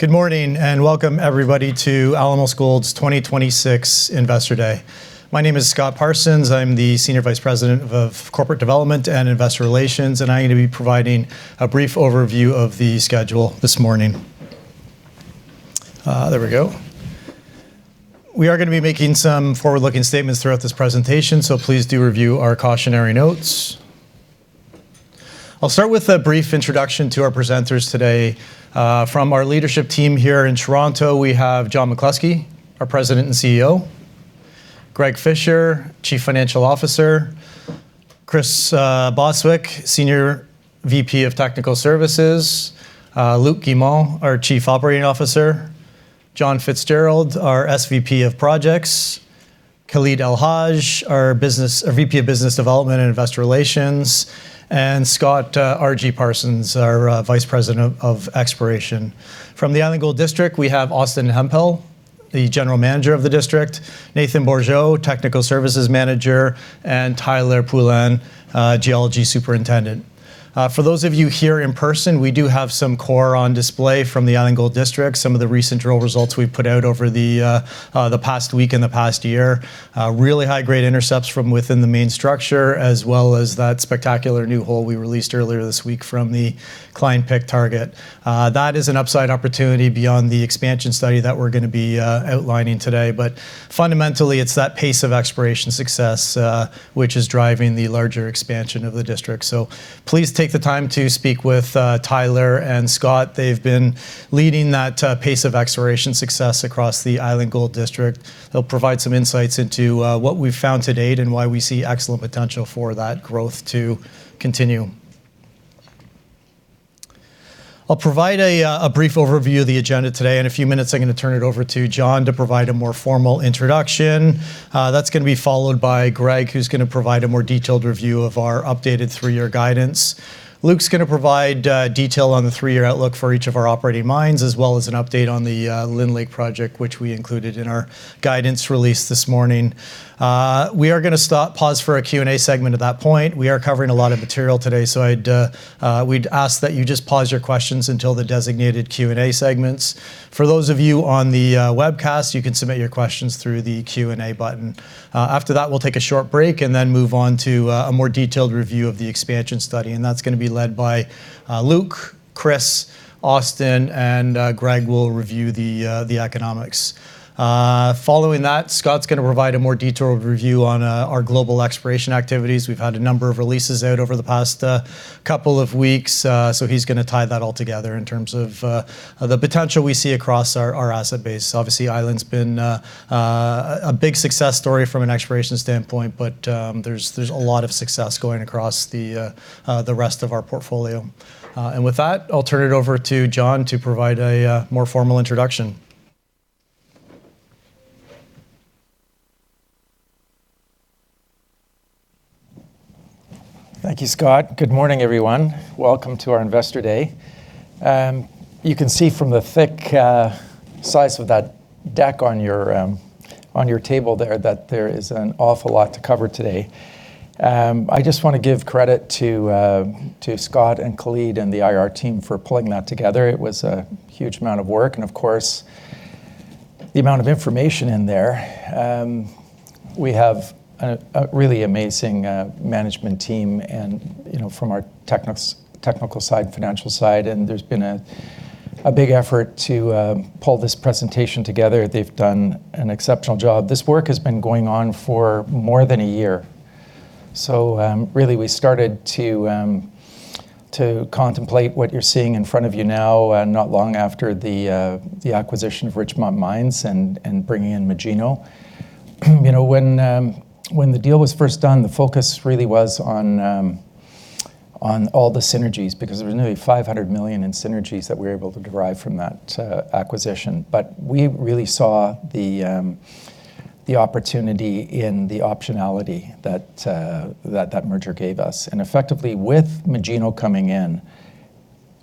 Good morning, and welcome, everybody, to Alamos Gold's 2026 Investor Day. My name is Scott Parsons. I'm the Senior Vice President of Corporate Development and Investor Relations, and I'm going to be providing a brief overview of the schedule this morning. There we go. We are gonna be making some forward-looking statements throughout this presentation, so please do review our cautionary notes. I'll start with a brief introduction to our presenters today. From our leadership team here in Toronto, we have John McCluskey, our President and CEO, Greg Fisher, Chief Financial Officer, Chris Bostwick, Senior VP of Technical Services, Luc Guimond, our Chief Operating Officer, John Fitzgerald, our SVP of Projects, Khalid Elhaj, our VP of Business Development and Investor Relations, and Scott R.G. Parsons, our Vice President of Exploration. From the Island Gold District, we have Austin Hemphill, the general manager of the district, Nathan Bourgeault, technical services manager, and Tyler Poulin, geology superintendent. For those of you here in person, we do have some core on display from the Island Gold District. Some of the recent drill results we've put out over the past week and the past year, really high-grade intercepts from within the main structure, as well as that spectacular new hole we released earlier this week from the Cline-Pick target. That is an upside opportunity beyond the expansion study that we're gonna be outlining today, but fundamentally, it's that pace of exploration success, which is driving the larger expansion of the district. So please take the time to speak with Tyler and Scott. They've been leading that pace of exploration success across the Island Gold District. They'll provide some insights into what we've found to date and why we see excellent potential for that growth to continue. I'll provide a brief overview of the agenda today. In a few minutes, I'm gonna turn it over to John to provide a more formal introduction. That's gonna be followed by Greg, who's gonna provide a more detailed review of our updated three-year guidance. Luc's gonna provide detail on the three-year outlook for each of our operating mines, as well as an update on the Lynn Lake project, which we included in our guidance release this morning. We are gonna stop, pause for a Q&A segment at that point. We are covering a lot of material today, so I'd, we'd ask that you just pause your questions until the designated Q&A segments. For those of you on the webcast, you can submit your questions through the Q&A button. After that, we'll take a short break and then move on to a more detailed review of the expansion study, and that's gonna be led by Luc, Chris, Austin, and Greg will review the economics. Following that, Scott's gonna provide a more detailed review on our global exploration activities. We've had a number of releases out over the past couple of weeks, so he's gonna tie that all together in terms of the potential we see across our asset base. Obviously, Island's been a big success story from an exploration standpoint, but there's a lot of success going across the rest of our portfolio. And with that, I'll turn it over to John to provide a more formal introduction. Thank you, Scott. Good morning, everyone. Welcome to our Investor Day. You can see from the thick size of that deck on your table there, that there is an awful lot to cover today. I just want to give credit to Scott and Khalid and the IR team for pulling that together. It was a huge amount of work and, of course, the amount of information in there. We have a really amazing management team and, you know, from our technical side, financial side, and there's been a big effort to pull this presentation together. They've done an exceptional job. This work has been going on for more than a year. So, really, we started to contemplate what you're seeing in front of you now, not long after the acquisition of Richmont Mines and bringing in Magino. You know, when the deal was first done, the focus really was on all the synergies, because there was nearly $500 million in synergies that we were able to derive from that acquisition. But we really saw the opportunity and the optionality that that merger gave us. And effectively, with Magino coming in,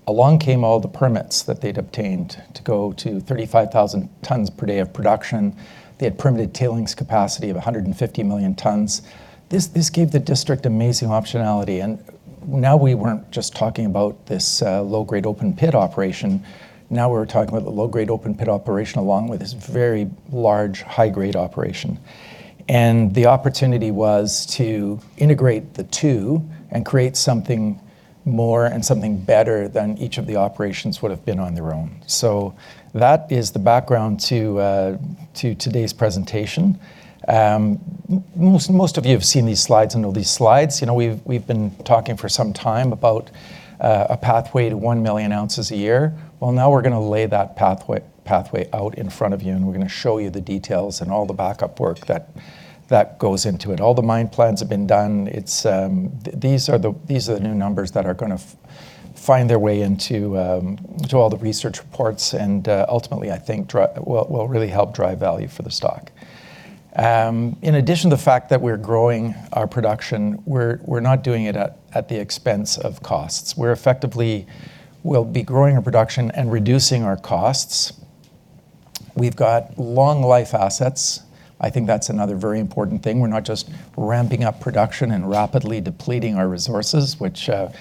along came all the permits that they'd obtained to go to 35,000 tonnes per day of production. They had permitted tailings capacity of 150 million tonnes. This gave the district amazing optionality, and now we weren't just talking about this low-grade, open-pit operation. Now, we were talking about the low-grade, open-pit operation, along with this very large, high-grade operation. The opportunity was to integrate the two and create something more and something better than each of the operations would have been on their own. That is the background to today's presentation. Most of you have seen these slides and know these slides. You know, we've been talking for some time about a pathway to 1 million ounces a year. Well, now we're gonna lay that pathway out in front of you, and we're gonna show you the details and all the backup work that goes into it. All the mine plans have been done. It's... These are the new numbers that are gonna find their way into to all the research reports, and ultimately, I think, will really help drive value for the stock. In addition to the fact that we're growing our production, we're not doing it at the expense of costs. We're effectively, we'll be growing our production and reducing our costs.... We've got long life assets. I think that's another very important thing. We're not just ramping up production and rapidly depleting our resources, which I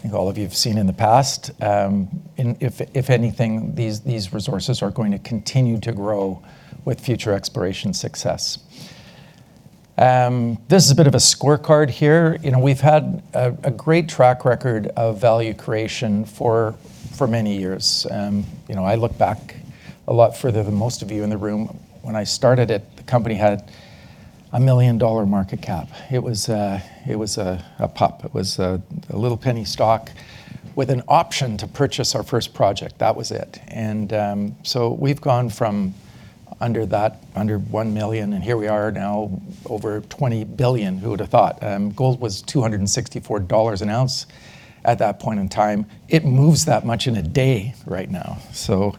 think all of you have seen in the past. And if anything, these resources are going to continue to grow with future exploration success. This is a bit of a scorecard here. You know, we've had a great track record of value creation for many years. You know, I look back a lot further than most of you in the room. When I started it, the company had a $1 million market cap. It was a pup. It was a little penny stock with an option to purchase our first project. That was it. So we've gone from under that, under $1 million, and here we are now, over $20 billion. Who would have thought? Gold was $264 an ounce at that point in time. It moves that much in a day right now, so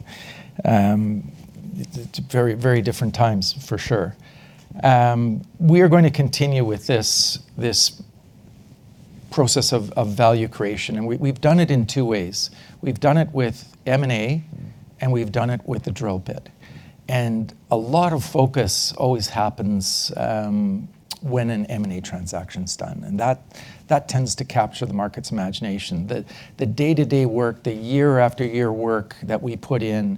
it's very, very different times for sure. We are going to continue with this process of value creation, and we've done it in two ways. We've done it with M&A, and we've done it with the drill bit. A lot of focus always happens when an M&A transaction is done, and that tends to capture the market's imagination. The day-to-day work, the year after year work that we put in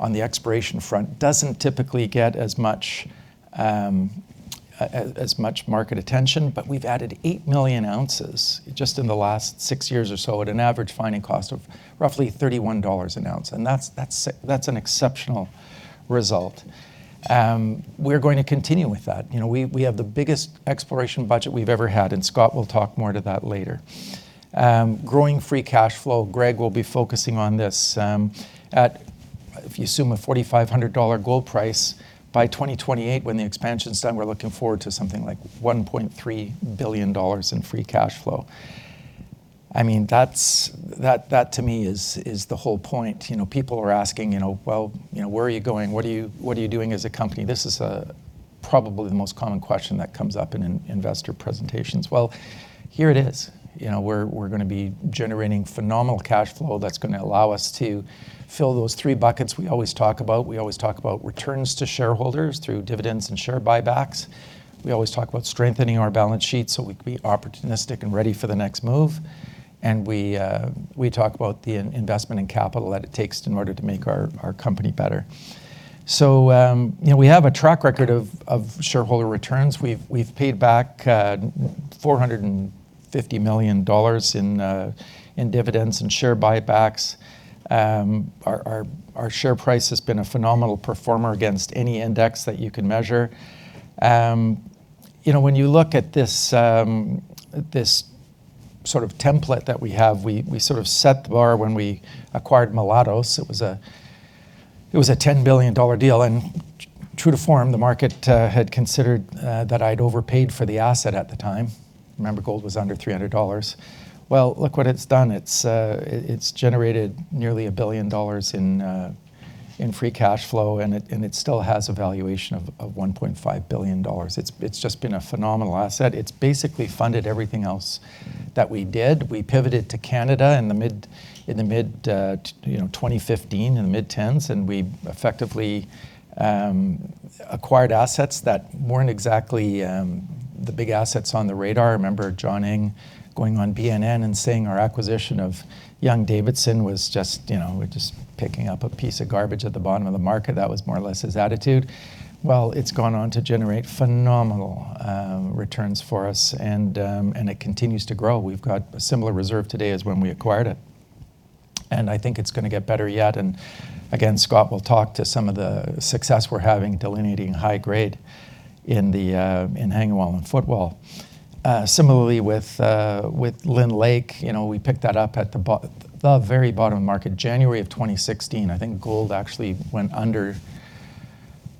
on the exploration front doesn't typically get as much as much market attention. But we've added 8 million ounces just in the last 6 years or so, at an average finding cost of roughly $31 an ounce, and that's an exceptional result. We're going to continue with that. You know, we have the biggest exploration budget we've ever had, and Scott will talk more to that later. Growing free cash flow, Greg will be focusing on this. At... If you assume a $4,500 gold price, by 2028, when the expansion's done, we're looking forward to something like $1.3 billion in free cash flow. I mean, that's, that, that to me is the whole point. You know, people are asking, you know, "Well, you know, where are you going? What are you, what are you doing as a company?" This is probably the most common question that comes up in investor presentations. Well, here it is. You know, we're, we're gonna be generating phenomenal cash flow that's gonna allow us to fill those three buckets we always talk about. We always talk about returns to shareholders through dividends and share buybacks. We always talk about strengthening our balance sheet so we can be opportunistic and ready for the next move. We talk about the investment and capital that it takes in order to make our company better. So, you know, we have a track record of shareholder returns. We've paid back $450 million in dividends and share buybacks. Our share price has been a phenomenal performer against any index that you can measure. You know, when you look at this sort of template that we have, we sort of set the bar when we acquired Mulatos. It was a $10 billion deal, and true to form, the market had considered that I'd overpaid for the asset at the time. Remember, gold was under $300. Well, look what it's done. It's generated nearly $1 billion in free cash flow, and it still has a valuation of $1.5 billion. It's just been a phenomenal asset. It's basically funded everything else that we did. We pivoted to Canada in the mid-tens, you know, 2015, and we effectively acquired assets that weren't exactly the big assets on the radar. I remember John Ing going on BNN and saying our acquisition of Young-Davidson was just, you know, we're just picking up a piece of garbage at the bottom of the market. That was more or less his attitude. Well, it's gone on to generate phenomenal returns for us, and it continues to grow. We've got a similar reserve today as when we acquired it, and I think it's gonna get better yet. Again, Scott will talk to some of the success we're having delineating high grade in the hanging wall and footwall. Similarly with Lynn Lake, you know, we picked that up at the very bottom of the market, January 2016. I think gold actually went under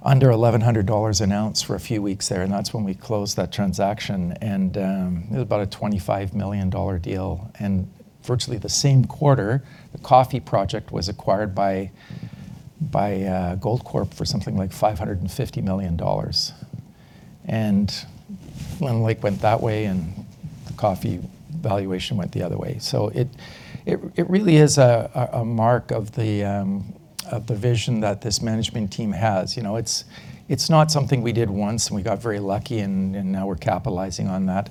$1,100 an ounce for a few weeks there, and that's when we closed that transaction, and it was about a $25 million deal. Virtually the same quarter, the Coffee Project was acquired by Goldcorp for something like $550 million. Lynn Lake went that way, and the Coffee valuation went the other way. So it really is a mark of the vision that this management team has. You know, it's not something we did once, and we got very lucky and now we're capitalizing on that.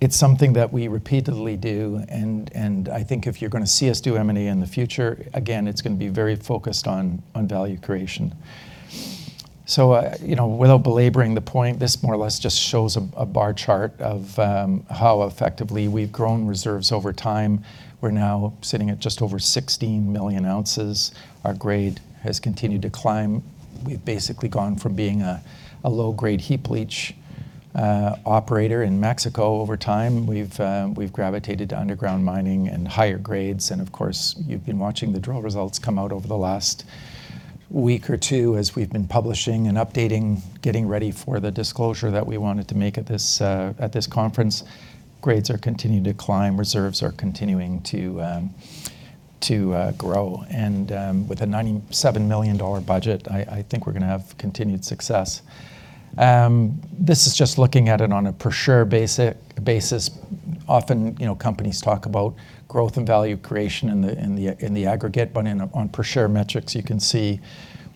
It's something that we repeatedly do, and I think if you're gonna see us do M&A in the future, again, it's gonna be very focused on value creation. So, you know, without belaboring the point, this more or less just shows a bar chart of how effectively we've grown reserves over time. We're now sitting at just over 16 million ounces. Our grade has continued to climb. We've basically gone from being a low-grade heap leach operator in Mexico. Over time, we've gravitated to underground mining and higher grades, and of course, you've been watching the drill results come out over the last week or two as we've been publishing and updating, getting ready for the disclosure that we wanted to make at this, at this conference. Grades are continuing to climb, reserves are continuing to grow, and with a $97 million budget, I think we're gonna have continued success. This is just looking at it on a per share basis.... Often, you know, companies talk about growth and value creation in the aggregate, but on per share metrics, you can see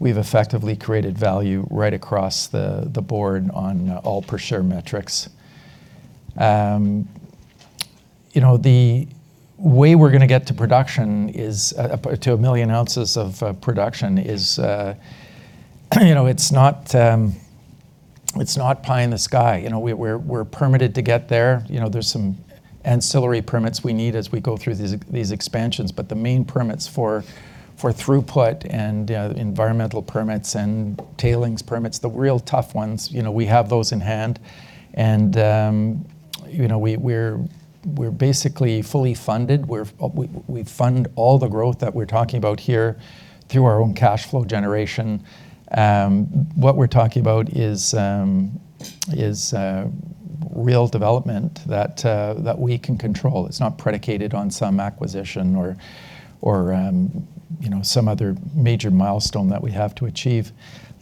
we've effectively created value right across the board on all per share metrics. You know, the way we're gonna get to production is up to 1 million ounces of production is, you know, it's not pie in the sky. You know, we're permitted to get there. You know, there's some ancillary permits we need as we go through these expansions, but the main permits for throughput and environmental permits and tailings permits, the real tough ones, you know, we have those in hand. And you know, we're basically fully funded. We fund all the growth that we're talking about here through our own cash flow generation. What we're talking about is real development that we can control. It's not predicated on some acquisition or, you know, some other major milestone that we have to achieve.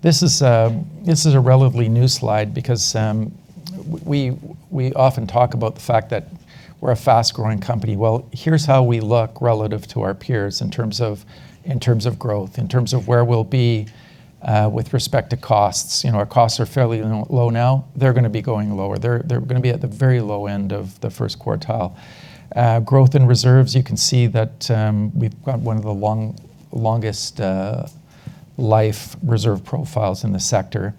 This is a relatively new slide because we often talk about the fact that we're a fast-growing company. Well, here's how we look relative to our peers in terms of growth, in terms of where we'll be with respect to costs. You know, our costs are fairly low now. They're gonna be going lower. They're gonna be at the very low end of the first quartile. Growth in reserves, you can see that we've got one of the longest life reserve profiles in the sector.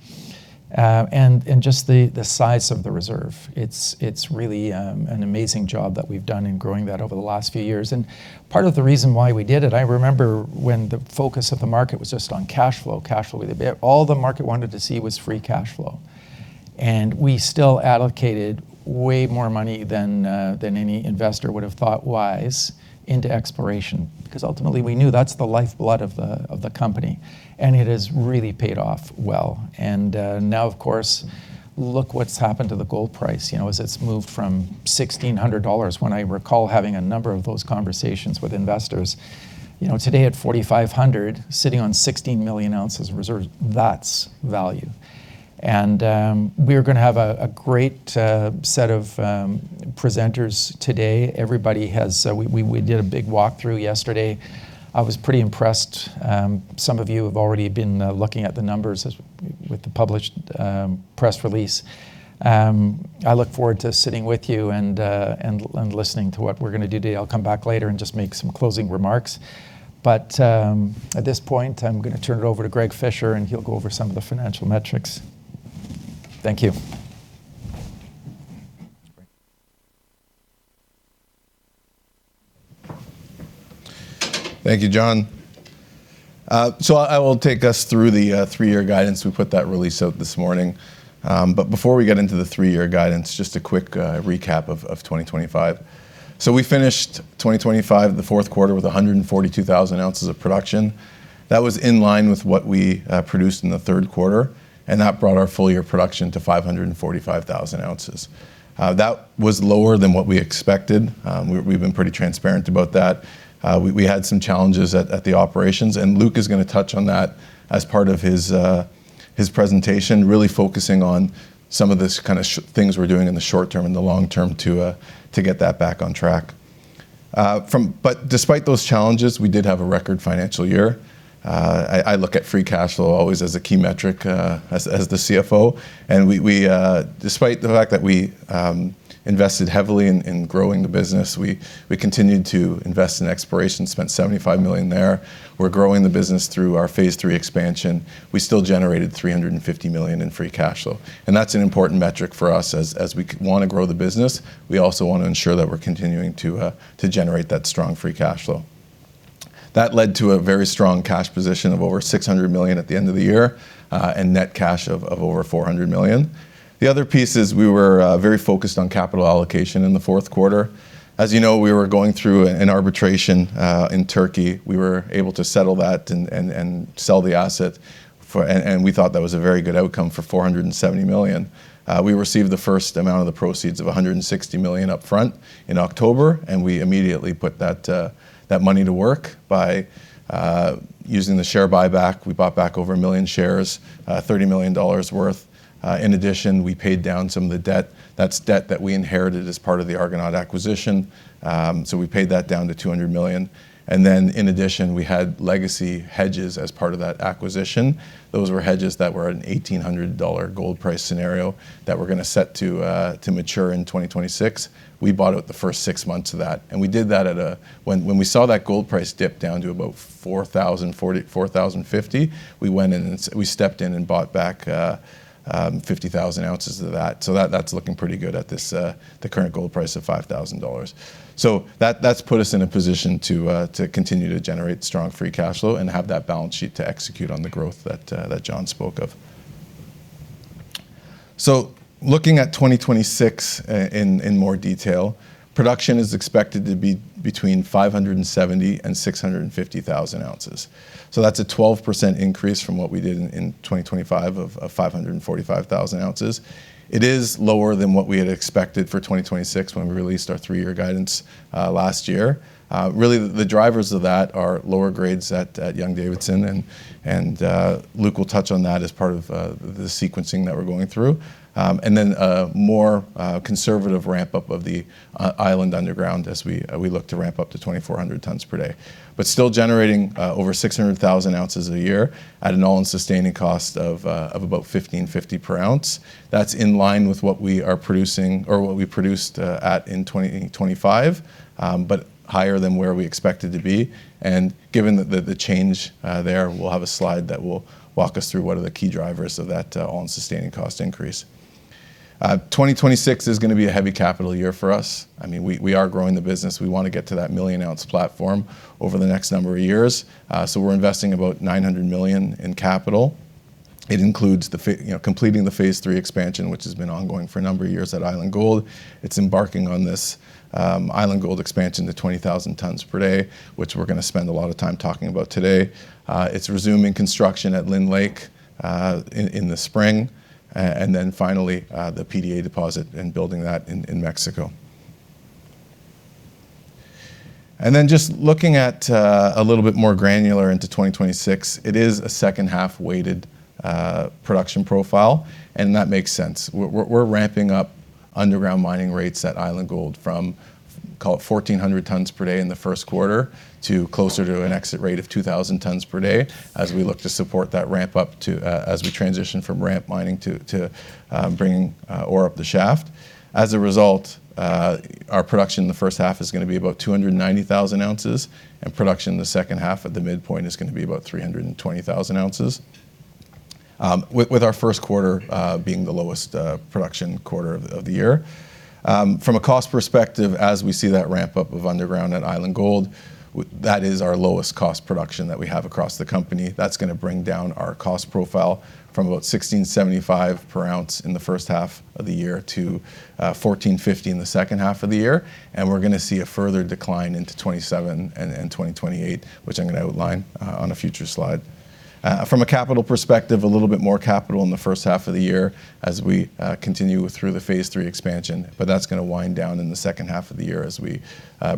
And just the size of the reserve, it's really an amazing job that we've done in growing that over the last few years. And part of the reason why we did it, I remember when the focus of the market was just on cash flow, cash flow. All the market wanted to see was free cash flow, and we still allocated way more money than than any investor would have thought wise into exploration, because ultimately we knew that's the lifeblood of the, of the company, and it has really paid off well. And now, of course, look what's happened to the gold price, you know, as it's moved from $1,600, when I recall having a number of those conversations with investors, you know, today at $4,500, sitting on 16 million ounces of reserves, that's value. And we're gonna have a great set of presenters today. Everybody has... We did a big walk-through yesterday. I was pretty impressed. Some of you have already been looking at the numbers as with the published press release. I look forward to sitting with you and, and, and listening to what we're gonna do today. I'll come back later and just make some closing remarks, but at this point, I'm gonna turn it over to Greg Fisher, and he'll go over some of the financial metrics. Thank you. Thank you, John. So I will take us through the three-year guidance. We put that release out this morning. But before we get into the three-year guidance, just a quick recap of 2025. So we finished 2025, the fourth quarter, with 142,000 ounces of production. That was in line with what we produced in the third quarter, and that brought our full year production to 545,000 ounces. That was lower than what we expected. We've been pretty transparent about that. We had some challenges at the operations, and Luc is gonna touch on that as part of his presentation, really focusing on some of the kind of things we're doing in the short term and the long term to get that back on track. But despite those challenges, we did have a record financial year. I look at free cash flow always as a key metric, as the CFO, and we, despite the fact that we invested heavily in growing the business, we continued to invest in exploration, spent $75 million there. We're growing the business through our Phase 3 expansion. We still generated $350 million in free cash flow, and that's an important metric for us as we wanna grow the business. We also want to ensure that we're continuing to generate that strong free cash flow. That led to a very strong cash position of over $600 million at the end of the year, and net cash of over $400 million. The other piece is we were very focused on capital allocation in the fourth quarter. As you know, we were going through an arbitration in Turkey. We were able to settle that and sell the asset, and we thought that was a very good outcome for $470 million. We received the first amount of the proceeds of $160 million upfront in October, and we immediately put that money to work by using the share buyback. We bought back over 1 million shares, $30 million worth. In addition, we paid down some of the debt. That's debt that we inherited as part of the Argonaut acquisition. So we paid that down to $200 million, and then in addition, we had legacy hedges as part of that acquisition. Those were hedges that were at an $1,800 gold price scenario that we're gonna set to to mature in 2026. We bought out the first 6 months of that, and we did that at a... When, when we saw that gold price dip down to about 4,040, 4,050, we went in and we stepped in and bought back 50,000 ounces of that. So that, that's looking pretty good at this, the current gold price of $5,000. So that, that's put us in a position to, to continue to generate strong free cash flow and have that balance sheet to execute on the growth that, that John spoke of. So looking at 2026, in more detail, production is expected to be between 570,000 and 650,000 ounces. So that's a 12% increase from what we did in 2025 of 545,000 ounces. It is lower than what we had expected for 2026 when we released our three-year guidance last year. Really, the drivers of that are lower grades at Young-Davidson, and Luc will touch on that as part of the sequencing that we're going through. And then more conservative ramp-up of the Island underground as we look to ramp up to 2,400 tonnes per day. But still generating over 600,000 ounces a year at an all-in sustaining cost of about $1,550 per ounce. That's in line with what we are producing or what we produced at in 2025, but higher than where we expected to be. And given the change there, we'll have a slide that will walk us through what are the key drivers of that all-in sustaining cost increase. 2026 is gonna be a heavy capital year for us. I mean, we are growing the business. We want to get to that million-ounce platform over the next number of years, so we're investing about $900 million in capital. It includes the you know, completing the Phase 3 expansion, which has been ongoing for a number of years at Island Gold. It's embarking on this, Island Gold expansion to 20,000 tonnes per day, which we're gonna spend a lot of time talking about today. It's resuming construction at Lynn Lake, in the spring, and then finally, the PDA deposit and building that in Mexico. And then just looking at, a little bit more granular into 2026, it is a second half-weighted, production profile, and that makes sense. We're, we're ramping up underground mining rates at Island Gold from, call it, 1,400 tonnes per day in the first quarter to closer to an exit rate of 2,000 tonnes per day, as we look to support that ramp up to... As we transition from ramp mining to bringing ore up the shaft. As a result, our production in the first half is gonna be about 290,000 ounces, and production in the second half of the midpoint is gonna be about 320,000 ounces, with our first quarter being the lowest production quarter of the year. From a cost perspective, as we see that ramp up of underground at Island Gold, that is our lowest cost production that we have across the company. That's gonna bring down our cost profile from about $1,675 per ounce in the first half of the year to $1,450 in the second half of the year, and we're gonna see a further decline into 2027 and 2028, which I'm gonna outline on a future slide. From a capital perspective, a little bit more capital in the first half of the year as we continue through the Phase 3 expansion, but that's gonna wind down in the second half of the year as we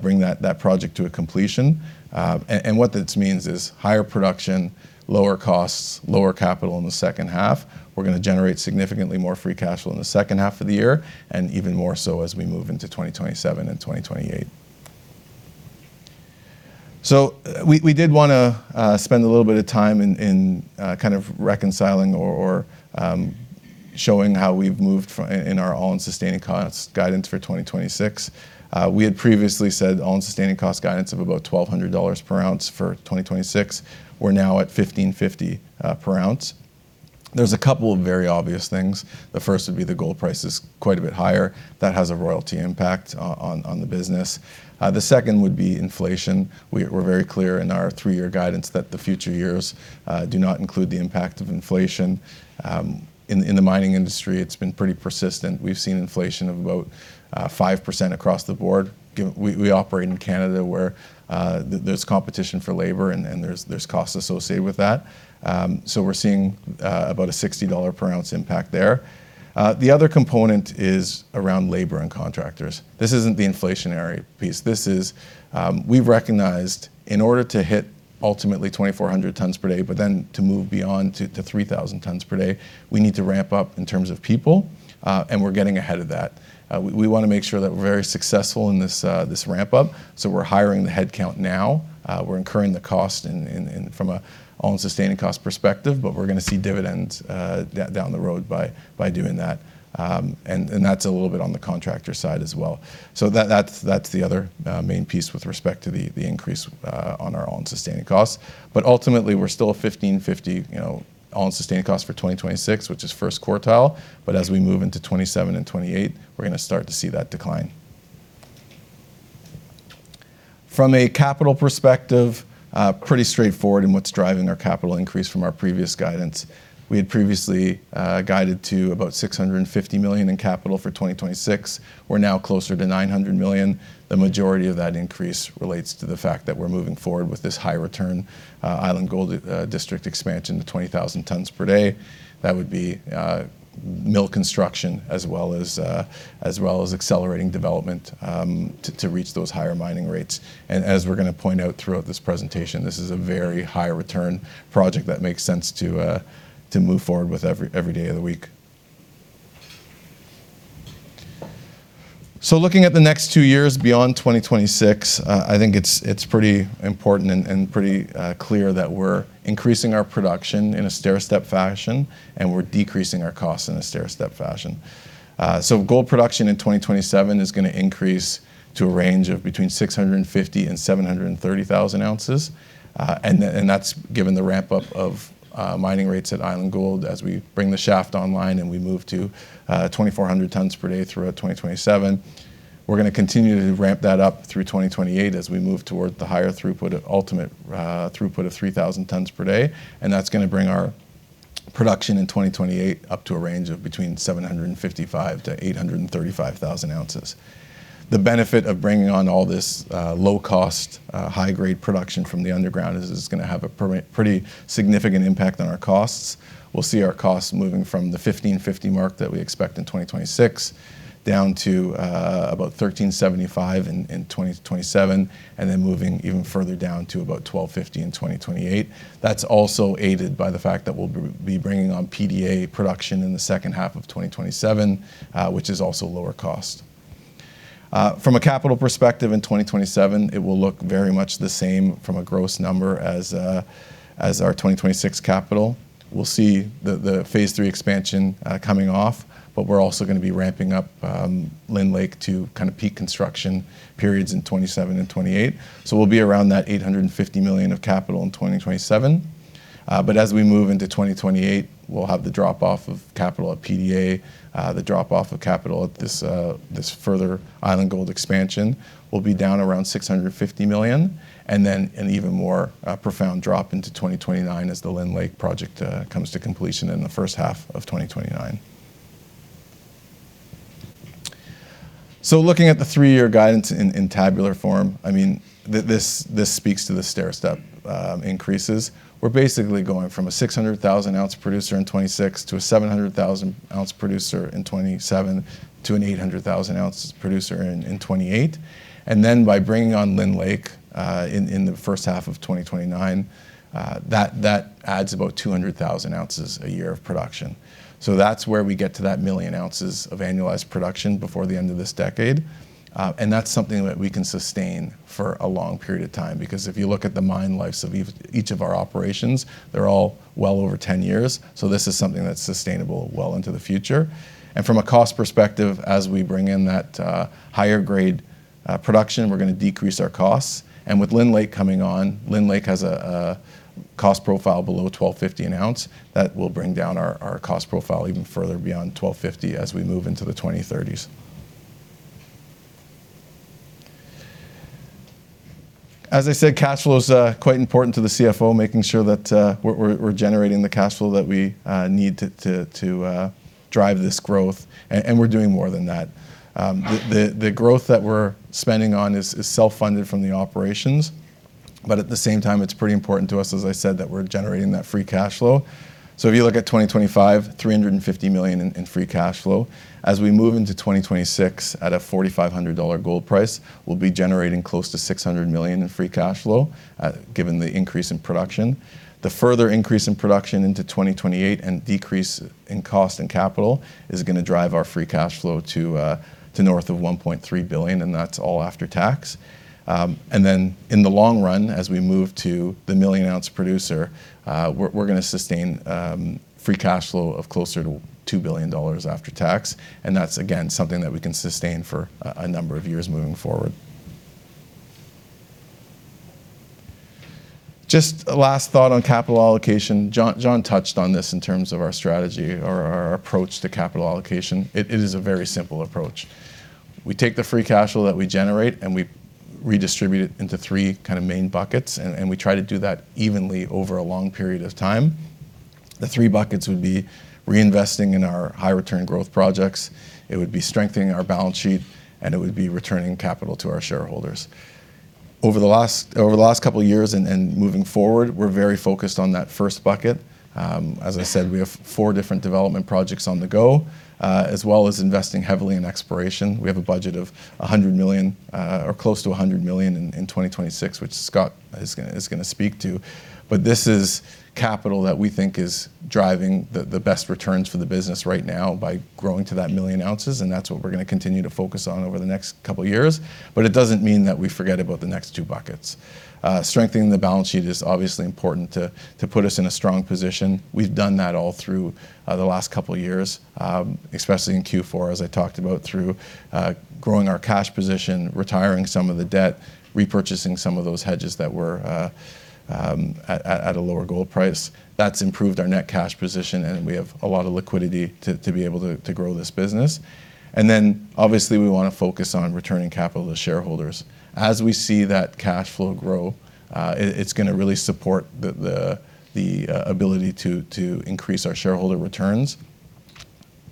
bring that project to a completion. And what this means is higher production, lower costs, lower capital in the second half. We're gonna generate significantly more free cash flow in the second half of the year, and even more so as we move into 2027 and 2028. So we did want to spend a little bit of time kind of reconciling or showing how we've moved from our all-in sustaining cost guidance for 2026. We had previously said all-in sustaining cost guidance of about $1,200 per ounce for 2026. We're now at $1,550 per ounce. There's a couple of very obvious things. The first would be the gold price is quite a bit higher. That has a royalty impact on the business. The second would be inflation. We're very clear in our three-year guidance that the future years do not include the impact of inflation. In the mining industry, it's been pretty persistent. We've seen inflation of about 5% across the board. We operate in Canada, where there's competition for labor, and there's costs associated with that. So we're seeing about a $60 per ounce impact there. The other component is around labor and contractors. This isn't the inflationary piece. This is, we've recognized in order to hit ultimately 2,400 tonnes per day, but then to move beyond to 3,000 tonnes per day, we need to ramp up in terms of people, and we're getting ahead of that. We wanna make sure that we're very successful in this ramp-up, so we're hiring the headcount now. We're incurring the cost from an All-in Sustaining Cost perspective, but we're gonna see dividends down the road by doing that. And that's a little bit on the contractor side as well. So that's the other main piece with respect to the increase on our all-in sustaining costs. But ultimately, we're still a $1,550, you know, all-in sustaining cost for 2026, which is first quartile, but as we move into 2027 and 2028, we're gonna start to see that decline. From a capital perspective, pretty straightforward in what's driving our capital increase from our previous guidance. We had previously guided to about $650 million in capital for 2026. We're now closer to $900 million. The majority of that increase relates to the fact that we're moving forward with this high-return Island Gold District expansion to 20,000 tonnes per day. That would be mill construction, as well as accelerating development to reach those higher mining rates. As we're gonna point out throughout this presentation, this is a very high-return project that makes sense to, to move forward with every, every day of the week. So looking at the next two years beyond 2026, I think it's, it's pretty important and, and pretty, clear that we're increasing our production in a stairstep fashion, and we're decreasing our costs in a stairstep fashion. So gold production in 2027 is gonna increase to a range of between 650,000 and 730,000 ounces, and, and that's given the ramp-up of, mining rates at Island Gold as we bring the shaft online and we move to, 2,400 tonnes per day throughout 2027. We're gonna continue to ramp that up through 2028 as we move toward the higher throughput, ultimate throughput of 3,000 tonnes per day, and that's gonna bring our production in 2028 up to a range of between 755 thousand-835 thousand ounces. The benefit of bringing on all this, low cost, high grade production from the underground is it's gonna have a pretty significant impact on our costs. We'll see our costs moving from the $1,550 mark that we expect in 2026, down to about $1,375 in 2027, and then moving even further down to about $1,250 in 2028. That's also aided by the fact that we'll be bringing on PDA production in the second half of 2027, which is also lower cost. From a capital perspective, in 2027, it will look very much the same from a gross number as as our 2026 capital. We'll see the the Phase 3 expansion coming off, but we're also gonna be ramping up Lynn Lake to kind of peak construction periods in 2027 and 2028. So we'll be around that $850 million of capital in 2027. But as we move into 2028, we'll have the drop off of capital at PDA, the drop off of capital at this this further Island Gold expansion will be down around $650 million, and then an even more profound drop into 2029 as the Lynn Lake project comes to completion in the first half of 2029. So looking at the three-year guidance in tabular form, I mean, this speaks to the stairstep increases. We're basically going from a 600,000 ounce producer in 2026, to a 700,000 ounce producer in 2027, to an 800,000 ounce producer in 2028. And then by bringing on Lynn Lake in the first half of 2029, that adds about 200,000 ounces a year of production. So that's where we get to that 1 million ounces of annualized production before the end of this decade. And that's something that we can sustain for a long period of time, because if you look at the mine lives of each of our operations, they're all well over 10 years, so this is something that's sustainable well into the future. From a cost perspective, as we bring in that higher grade production, we're gonna decrease our costs. With Lynn Lake coming on, Lynn Lake has a cost profile below $1,250 an ounce. That will bring down our cost profile even further beyond $1,250 as we move into the 2030s. As I said, cash flow is quite important to the CFO, making sure that we're generating the cash flow that we need to drive this growth, and we're doing more than that. The growth that we're spending on is self-funded from the operations, but at the same time, it's pretty important to us, as I said, that we're generating that free cash flow. So if you look at 2025, $350 million in free cash flow. As we move into 2026 at a $4,500 gold price, we'll be generating close to $600 million in free cash flow, given the increase in production. The further increase in production into 2028 and decrease in cost and capital is gonna drive our free cash flow to north of $1.3 billion, and that's all after tax. And then in the long run, as we move to the 1 million ounce producer, we're gonna sustain free cash flow of closer to $2 billion after tax, and that's again something that we can sustain for a number of years moving forward. Just a last thought on capital allocation. John touched on this in terms of our strategy or our approach to capital allocation. It is a very simple approach. We take the free cash flow that we generate, and we redistribute it into three kind of main buckets, and we try to do that evenly over a long period of time. The three buckets would be reinvesting in our high return growth projects, it would be strengthening our balance sheet, and it would be returning capital to our shareholders. Over the last couple of years and moving forward, we're very focused on that first bucket. As I said, we have four different development projects on the go, as well as investing heavily in exploration. We have a budget of $100 million, or close to $100 million in 2026, which Scott is gonna speak to, but this is capital that we think is driving the best returns for the business right now by growing to that 1 million ounces, and that's what we're gonna continue to focus on over the next couple of years. But it doesn't mean that we forget about the next two buckets. Strengthening the balance sheet is obviously important to put us in a strong position. We've done that all through the last couple of years, especially in Q4, as I talked about, through growing our cash position, retiring some of the debt, repurchasing some of those hedges that were at a lower gold price. That's improved our net cash position, and we have a lot of liquidity to be able to grow this business. And then, obviously, we wanna focus on returning capital to shareholders. As we see that cash flow grow, it's gonna really support the ability to increase our shareholder returns.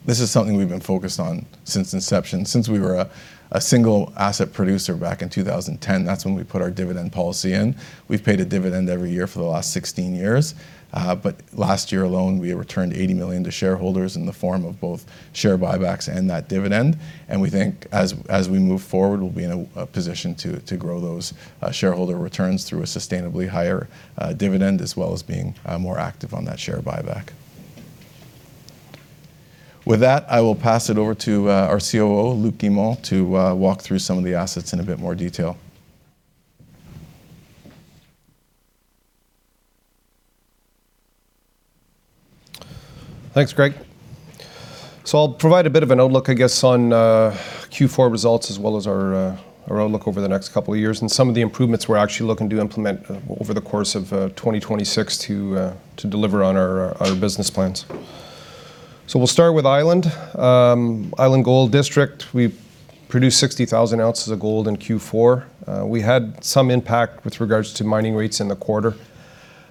This is something we've been focused on since inception, since we were a single asset producer back in 2010. That's when we put our dividend policy in. We've paid a dividend every year for the last 16 years, but last year alone, we returned $80 million to shareholders in the form of both share buybacks and that dividend. We think as we move forward, we'll be in a position to grow those shareholder returns through a sustainably higher dividend, as well as being more active on that share buyback. With that, I will pass it over to our COO, Luc Guimond, to walk through some of the assets in a bit more detail. Thanks, Greg. So I'll provide a bit of an outlook, I guess, on Q4 results, as well as our outlook over the next couple of years, and some of the improvements we're actually looking to implement over the course of 2026 to deliver on our business plans. So we'll start with Island. Island Gold District, we produced 60,000 ounces of gold in Q4. We had some impact with regards to mining rates in the quarter.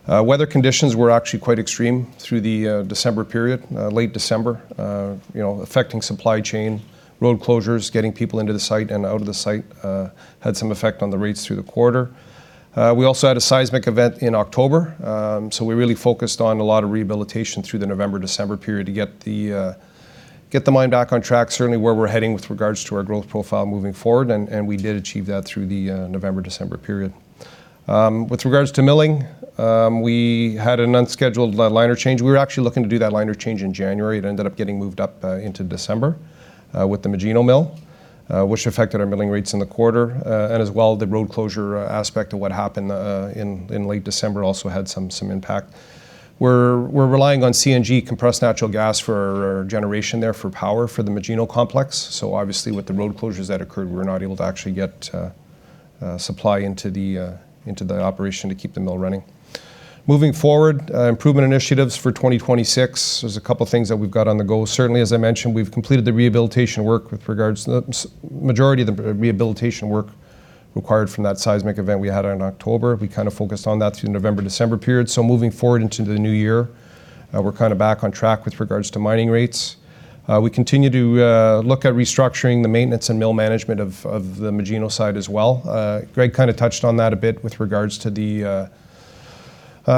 Weather conditions were actually quite extreme through the December period, late December, you know, affecting supply chain. Road closures, getting people into the site and out of the site, had some effect on the rates through the quarter. We also had a seismic event in October, so we really focused on a lot of rehabilitation through the November, December period to get the mine back on track, certainly where we're heading with regards to our growth profile moving forward, and we did achieve that through the November-December period. With regards to milling, we had an unscheduled liner change. We were actually looking to do that liner change in January. It ended up getting moved up into December with the Magino mill, which affected our milling rates in the quarter. And as well, the road closure aspect of what happened in late December also had some impact. We're relying on CNG, compressed natural gas, for our generation there, for power for the Magino complex. So obviously, with the road closures that occurred, we were not able to actually get supply into the operation to keep the mill running. Moving forward, improvement initiatives for 2026, there's a couple of things that we've got on the go. Certainly, as I mentioned, we've completed the rehabilitation work with regards to the majority of the rehabilitation work required from that seismic event we had in October. We kind of focused on that through the November, December period. So moving forward into the new year, we're kind of back on track with regards to mining rates. We continue to look at restructuring the maintenance and mill management of the Magino site as well. Greg kind of touched on that a bit with regards to the, you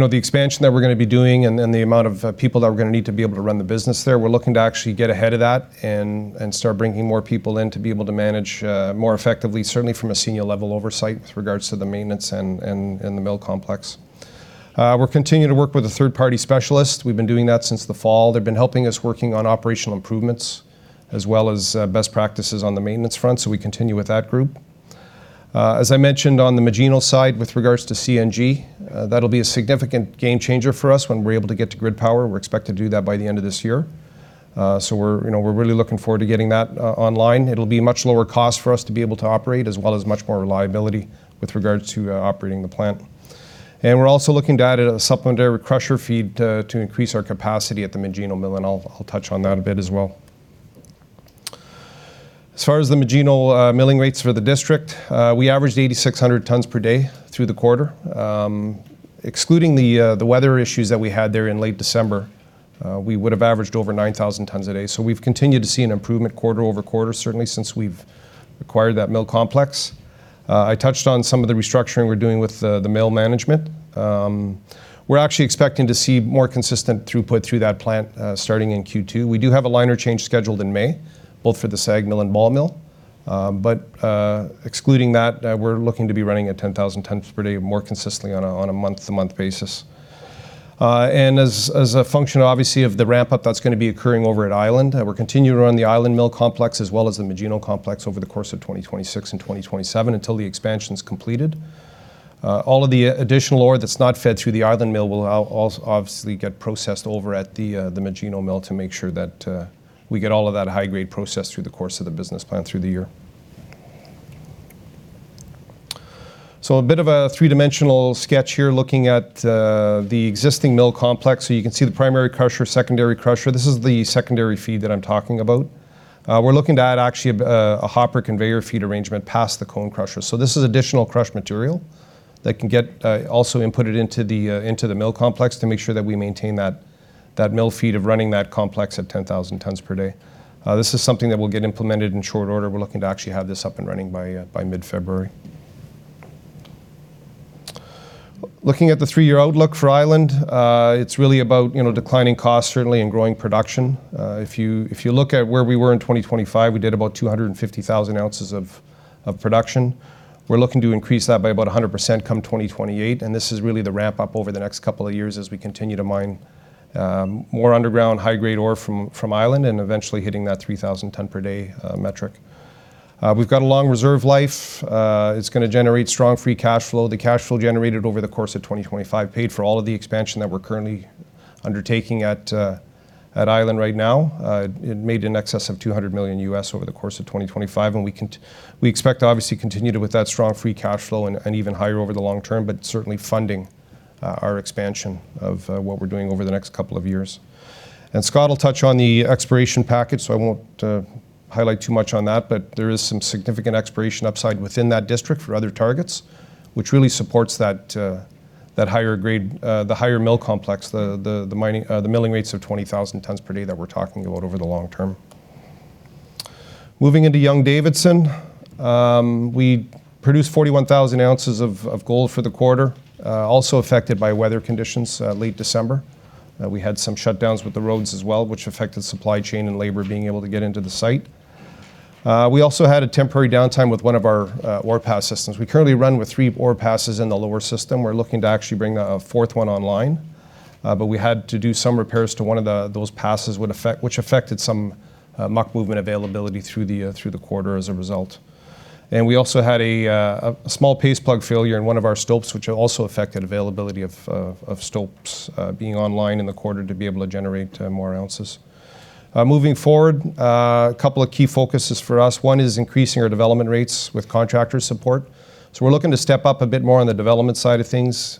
know, the expansion that we're gonna be doing, and then the amount of people that we're gonna need to be able to run the business there. We're looking to actually get ahead of that and start bringing more people in to be able to manage more effectively, certainly from a senior level oversight with regards to the maintenance and the mill complex. We're continuing to work with a third-party specialist. We've been doing that since the fall. They've been helping us working on operational improvements, as well as best practices on the maintenance front, so we continue with that group. As I mentioned on the Magino side, with regards to CNG, that'll be a significant game changer for us when we're able to get to grid power. We're expected to do that by the end of this year. So we're, you know, we're really looking forward to getting that online. It'll be much lower cost for us to be able to operate, as well as much more reliability with regards to operating the plant. And we're also looking to add a supplementary crusher feed to increase our capacity at the Magino mill, and I'll touch on that a bit as well. As far as the Magino milling rates for the district, we averaged 8,600 tonnes per day through the quarter. Excluding the weather issues that we had there in late December, we would have averaged over 9,000 tonnes a day. So we've continued to see an improvement quarter-over-quarter, certainly since we've acquired that mill complex. I touched on some of the restructuring we're doing with the mill management. We're actually expecting to see more consistent throughput through that plant, starting in Q2. We do have a liner change scheduled in May, both for the SAG mill and ball mill. But excluding that, we're looking to be running at 10,000 tonnes per day more consistently on a month-to-month basis. And as a function, obviously, of the ramp-up, that's gonna be occurring over at Island, we're continuing to run the Island mill complex, as well as the Magino complex, over the course of 2026 and 2027 until the expansion's completed. All of the additional ore that's not fed through the Island mill will also obviously get processed over at the Magino mill to make sure that we get all of that high grade processed through the course of the business plan through the year. So a bit of a three-dimensional sketch here, looking at the existing mill complex. So you can see the primary crusher, secondary crusher. This is the secondary feed that I'm talking about. We're looking to add actually a hopper conveyor feed arrangement past the cone crusher. So this is additional crushed material that can get also inputted into the into the mill complex to make sure that we maintain that mill feed of running that complex at 10,000 tonnes per day. This is something that will get implemented in short order. We're looking to actually have this up and running by by mid-February. Looking at the three-year outlook for Island, it's really about, you know, declining costs, certainly, and growing production. If you, if you look at where we were in 2025, we did about 250,000 ounces of production. We're looking to increase that by about 100% come 2028, and this is really the ramp-up over the next couple of years as we continue to mine more underground high-grade ore from Island, and eventually hitting that 3,000 tonne per day metric. We've got a long reserve life. It's gonna generate strong free cash flow. The cash flow generated over the course of 2025 paid for all of the expansion that we're currently undertaking at Island right now. It made in excess of $200 million over the course of 2025, and we expect to obviously continue to with that strong free cash flow and even higher over the long term, but certainly funding our expansion of what we're doing over the next couple of years. Scott will touch on the exploration package, so I won't highlight too much on that, but there is some significant exploration upside within that district for other targets, which really supports that higher grade, the higher mill complex, the milling rates of 20,000 tonnes per day that we're talking about over the long term. Moving into Young-Davidson, we produced 41,000 ounces of gold for the quarter, also affected by weather conditions, late December. We had some shutdowns with the roads as well, which affected supply chain and labor being able to get into the site. We also had a temporary downtime with one of our ore pass systems. We currently run with three ore passes in the lower system. We're looking to actually bring a fourth one online, but we had to do some repairs to one of the passes, which affected some muck movement availability through the quarter as a result. And we also had a small paste plug failure in one of our stopes, which also affected availability of stopes being online in the quarter to be able to generate more ounces. Moving forward, a couple of key focuses for us. One is increasing our development rates with contractor support. So we're looking to step up a bit more on the development side of things,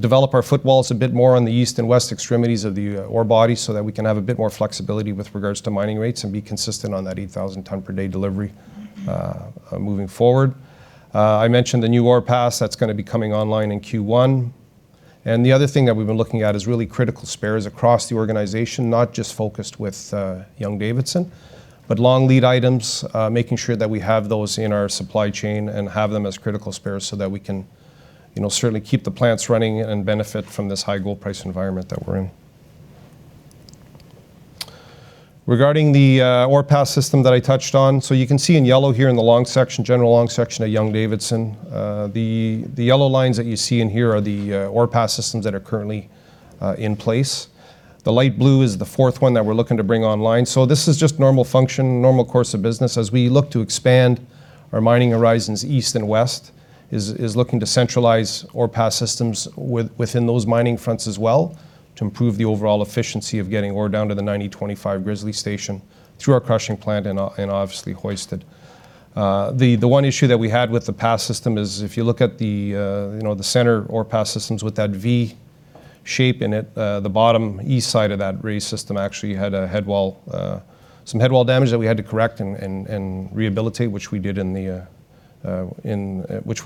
develop our footwalls a bit more on the east and west extremities of the ore body, so that we can have a bit more flexibility with regards to mining rates and be consistent on that 8,000 tonne per day delivery moving forward. I mentioned the new ore pass that's gonna be coming online in Q1. And the other thing that we've been looking at is really critical spares across the organization, not just focused with Young-Davidson, but long lead items, making sure that we have those in our supply chain and have them as critical spares so that we can, you know, certainly keep the plants running and benefit from this high gold price environment that we're in. Regarding the ore pass system that I touched on, so you can see in yellow here in the long section, general long section of Young-Davidson. The yellow lines that you see in here are the ore pass systems that are currently in place. The light blue is the fourth one that we're looking to bring online. So this is just normal function, normal course of business as we look to expand our mining horizons east and west, looking to centralize ore pass systems within those mining fronts as well, to improve the overall efficiency of getting ore down to the 925 grizzly station through our crushing plant and obviously hoisted. The one issue that we had with the pass system is, if you look at the, you know, the center ore pass systems with that V shape in it, the bottom east side of that V system actually had a headwall, some headwall damage that we had to correct and rehabilitate, which we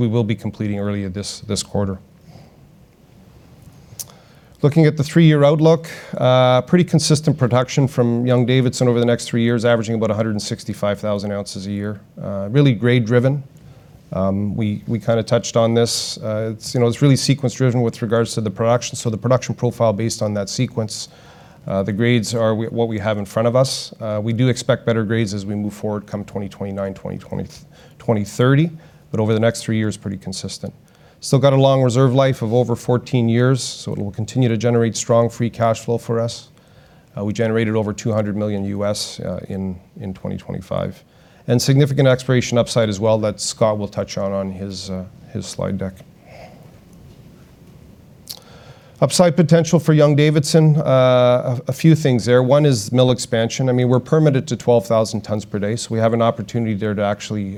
will be completing early this quarter. Looking at the three-year outlook, pretty consistent production from Young-Davidson over the next three years, averaging about 165,000 ounces a year. Really grade driven. We kinda touched on this. It's, you know, it's really sequence driven with regards to the production. So the production profile based on that sequence, the grades are what we have in front of us. We do expect better grades as we move forward come 2029, 2030, but over the next 3 years, pretty consistent. Still got a long reserve life of over 14 years, so it will continue to generate strong free cash flow for us. We generated over $200 million in 2025, and significant exploration upside as well, that Scott will touch on, on his slide deck. Upside potential for Young-Davidson, a few things there. One is mill expansion. I mean, we're permitted to 12,000 tonnes per day, so we have an opportunity there to actually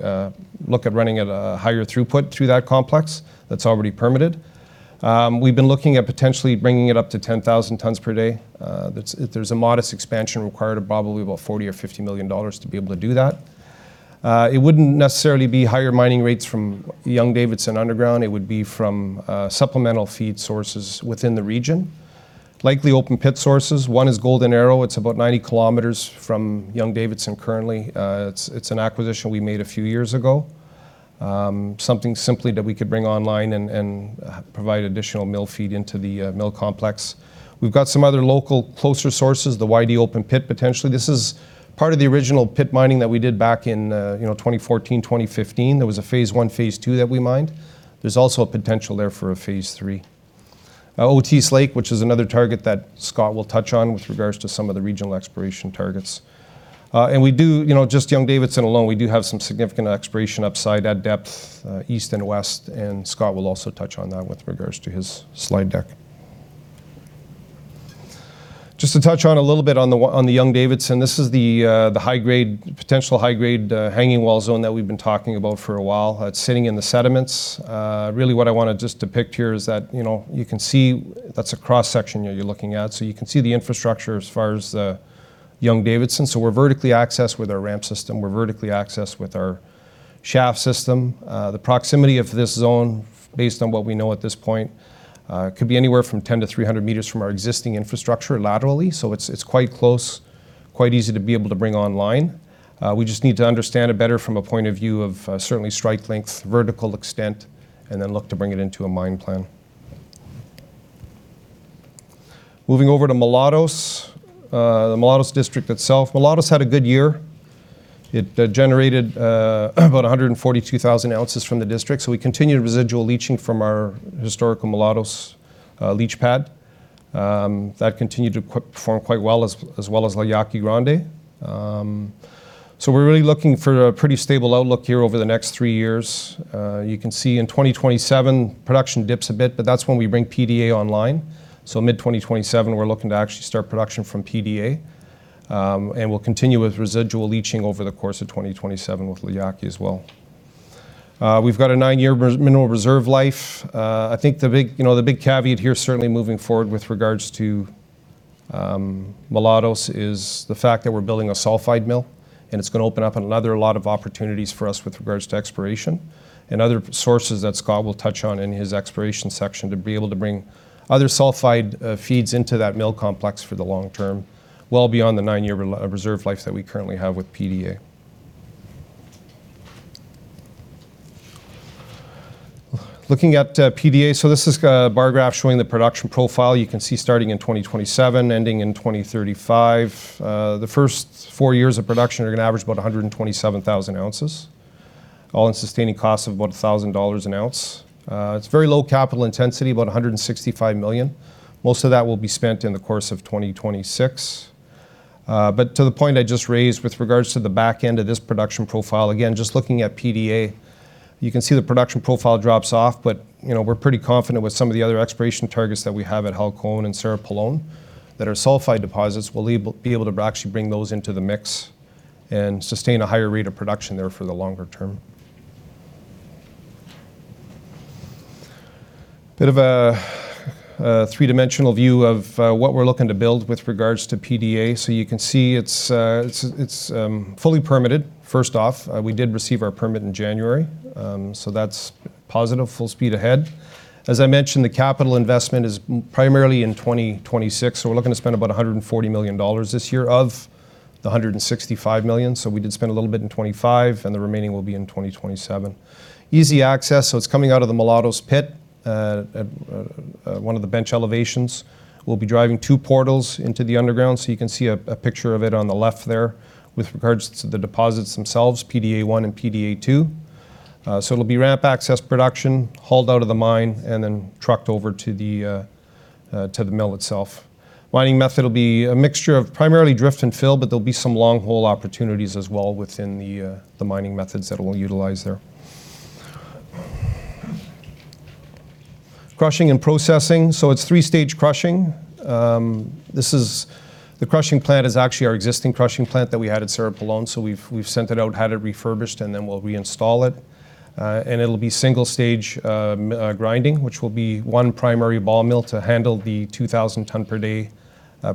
look at running at a higher throughput through that complex that's already permitted. We've been looking at potentially bringing it up to 10,000 tonnes per day. That's... There's a modest expansion required of probably about $40 million-$50 million to be able to do that. It wouldn't necessarily be higher mining rates from Young-Davidson underground. It would be from supplemental feed sources within the region, likely open pit sources. One is Golden Arrow. It's about 90 km from Young-Davidson currently. It's an acquisition we made a few years ago, something simply that we could bring online and provide additional mill feed into the mill complex. We've got some other local, closer sources, the YD open pit, potentially. This is part of the original pit mining that we did back in, you know, 2014, 2015. There was a Phase 1, Phase 2 that we mined. There's also a potential there for a Phase 3. Otisse Lake, which is another target that Scott will touch on with regards to some of the regional exploration targets. And we do... You know, just Young-Davidson alone, we do have some significant exploration upside, add depth, east and west, and Scott will also touch on that with regards to his slide deck. Just to touch on a little bit on the Young-Davidson, this is the, the potential high grade, hanging wall zone that we've been talking about for a while. It's sitting in the sediments. Really, what I wanna just depict here is that, you know, you can see that's a cross-section here you're looking at. So you can see the infrastructure as far as the Young-Davidson. So we're vertically accessed with our ramp system. We're vertically accessed with our shaft system. The proximity of this zone, based on what we know at this point, could be anywhere from 10 meters to 300 meters from our existing infrastructure laterally. So it's quite close, quite easy to be able to bring online. We just need to understand it better from a point of view of certainly strike length, vertical extent, and then look to bring it into a mine plan. Moving over to Mulatos, the Mulatos District itself. Mulatos had a good year. It generated about 142,000 ounces from the district, so we continued residual leaching from our historical Mulatos leach pad. That continued to perform quite well, as well as La Yaqui Grande. So we're really looking for a pretty stable outlook here over the next three years. You can see in 2027, production dips a bit, but that's when we bring PDA online. So mid-2027, we're looking to actually start production from PDA, and we'll continue with residual leaching over the course of 2027 with La Yaqui as well. We've got a 9-year mineral reserve life. I think the big, you know, the big caveat here, certainly moving forward with regards to Mulatos, is the fact that we're building a sulfide mill, and it's gonna open up another lot of opportunities for us with regards to exploration and other sources that Scott will touch on in his exploration section, to be able to bring other sulfide feeds into that mill complex for the long term, well beyond the 9-year reserve life that we currently have with PDA. Looking at PDA, so this is a bar graph showing the production profile. You can see starting in 2027, ending in 2035. The first four years of production are gonna average about 127,000 ounces, all-in sustaining costs of about $1,000 an ounce. It's very low capital intensity, about $165 million. Most of that will be spent in the course of 2026. But to the point I just raised with regards to the back end of this production profile, again, just looking at PDA, you can see the production profile drops off, but, you know, we're pretty confident with some of the other exploration targets that we have at Halcon and Cerro Pelon, that our sulfide deposits will be able to actually bring those into the mix and sustain a higher rate of production there for the longer term. Bit of a three-dimensional view of what we're looking to build with regards to PDA. So you can see it's fully permitted. First off, we did receive our permit in January. So that's positive, full speed ahead. As I mentioned, the capital investment is primarily in 2026, so we're looking to spend about $140 million this year, of the $165 million. So we did spend a little bit in 2025, and the remaining will be in 2027. Easy access, so it's coming out of the Mulatos pit, at one of the bench elevations. We'll be driving two portals into the underground, so you can see a picture of it on the left there. With regards to the deposits themselves, PDA 1 and PDA 2. So it'll be ramp access production, hauled out of the mine, and then trucked over to the, to the mill itself. Mining method will be a mixture of primarily drift and fill, but there'll be some longhole opportunities as well within the mining methods that we'll utilize there. Crushing and processing. So it's three-stage crushing. The crushing plant is actually our existing crushing plant that we had at Cerro Pelon, so we've sent it out, had it refurbished, and then we'll reinstall it. And it'll be single-stage grinding, which will be one primary ball mill to handle the 2,000 tonne per day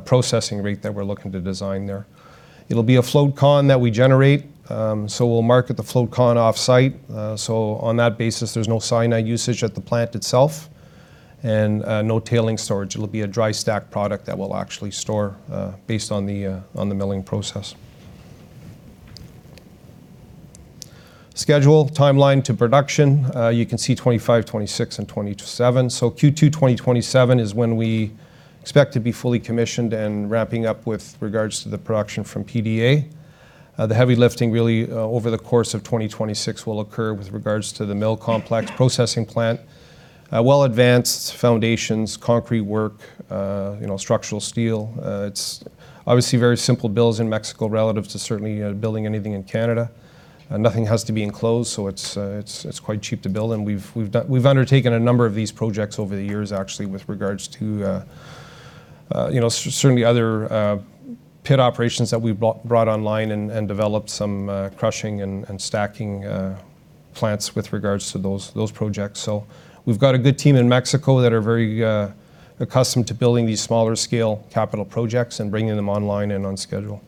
processing rate that we're looking to design there. It'll be a float conc that we generate. So we'll market the float conc off-site. So on that basis, there's no cyanide usage at the plant itself and no tailings storage. It'll be a dry stack product that will actually store, based on the, on the milling process. Schedule, timeline to production. You can see 2025, 2026, and 2027. So Q2 2027 is when we expect to be fully commissioned and ramping up with regards to the production from PDA. The heavy lifting, really, over the course of 2026 will occur with regards to the mill complex processing plant. Well-advanced foundations, concrete work, you know, structural steel. It's obviously very simple builds in Mexico relative to certainly, building anything in Canada. Nothing has to be enclosed, so it's quite cheap to build, and we've undertaken a number of these projects over the years, actually, with regards to, you know, certainly other pit operations that we've brought online and developed some crushing and stacking plants with regards to those projects. So we've got a good team in Mexico that are very accustomed to building these smaller scale capital projects and bringing them online and on schedule.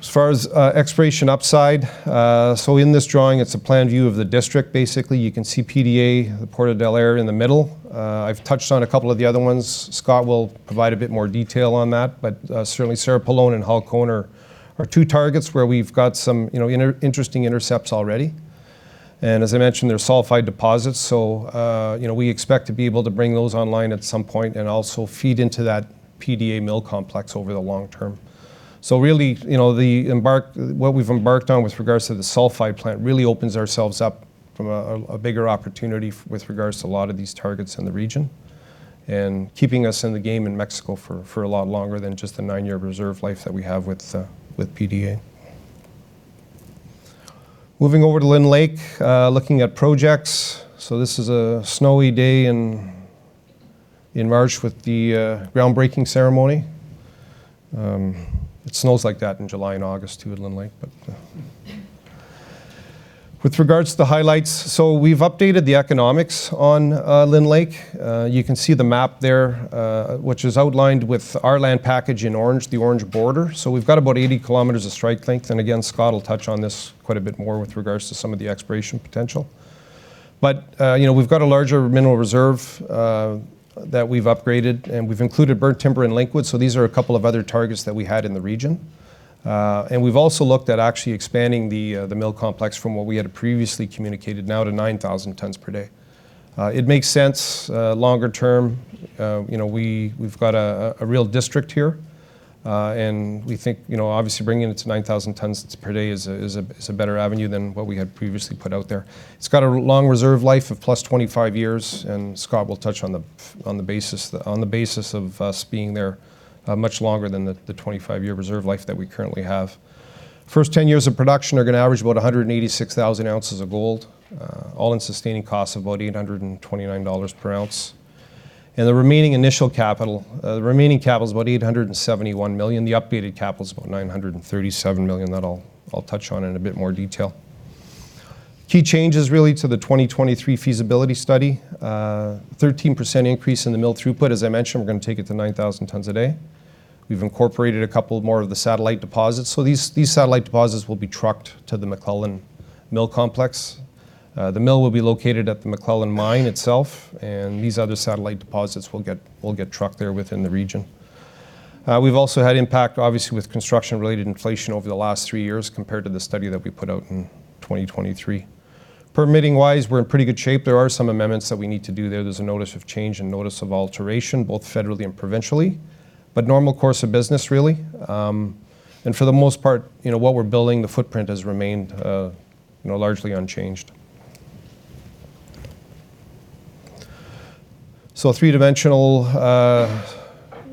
As far as exploration upside, so in this drawing, it's a plan view of the district. Basically, you can see PDA, the Puerto Del Aire, in the middle. I've touched on a couple of the other ones. Scott will provide a bit more detail on that, but certainly, Cerro Pelon and Halcon are two targets where we've got some, you know, interesting intercepts already. And as I mentioned, they're sulfide deposits, so you know, we expect to be able to bring those online at some point and also feed into that PDA mill complex over the long term. So really, you know, what we've embarked on with regards to the sulfide plant really opens ourselves up from a bigger opportunity with regards to a lot of these targets in the region, and keeping us in the game in Mexico for a lot longer than just the nine-year reserve life that we have with PDA. Moving over to Lynn Lake, looking at projects. So this is a snowy day in, in March with the groundbreaking ceremony. It snows like that in July and August, too, in Lynn Lake, but. With regards to the highlights, so we've updated the economics on Lynn Lake. You can see the map there, which is outlined with our land package in orange, the orange border. So we've got about 80 km of strike length, and again, Scott will touch on this quite a bit more with regards to some of the exploration potential. But, you know, we've got a larger mineral reserve, that we've upgraded, and we've included Burnt Timber and Linkwood. So these are a couple of other targets that we had in the region. And we've also looked at actually expanding the mill complex from what we had previously communicated now to 9,000 tonnes per day. It makes sense longer term. You know, we've got a real district here, and we think, you know, obviously bringing it to 9,000 tonnes per day is a better avenue than what we had previously put out there. It's got a long reserve life of +25 years, and Scott will touch on the basis of us being there much longer than the 25-year reserve life that we currently have. First 10 years of production are gonna average about 186,000 ounces of gold, all-in sustaining cost of about $829 per ounce. The remaining initial capital, the remaining capital is about $871 million. The updated capital is about $937 million. That I'll touch on in a bit more detail. Key changes, really, to the 2023 feasibility study. 13% increase in the mill throughput. As I mentioned, we're gonna take it to 9,000 tonnes a day. We've incorporated a couple more of the satellite deposits. So these satellite deposits will be trucked to the MacLellan mill complex. The mill will be located at the MacLellan mine itself, and these other satellite deposits will get trucked there within the region. We've also had impact, obviously, with construction-related inflation over the last three years, compared to the study that we put out in 2023. Permitting-wise, we're in pretty good shape. There are some amendments that we need to do there. There's a notice of change and notice of alteration, both federally and provincially, but normal course of business, really. And for the most part, you know, what we're building, the footprint has remained, you know, largely unchanged. So a three-dimensional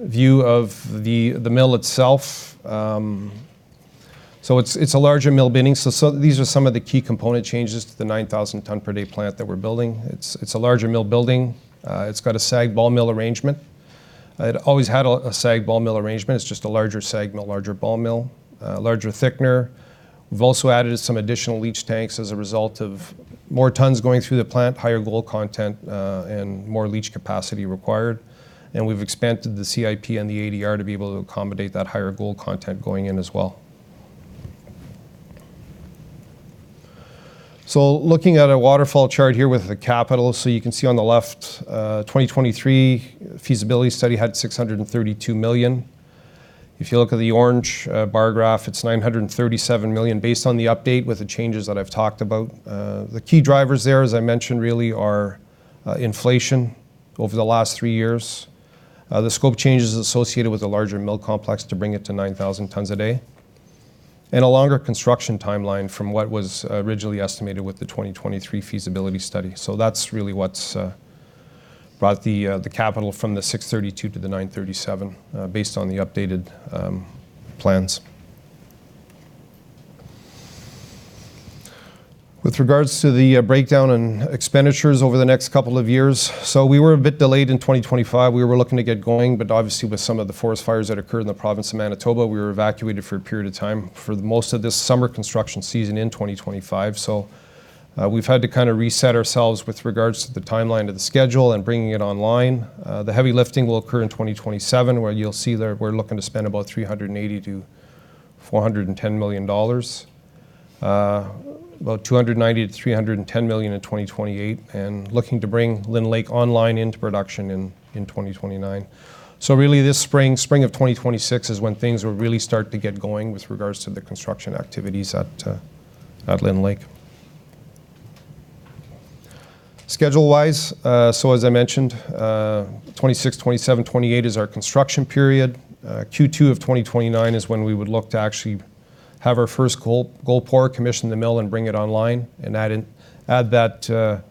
view of the mill itself. So it's a larger mill building. So these are some of the key component changes to the 9,000-tonne per day plant that we're building. It's a larger mill building. It's got a SAG ball mill arrangement. It always had a SAG ball mill arrangement, it's just a larger SAG mill, larger ball mill, larger thickener. We've also added some additional leach tanks as a result of more tonnes going through the plant, higher gold content, and more leach capacity required, and we've expanded the CIP and the ADR to be able to accommodate that higher gold content going in as well. So looking at a waterfall chart here with the capital, so you can see on the left, 2023 feasibility study had $632 million. If you look at the orange bar graph, it's $937 million based on the update with the changes that I've talked about. The key drivers there, as I mentioned, really are inflation over the last three years, the scope changes associated with the larger mill complex to bring it to 9,000 tonnes a day, and a longer construction timeline from what was originally estimated with the 2023 feasibility study. That's really what's brought the capital from $632 million to $937 million, based on the updated plans. With regards to the breakdown in expenditures over the next couple of years, we were a bit delayed in 2025. We were looking to get going, but obviously with some of the forest fires that occurred in the province of Manitoba, we were evacuated for a period of time for most of this summer construction season in 2025. So, we've had to kind of reset ourselves with regards to the timeline of the schedule and bringing it online. The heavy lifting will occur in 2027, where you'll see that we're looking to spend about $380 million-$410 million. About $290 million-$310 million in 2028, and looking to bring Lynn Lake online into production in 2029. So really, this spring of 2026 is when things will really start to get going with regards to the construction activities at Lynn Lake. Schedule-wise, so as I mentioned, 2026, 2027, 2028 is our construction period. Q2 of 2029 is when we would look to actually have our first gold, gold pour, commission the mill, and bring it online, and add in... Add that,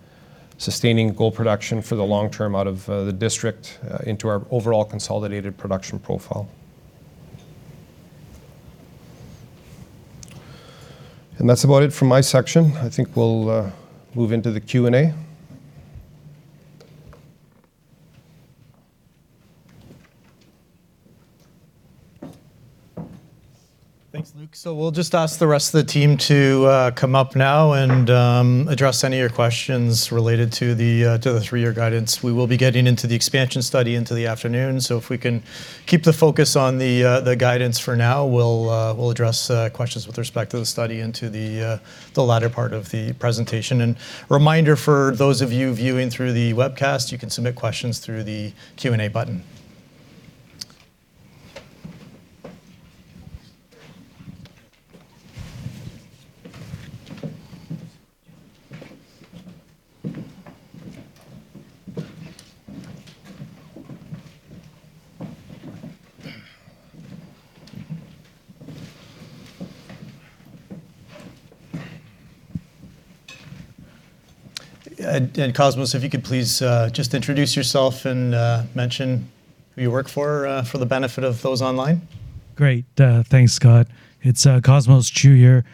sustaining gold production for the long term out of the district into our overall consolidated production profile. And that's about it from my section. I think we'll move into the Q&A. Thanks, Luc. So we'll just ask the rest of the team to come up now and address any of your questions related to the three-year guidance. We will be getting into the expansion study into the afternoon, so if we can keep the focus on the guidance for now, we'll address questions with respect to the study into the latter part of the presentation. And reminder for those of you viewing through the webcast, you can submit questions through the Q&A button. And, Cosmos, if you could please just introduce yourself and mention who you work for, for the benefit of those online. Great. Thanks, Scott. It's Cosmos Chiu here,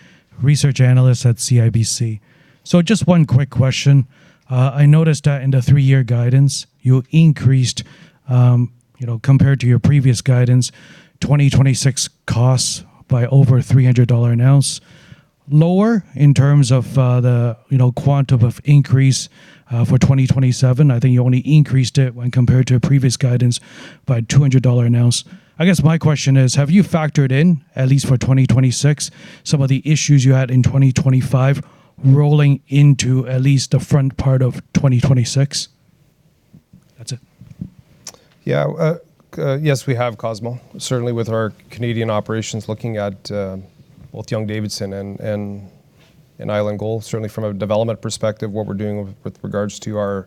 research analyst at CIBC. So just one quick question. I noticed that in the three-year guidance, you increased, you know, compared to your previous guidance, 2026 costs by over $300 an ounce, lower in terms of, the, you know, quantum of increase, for 2027. I think you only increased it when compared to your previous guidance by $200 an ounce. I guess my question is, have you factored in, at least for 2026, some of the issues you had in 2025 rolling into at least the front part of 2026? That's it. Yeah. Yes, we have, Cosmos. Certainly with our Canadian operations, looking at both Young-Davidson and Island Gold, certainly from a development perspective, what we're doing with regards to our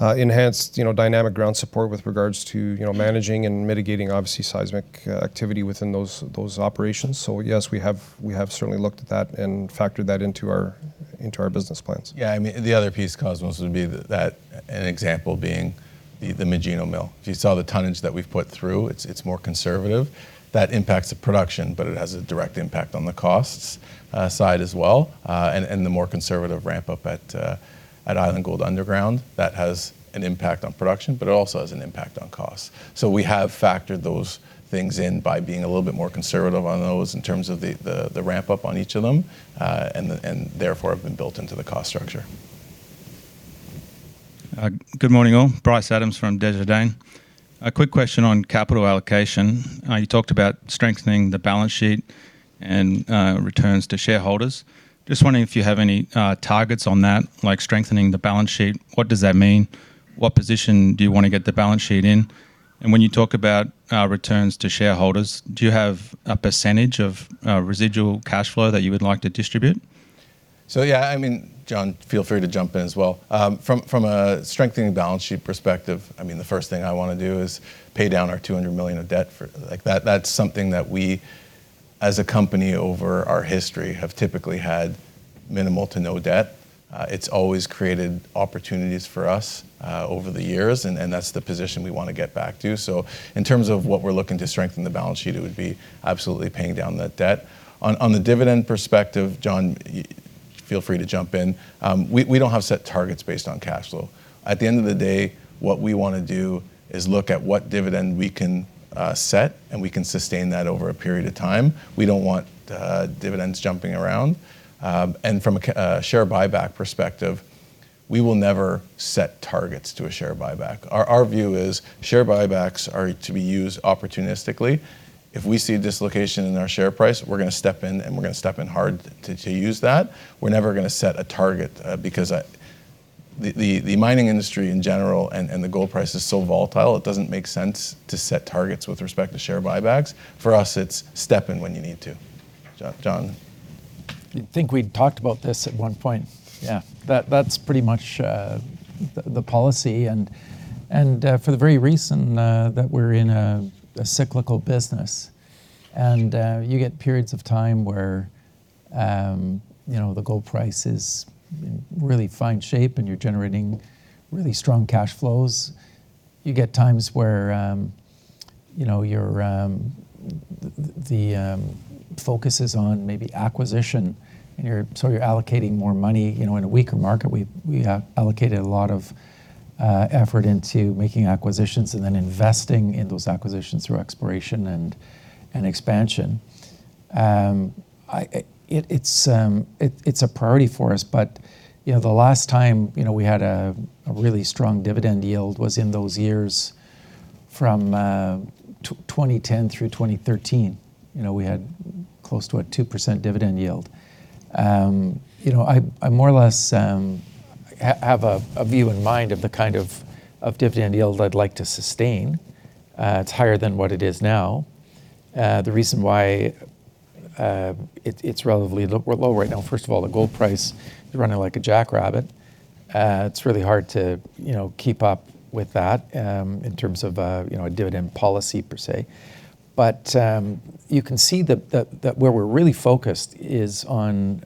enhanced, you know, dynamic ground support with regards to, you know, managing and mitigating, obviously, seismic activity within those operations. So yes, we have certainly looked at that and factored that into our business plans. Yeah, I mean, the other piece, Cosmos, would be that, an example being the Magino mill. If you saw the tonnage that we've put through, it's more conservative. That impacts the production, but it has a direct impact on the costs side as well. And the more conservative ramp up at Island Gold underground, that has an impact on production, but it also has an impact on costs. So we have factored those things in by being a little bit more conservative on those in terms of the ramp up on each of them, and therefore, have been built into the cost structure. Good morning, all. Bryce Adams from Desjardins. A quick question on capital allocation. You talked about strengthening the balance sheet and returns to shareholders. Just wondering if you have any targets on that, like strengthening the balance sheet, what does that mean? What position do you want to get the balance sheet in? And when you talk about returns to shareholders, do you have a percentage of residual cash flow that you would like to distribute? So yeah, I mean, John, feel free to jump in as well. From a strengthening balance sheet perspective, I mean, the first thing I want to do is pay down our $200 million of debt. Like, that's something that we as a company over our history have typically had minimal to no debt. It's always created opportunities for us over the years, and that's the position we wanna get back to. So in terms of what we're looking to strengthen the balance sheet, it would be absolutely paying down that debt. On the dividend perspective, John, you feel free to jump in, we don't have set targets based on cash flow. At the end of the day, what we wanna do is look at what dividend we can set, and we can sustain that over a period of time. We don't want dividends jumping around. And from a share buyback perspective, we will never set targets to a share buyback. Our view is share buybacks are to be used opportunistically. If we see a dislocation in our share price, we're gonna step in, and we're gonna step in hard to use that. We're never gonna set a target because the mining industry in general and the gold price is so volatile, it doesn't make sense to set targets with respect to share buybacks. For us, it's step in when you need to. John? I think we'd talked about this at one point. Yeah. That's pretty much the policy and for the very reason that we're in a cyclical business, and you get periods of time where, you know, the gold price is in really fine shape, and you're generating really strong cash flows. You get times where, you know, you're the focus is on maybe acquisition, and you're so you're allocating more money, you know, in a weaker market. We've, we have allocated a lot of effort into making acquisitions and then investing in those acquisitions through exploration and expansion. It's a priority for us, but, you know, the last time, you know, we had a really strong dividend yield was in those years from twenty ten through twenty thirteen. You know, we had close to a 2% dividend yield. You know, I more or less have a view in mind of the kind of dividend yield I'd like to sustain. It's higher than what it is now. The reason why it's relatively low right now, first of all, the gold price is running like a jackrabbit. It's really hard to, you know, keep up with that in terms of, you know, a dividend policy per se. But you can see that where we're really focused is on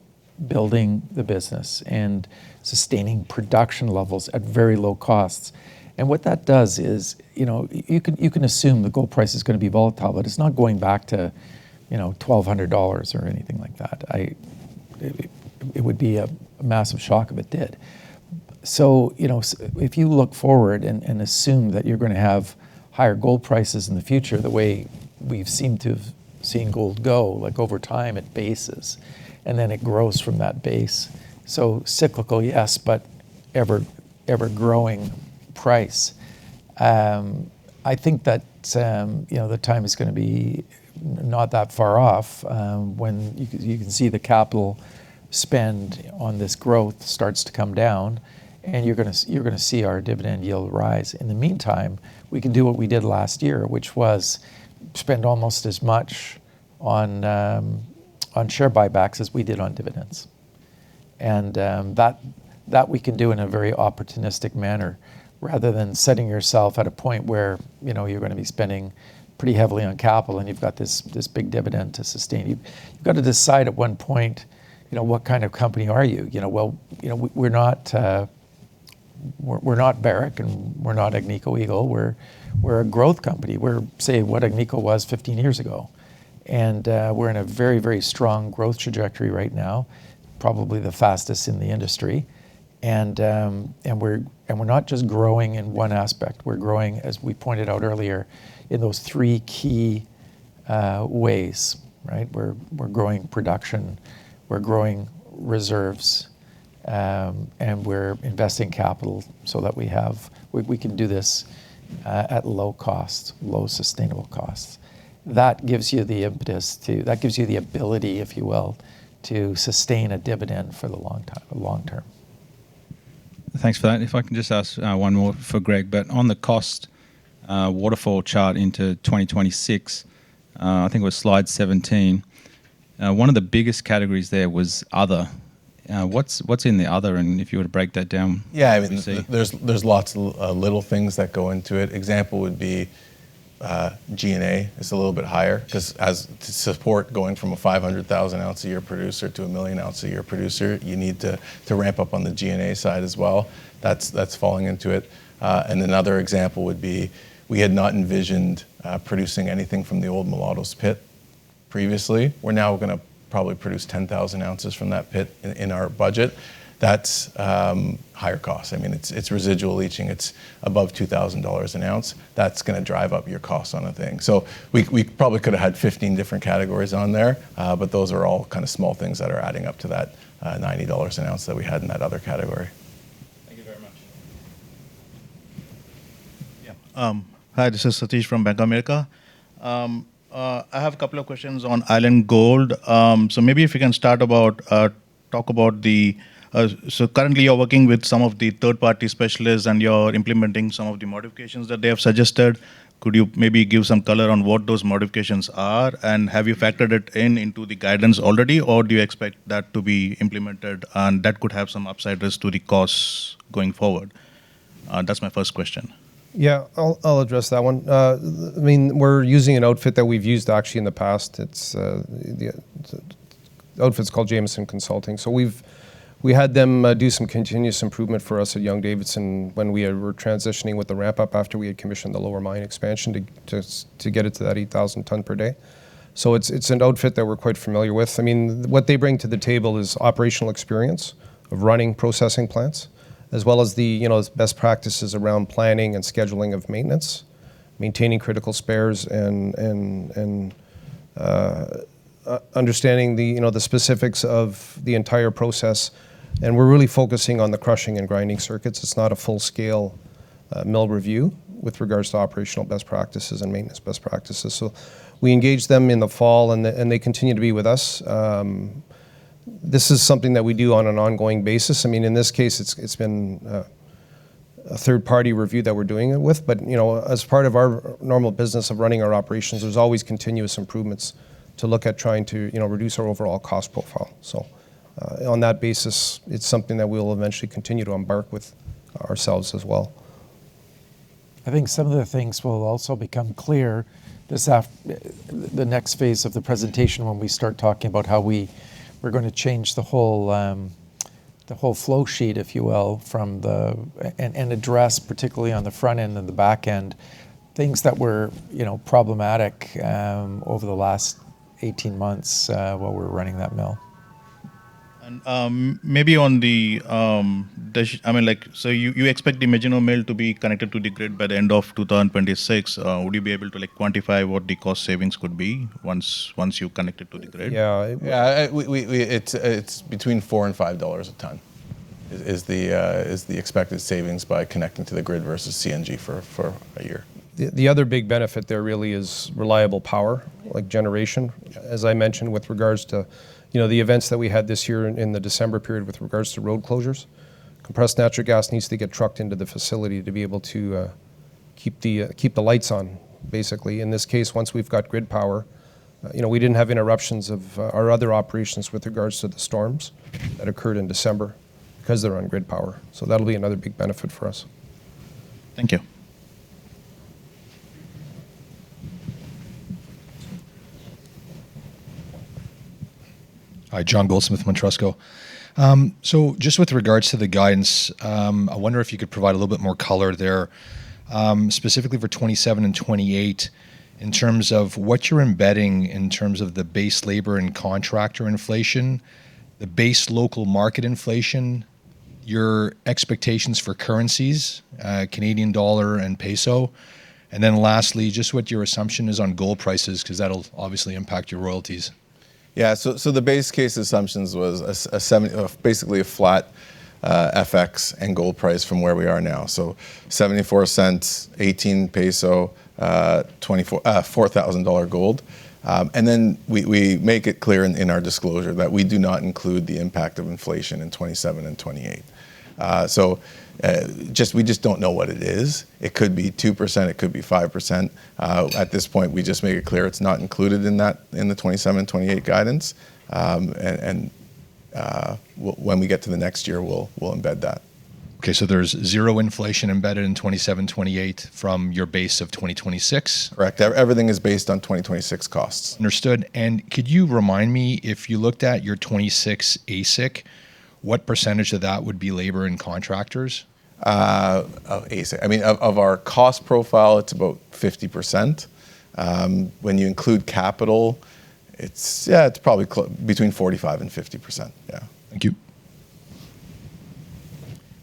building the business and sustaining production levels at very low costs. And what that does is, you know, you can assume the gold price is gonna be volatile, but it's not going back to, you know, $1,200 or anything like that. It would be a massive shock if it did. So, you know, if you look forward and assume that you're gonna have higher gold prices in the future, the way we've seemed to have seen gold go, like, over time, it bases, and then it grows from that base. So cyclical, yes, but ever, ever-growing price. I think that, you know, the time is gonna be not that far off, when you can see the capital spend on this growth starts to come down, and you're gonna see our dividend yield rise. In the meantime, we can do what we did last year, which was spend almost as much on share buybacks as we did on dividends. And that we can do in a very opportunistic manner, rather than setting yourself at a point where, you know, you're gonna be spending pretty heavily on capital, and you've got this big dividend to sustain. You've got to decide at one point, you know, what kind of company are you? You know, well, you know, we're not Barrick, and we're not Agnico Eagle. We're a growth company. We're, say, what Agnico was 15 years ago, and we're in a very, very strong growth trajectory right now, probably the fastest in the industry. And we're not just growing in one aspect, we're growing, as we pointed out earlier, in those three key ways, right? We're growing production, we're growing reserves, and we're investing capital so that we can do this at low cost, low sustainable costs. That gives you the impetus to... That gives you the ability, if you will, to sustain a dividend for the long time, long term. Thanks for that. And if I can just ask, one more for Greg, but on the cost, waterfall chart into 2026, I think it was slide 17, one of the biggest categories there was other. What's, what's in the other, and if you were to break that down— Yeah, I mean, there's, there's lots of, little things that go into it. Example would be, G&A is a little bit higher 'cause as support going from a 500,000-ounce-a-year producer to a 1 million-ounce-a-year producer, you need to, to ramp up on the G&A side as well. That's, that's falling into it. And another example would be, we had not envisioned, producing anything from the old Mulatos pit previously. We're now gonna probably produce 10,000 ounces from that pit in, in our budget. That's higher cost. I mean, it's residual leaching. It's above $2,000 an ounce. That's gonna drive up your costs on a thing. So we probably could have had 15 different categories on there, but those are all kind of small things that are adding up to that $90 an ounce that we had in that other category. Yeah. Hi, this is Satish from Bank of America. I have a couple of questions on Island Gold. So currently, you're working with some of the third-party specialists, and you're implementing some of the modifications that they have suggested. Could you maybe give some color on what those modifications are? And have you factored it in into the guidance already, or do you expect that to be implemented, and that could have some upsides as to the costs going forward? That's my first question. Yeah, I'll address that one. The, the, we're using an outfit that we've used actually in the past. It's the, the outfit's called Jamieson Consulting, so we've... We had them do some continuous improvement for us at Young-Davidson when we were transitioning with the ramp up after we had commissioned the lower mine expansion to just get it to that 8,000 tonnes per day. So it's an outfit that we're quite familiar with. I mean, what they bring to the table is operational experience of running processing plants, as well as the, you know, best practices around planning and scheduling of maintenance, maintaining critical spares, and understanding the, you know, the specifics of the entire process, and we're really focusing on the crushing and grinding circuits. It's not a full-scale, mill review with regards to operational best practices and maintenance best practices. So we engaged them in the fall, and they continue to be with us. This is something that we do on an ongoing basis. I mean, in this case, it's been a third-party review that we're doing it with, but, you know, as part of our normal business of running our operations, there's always continuous improvements to look at trying to, you know, reduce our overall cost profile. So, on that basis, it's something that we'll eventually continue to embark with ourselves as well. I think some of the things will also become clear this afternoon, the next phase of the presentation when we start talking about how we're gonna change the whole, the whole flow sheet, if you will, from the and address, particularly on the front end and the back end, things that were, you know, problematic, over the last 18 months, while we were running that mill. Maybe on the, I mean, like, so you, you expect the Magino mill to be connected to the grid by the end of 2026. Would you be able to, like, quantify what the cost savings could be once, once you're connected to the grid? Yeah, I- Yeah, it's between $4 and $5 a tonne is the expected savings by connecting to the grid versus CNG for a year. The other big benefit there really is reliable power, like generation. As I mentioned, with regards to, you know, the events that we had this year in the December period with regards to road closures, compressed natural gas needs to get trucked into the facility to be able to keep the lights on, basically. In this case, once we've got grid power... You know, we didn't have interruptions of our other operations with regards to the storms that occurred in December, 'cause they're on grid power, so that'll be another big benefit for us. Thank you. Hi, John Goldsmith, Montrusco Bolton. So just with regards to the guidance, I wonder if you could provide a little bit more color there, specifically for 2027 and 2028, in terms of what you're embedding in terms of the base labor and contractor inflation, the base local market inflation, your expectations for currencies, Canadian dollar and peso, and then lastly, just what your assumption is on gold prices, 'cause that'll obviously impact your royalties. Yeah, so the base case assumptions was a semi... basically a flat FX and gold price from where we are now, so $0.74, 18 peso, $2,400 gold. We make it clear in our disclosure that we do not include the impact of inflation in 2027 and 2028. We just don't know what it is. It could be 2%, it could be 5%. At this point, we just make it clear it's not included in that, in the 2027 and 2028 guidance. When we get to the next year, we'll embed that. Okay, so there's zero inflation embedded in 2027, 2028 from your base of 2026? Correct. Everything is based on 2026 costs. Understood, and could you remind me, if you looked at your 2026 AISC, what % of that would be labor and contractors? Of AISC, I mean, of our cost profile, it's about 50%. When you include capital, it's probably between 45% and 50%. Yeah. Thank you.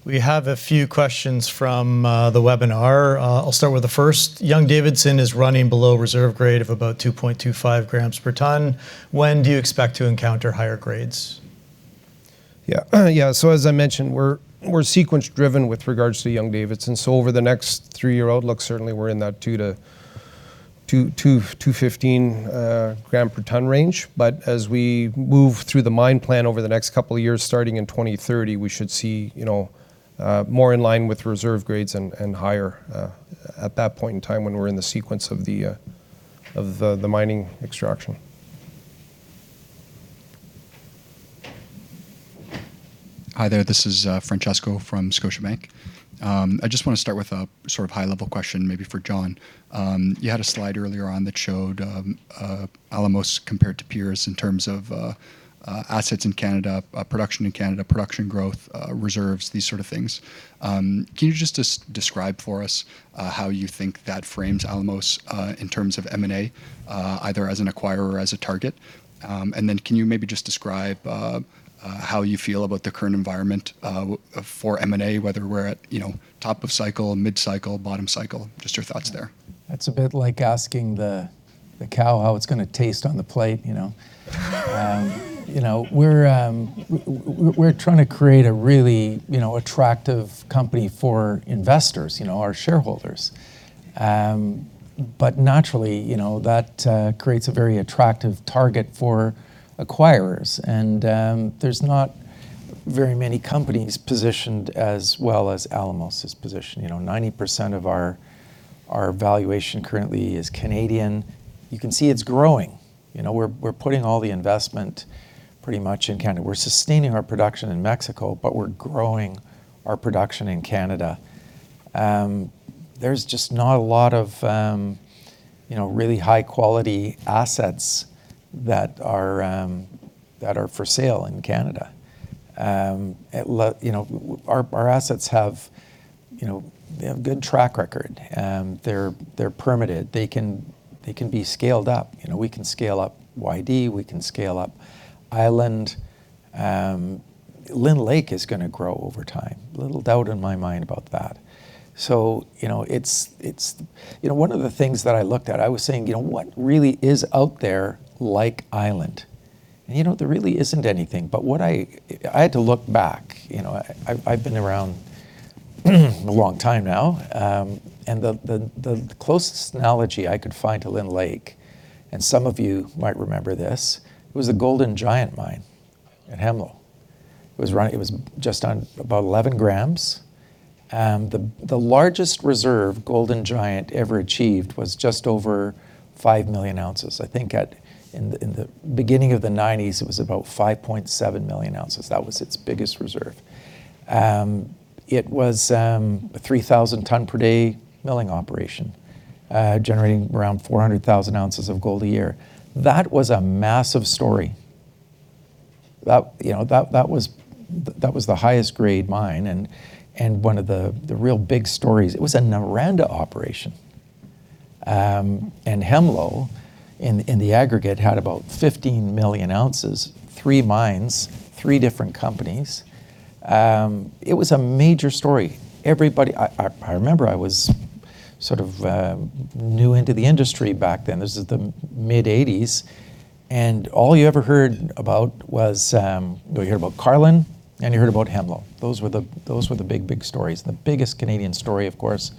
We have a few questions from the webinar. I'll start with the first. Young-Davidson is running below reserve grade of about 2.25 grams per tonne. When do you expect to encounter higher grades? Yeah, as I mentioned, we're sequence-driven with regards to Young-Davidson. Over the next three-year outlook, certainly we're in that 2 grams-2.15 gram per tonne range. As we move through the mine plan over the next couple of years, starting in 2030, we should see, you know, more in line with reserve grades and higher at that point in time when we're in the sequence of the mining extraction. Hi there, this is Francesco from Scotiabank. I just want to start with a sort of high-level question, maybe for John. You had a slide earlier on that showed Alamos compared to peers in terms of assets in Canada, production in Canada, production growth, reserves, these sort of things. Can you just describe for us how you think that frames Alamos in terms of M&A, either as an acquirer or as a target? And then can you maybe just describe how you feel about the current environment for M&A, whether we're at, you know, top of cycle, mid-cycle, bottom cycle, just your thoughts there? That's a bit like asking the cow how it's gonna taste on the plate, you know? You know, we're trying to create a really attractive company for investors, you know, our shareholders. But naturally, you know, that creates a very attractive target for acquirers, and there's not very many companies positioned as well as Alamos is positioned. You know, 90% of our valuation currently is Canadian. You can see it's growing. You know, we're putting all the investment pretty much in Canada. We're sustaining our production in Mexico, but we're growing our production in Canada. There's just not a lot of really high-quality assets that are for sale in Canada. You know, our assets have a good track record. They're permitted. They can, they can be scaled up. You know, we can scale up YD, we can scale up Island. Lynn Lake is gonna grow over time. Little doubt in my mind about that. So, you know, it's. You know, one of the things that I looked at, I was saying, "You know, what really is out there like Island?" And, you know, there really isn't anything. But what I I had to look back. You know, I've been around, a long time now. And the closest analogy I could find to Lynn Lake, and some of you might remember this, was the Golden Giant Mine at Hemlo. It was just on about 11 g, and the largest reserve Golden Giant ever achieved was just over 5 million ounces. I think at the beginning of the 1990s, it was about 5.7 million ounces. That was its biggest reserve. It was a 3,000 tonne per day milling operation, generating around 400,000 ounces of gold a year. That was a massive story. That, you know, that was the highest grade mine and one of the real big stories. It was a Noranda operation. And Hemlo, in the aggregate, had about 15 million ounces, three mines, three different companies. It was a major story. Everybody... I remember I was sort of new into the industry back then. This is the mid-1980s, and all you ever heard about was, well, you heard about Carlin, and you heard about Hemlo. Those were the big, big stories. The biggest Canadian story, of course,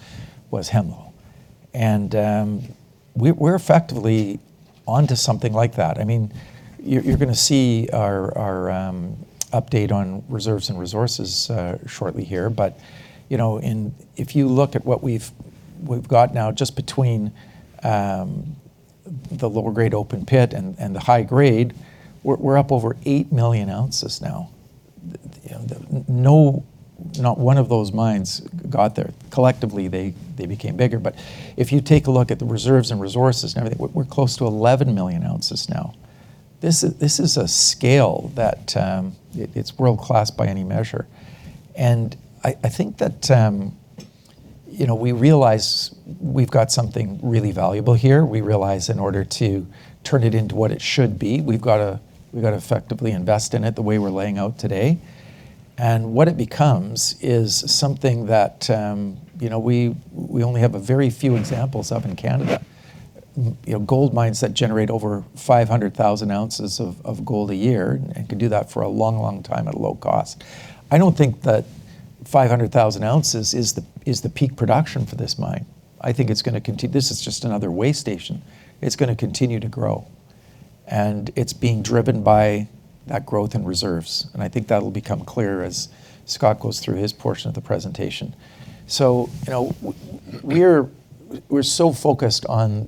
was Hemlo. We’re effectively onto something like that. I mean, you’re gonna see our update on reserves and resources shortly here. You know, and if you look at what we’ve got now, just between the lower-grade open pit and the high grade, we’re up over 8 million ounces now. You know, no, not one of those mines got there. Collectively, they became bigger, but if you take a look at the reserves and resources and everything, we’re close to 11 million ounces now. This is a scale that it’s world-class by any measure, and I think that you know, we realize we’ve got something really valuable here. We realize in order to turn it into what it should be, we've gotta, we've gotta effectively invest in it the way we're laying out today. And what it becomes is something that, you know, we, we only have a very few examples of in Canada. You know, gold mines that generate over 500,000 ounces of, of gold a year and can do that for a long, long time at a low cost. I don't think that 500,000 ounces is the, is the peak production for this mine. I think it's gonna continue—this is just another way station. It's gonna continue to grow, and it's being driven by that growth in reserves, and I think that'll become clearer as Scott goes through his portion of the presentation. So, you know, we're so focused on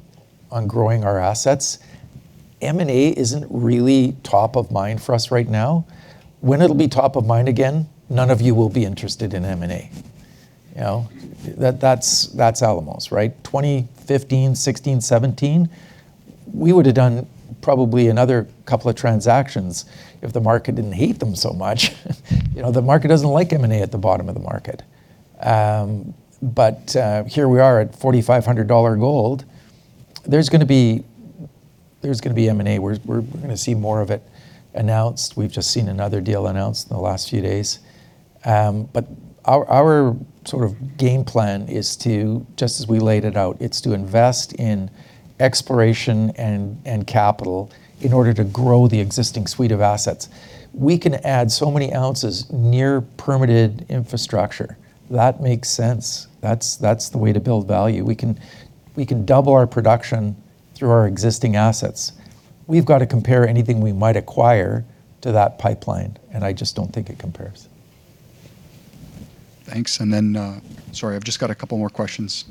growing our assets, M&A isn't really top of mind for us right now. When it'll be top of mind again, none of you will be interested in M&A. You know? That's Alamos, right? 2015, 2016, 2017, we would've done probably another couple of transactions if the market didn't hate them so much. You know? The market doesn't like M&A at the bottom of the market. Here we are at $4,500 gold. There's gonna be M&A. We're gonna see more of it announced. We've just seen another deal announced in the last few days. But our sort of game plan is to, just as we laid it out, it's to invest in exploration and capital in order to grow the existing suite of assets. We can add so many ounces near permitted infrastructure. That makes sense. That's, that's the way to build value. We can, we can double our production through our existing assets. We've got to compare anything we might acquire to that pipeline, and I just don't think it compares. Thanks, and then... Sorry, I've just got a couple more questions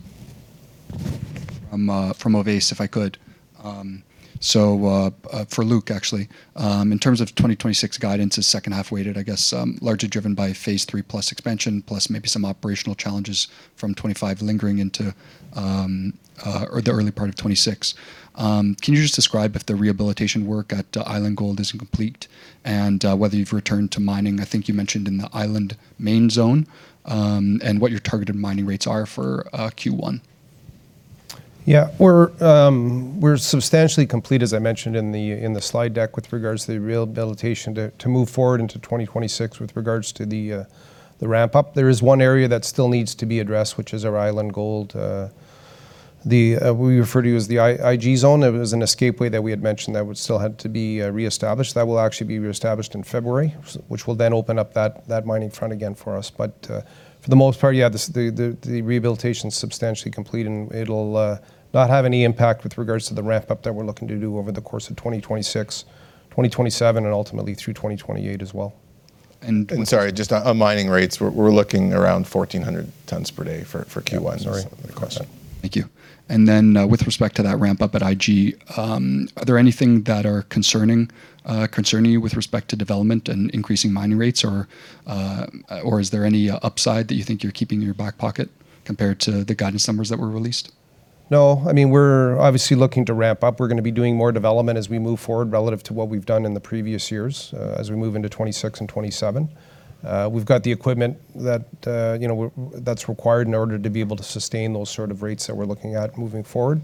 from, from Ovais, if I could. So, for Luc, actually. In terms of 2026 guidance is second half weighted, I guess, largely driven by Phase 3+ Expansion, plus maybe some operational challenges from 2025 lingering into, or the early part of 2026. Can you just describe if the rehabilitation work at Island Gold is complete, and, whether you've returned to mining, I think you mentioned in the Island main zone, and what your targeted mining rates are for, Q1? Yeah. We're substantially complete, as I mentioned in the slide deck, with regards to the rehabilitation to move forward into 2026 with regards to the ramp-up. There is one area that still needs to be addressed, which is our Island Gold, the what we refer to as the IG zone. It was an escapeway that we had mentioned that would still had to be re-established. That will actually be re-established in February, which will then open up that mining front again for us. But for the most part, yeah, the rehabilitation's substantially complete, and it'll not have any impact with regards to the ramp-up that we're looking to do over the course of 2026, 2027, and ultimately through 2028 as well.... Sorry, just on mining rates, we're looking around 1,400 tonnes per day for Q1. Sorry, good question. Thank you. And then, with respect to that ramp up at IG, are there anything that are concerning, concerning you with respect to development and increasing mining rates? Or, or is there any, upside that you think you're keeping in your back pocket compared to the guidance numbers that were released? No. I mean, we're obviously looking to ramp up. We're gonna be doing more development as we move forward relative to what we've done in the previous years, as we move into 2026 and 2027. We've got the equipment that, you know, that's required in order to be able to sustain those sort of rates that we're looking at moving forward.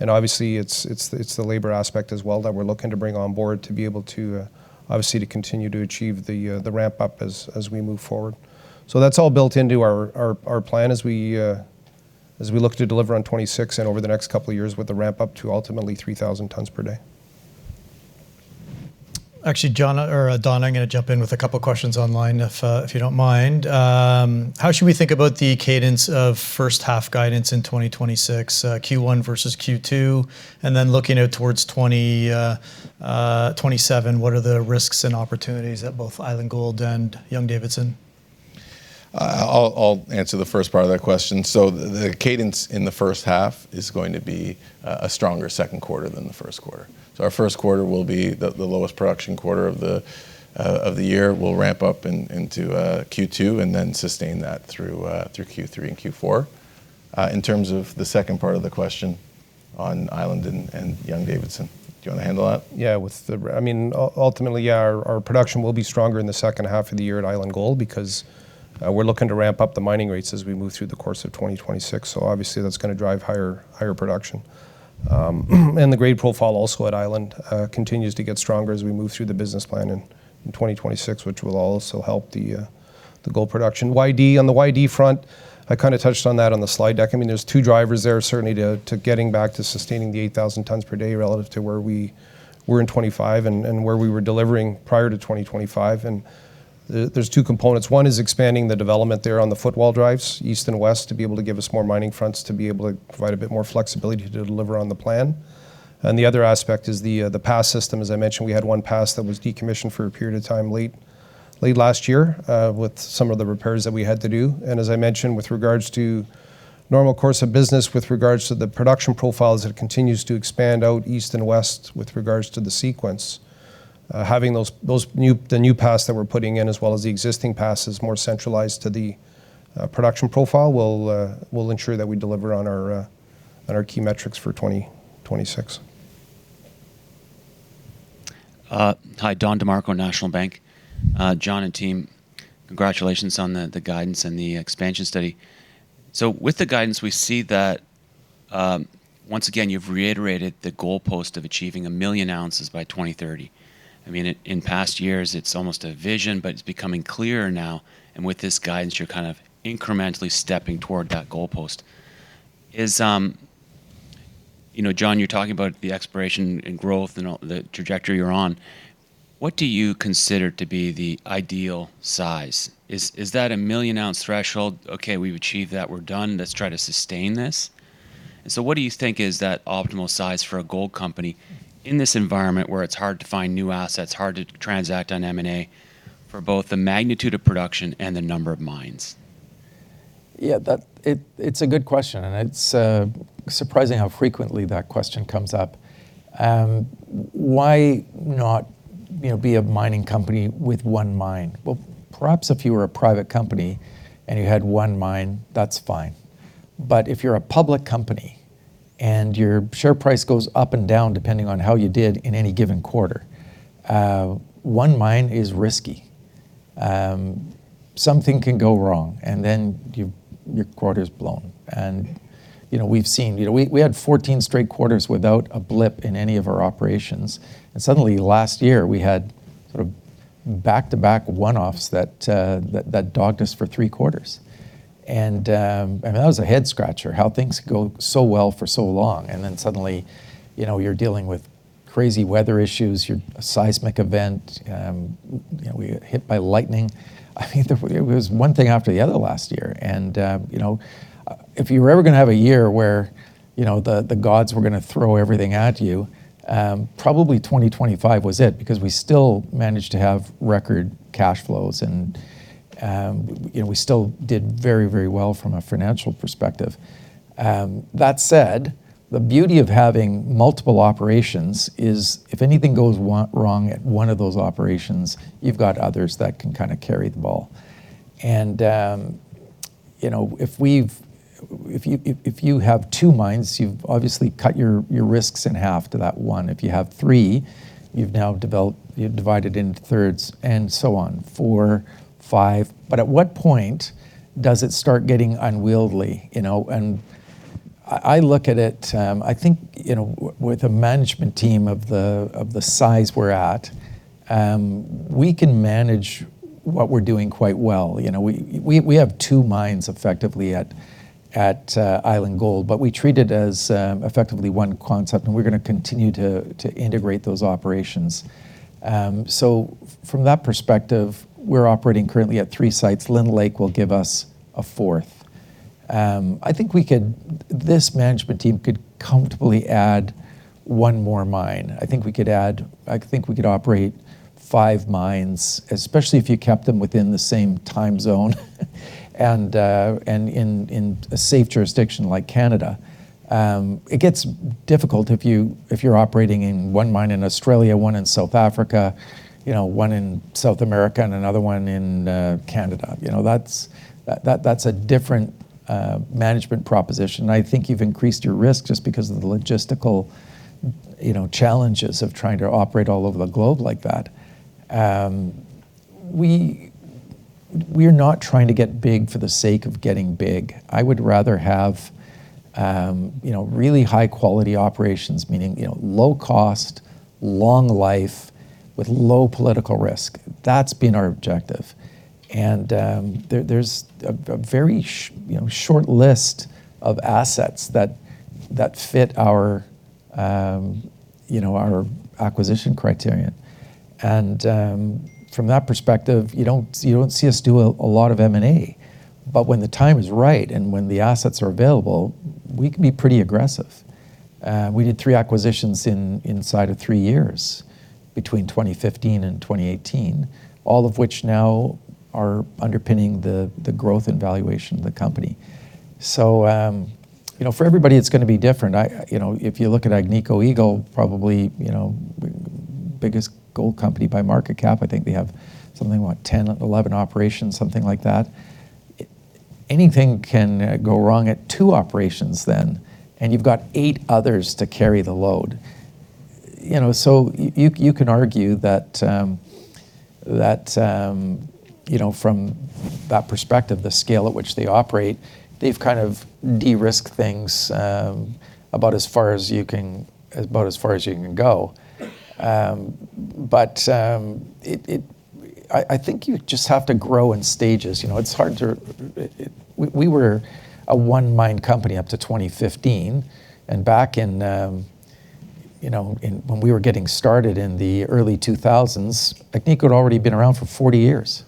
And obviously, it's, it's, it's the labor aspect as well that we're looking to bring on board to be able to, obviously to continue to achieve the, the ramp up as, as we move forward. So that's all built into our, our, our plan as we, as we look to deliver on 2026 and over the next couple of years with the ramp up to ultimately 3,000 tonnes per day. Actually, John, or, Don, I'm gonna jump in with a couple of questions online, if, if you don't mind. How should we think about the cadence of first half guidance in 2026, Q1 versus Q2? And then looking out towards 20, uh, '27, what are the risks and opportunities at both Island Gold and Young-Davidson? I'll answer the first part of that question. So the cadence in the first half is going to be a stronger second quarter than the first quarter. So our first quarter will be the lowest production quarter of the year. We'll ramp up into Q2, and then sustain that through Q3 and Q4. In terms of the second part of the question on Island and Young-Davidson, do you wanna handle that? Yeah, I mean, ultimately, yeah, our production will be stronger in the second half of the year at Island Gold because we're looking to ramp up the mining rates as we move through the course of 2026, so obviously that's gonna drive higher, higher production. And the grade profile also at Island continues to get stronger as we move through the business plan in 2026, which will also help the gold production. YD, on the YD front, I kind of touched on that on the slide deck. I mean, there's two drivers there certainly to getting back to sustaining the 8,000 tonnes per day relative to where we were in 2025 and where we were delivering prior to 2025. And there's two components. One is expanding the development there on the footwall drives, east and west, to be able to give us more mining fronts, to be able to provide a bit more flexibility to deliver on the plan. And the other aspect is the pass system. As I mentioned, we had one pass that was decommissioned for a period of time late last year, with some of the repairs that we had to do. And as I mentioned, with regards to normal course of business, with regards to the production profile, as it continues to expand out east and west, with regards to the sequence, having those new pass that we're putting in as well as the existing passes more centralized to the production profile will ensure that we deliver on our key metrics for 2026. Hi, Don DeMarco, National Bank. John and team, congratulations on the guidance and the expansion study. So with the guidance, we see that, once again, you've reiterated the goalpost of achieving a million ounces by 2030. I mean, in past years it's almost a vision, but it's becoming clearer now, and with this guidance, you're kind of incrementally stepping toward that goalpost. Is... You know, John, you're talking about the exploration and growth and all, the trajectory you're on, what do you consider to be the ideal size? Is that a million-ounce threshold? "Okay, we've achieved that. We're done. Let's try to sustain this?" And so what do you think is that optimal size for a gold company in this environment, where it's hard to find new assets, hard to transact on M&A, for both the magnitude of production and the number of mines? Yeah, it's a good question, and it's surprising how frequently that question comes up. Why not, you know, be a mining company with one mine? Well, perhaps if you were a private company and you had one mine, that's fine. But if you're a public company and your share price goes up and down, depending on how you did in any given quarter, one mine is risky. Something can go wrong, and then your quarter's blown. And, you know, we've seen... You know, we had 14 straight quarters without a blip in any of our operations, and suddenly last year we had sort of back-to-back one-offs that dogged us for three quarters. And that was a head-scratcher, how things go so well for so long, and then suddenly, you know, you're dealing with crazy weather issues, a seismic event, you know, we were hit by lightning. I mean, there was one thing after the other last year. And, you know, if you were ever gonna have a year where, you know, the gods were gonna throw everything at you, probably 2025 was it, because we still managed to have record cash flows and, you know, we still did very, very well from a financial perspective. That said, the beauty of having multiple operations is, if anything goes wrong at one of those operations, you've got others that can kind of carry the ball. If you have two mines, you've obviously cut your risks in half to that one. If you have three, you've now divided it into thirds, and so on, four, five. But at what point does it start getting unwieldy, you know? I look at it, I think, you know, with a management team of the size we're at, we can manage what we're doing quite well. You know, we have two mines effectively at Island Gold, but we treat it as effectively one concept, and we're gonna continue to integrate those operations. So from that perspective, we're operating currently at three sites. Lynn Lake will give us a fourth. I think this management team could comfortably add one more mine. I think we could operate five mines, especially if you kept them within the same time zone, and in a safe jurisdiction like Canada. It gets difficult if you, if you're operating in one mine in Australia, one in South Africa, you know, one in South America, and another one in Canada. You know, that's a different management proposition. I think you've increased your risk just because of the logistical, you know, challenges of trying to operate all over the globe like that. We're not trying to get big for the sake of getting big. I would rather have, you know, really high-quality operations, meaning, you know, low cost, long life, with low political risk. That's been our objective. There's a very short list of assets that fit our acquisition criterion. From that perspective, you don't see us do a lot of M&A. When the time is right and when the assets are available, we can be pretty aggressive. We did three acquisitions inside of three years, between 2015 and 2018, all of which now are underpinning the growth and valuation of the company. For everybody, it's going to be different. If you look at Agnico Eagle, probably the biggest gold company by market cap, I think they have something like 10, 11 operations, something like that. Anything can go wrong at two operations, and you've got eight others to carry the load. You know, so you can argue that, you know, from that perspective, the scale at which they operate, they've kind of de-risked things, about as far as you can... About as far as you can go. But, it... I think you just have to grow in stages, you know? It's hard to... We were a one-mine company up to 2015, and back in, you know, in, when we were getting started in the early 2000s, Agnico had already been around for 40 years.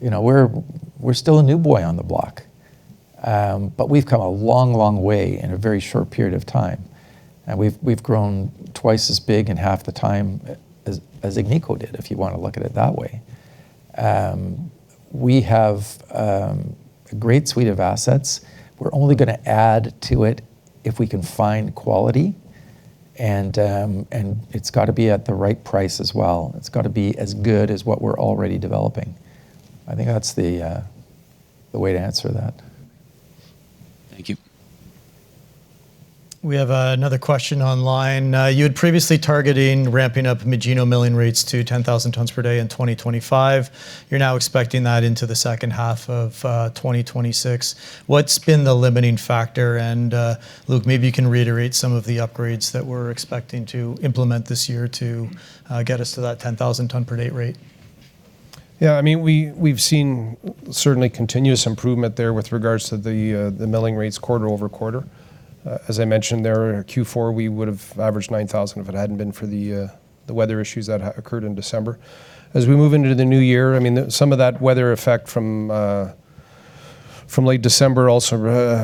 You know, we're still a new boy on the block. But we've come a long, long way in a very short period of time, and we've grown twice as big in half the time as Agnico did, if you wanna look at it that way. We have a great suite of assets. We're only gonna add to it if we can find quality, and it's gotta be at the right price as well. It's gotta be as good as what we're already developing. I think that's the way to answer that. Thank you. We have another question online. You had previously targeting ramping up Magino milling rates to 10,000 tonnes per day in 2025. You're now expecting that into the second half of 2026. What's been the limiting factor? And Luc, maybe you can reiterate some of the upgrades that we're expecting to implement this year to get us to that 10,000-tonne-per-day rate. Yeah, I mean, we've seen certainly continuous improvement there with regards to the milling rates quarter-over-quarter. As I mentioned there, in Q4, we would've averaged 9,000 if it hadn't been for the weather issues that occurred in December. As we move into the new year, I mean, some of that weather effect from late December also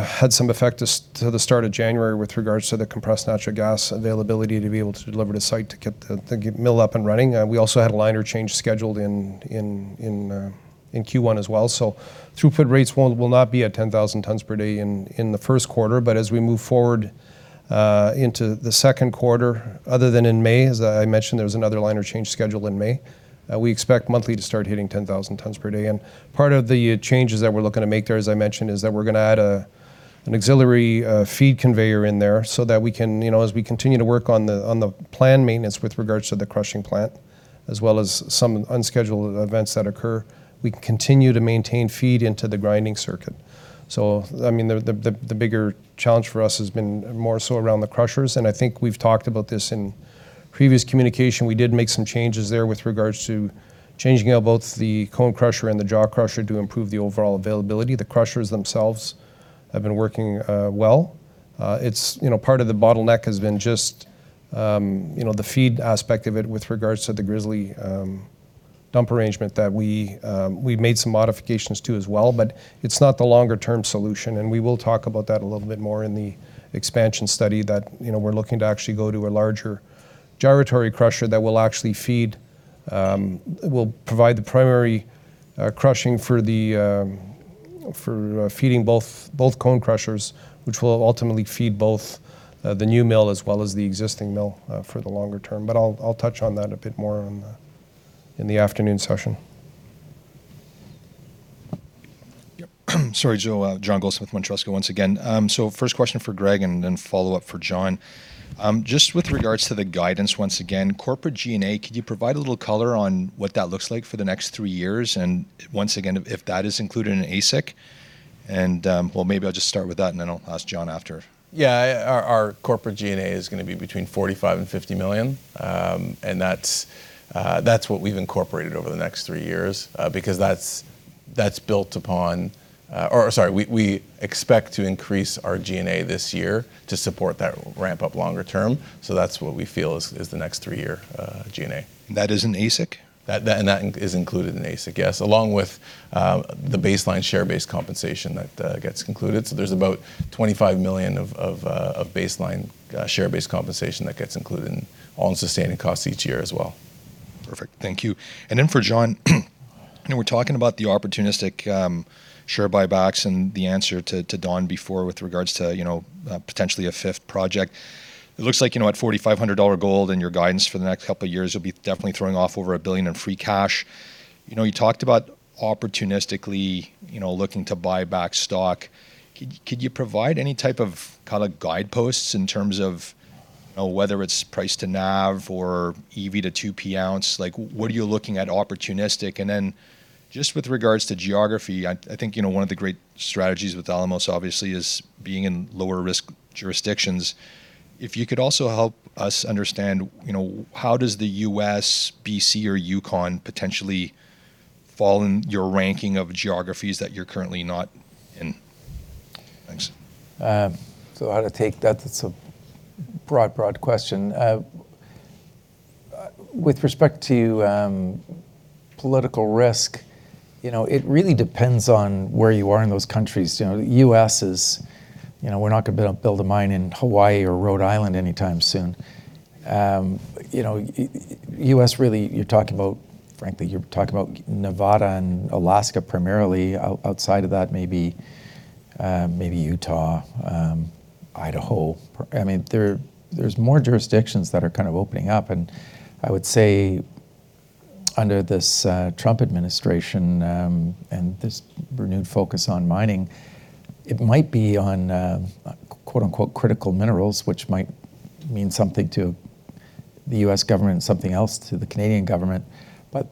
had some effect as to the start of January with regards to the compressed natural gas availability to be able to deliver to site to get the mill up and running. We also had a liner change scheduled in Q1 as well, so throughput rates won't, will not be at 10,000 tonnes per day in the first quarter. But as we move forward into the second quarter, other than in May, as I mentioned, there was another liner change scheduled in May. We expect monthly to start hitting 10,000 tonnes per day. And part of the changes that we're looking to make there, as I mentioned, is that we're gonna add an auxiliary feed conveyor in there so that we can, you know, as we continue to work on the planned maintenance with regards to the crushing plant, as well as some unscheduled events that occur, we can continue to maintain feed into the grinding circuit. So, I mean, the bigger challenge for us has been more so around the crushers, and I think we've talked about this in previous communication. We did make some changes there with regards to changing out both the cone crusher and the jaw crusher to improve the overall availability. The crushers themselves have been working well. It's, you know, part of the bottleneck has been just, you know, the feed aspect of it with regards to the grizzly dump arrangement that we, we've made some modifications to as well, but it's not the longer term solution, and we will talk about that a little bit more in the expansion study, that, you know, we're looking to actually go to a larger gyratory crusher that will actually feed. Will provide the primary crushing for the, for feeding both, both cone crushers, which will ultimately feed both the new mill as well as the existing mill for the longer term. But I'll touch on that a bit more in the afternoon session. Yep. Sorry, John. John Goldsmith with Montrusco Bolton once again. So first question for Greg, and then follow up for John. Just with regards to the guidance, once again, corporate G&A, could you provide a little color on what that looks like for the next three years, and once again, if that is included in AISC? And, well, maybe I'll just start with that, and then I'll ask John after. Yeah, our corporate G&A is gonna be between $45 million-$50 million. And that's what we've incorporated over the next three years, because that's-... that's built upon, we expect to increase our G&A this year to support that ramp up longer term, so that's what we feel is the next three-year G&A. That is in AISC? That, that, and that is included in AISC, yes, along with the baseline share-based compensation that gets included. So there's about $25 million of baseline share-based compensation that gets included in all sustaining costs each year as well. Perfect. Thank you. And then for John, you know, we're talking about the opportunistic share buybacks and the answer to Don before with regards to, you know, potentially a fifth project. It looks like, you know, at $4,500 gold and your guidance for the next couple of years, you'll be definitely throwing off over $1 billion in free cash. You know, you talked about opportunistically, you know, looking to buy back stock. Could you provide any type of kind of guideposts in terms of, you know, whether it's price to NAV or EV to 2P ounce? Like, what are you looking at opportunistic? And then just with regards to geography, I think, you know, one of the great strategies with Alamos obviously is being in lower risk jurisdictions. If you could also help us understand, you know, how does the U.S., B.C., or Yukon potentially fall in your ranking of geographies that you're currently not in? Thanks. So how to take that? That's a broad, broad question. With respect to political risk, you know, it really depends on where you are in those countries. You know, the U.S. is... You know, we're not gonna build a mine in Hawaii or Rhode Island anytime soon. You know, U.S. really, you're talking about, frankly, you're talking about Nevada and Alaska primarily. Outside of that, maybe, maybe Utah, Idaho. I mean, there's more jurisdictions that are kind of opening up, and I would say under this Trump administration, and this renewed focus on mining, it might be on, quote, unquote, “critical minerals,” which might mean something to the U.S. government and something else to the Canadian government. But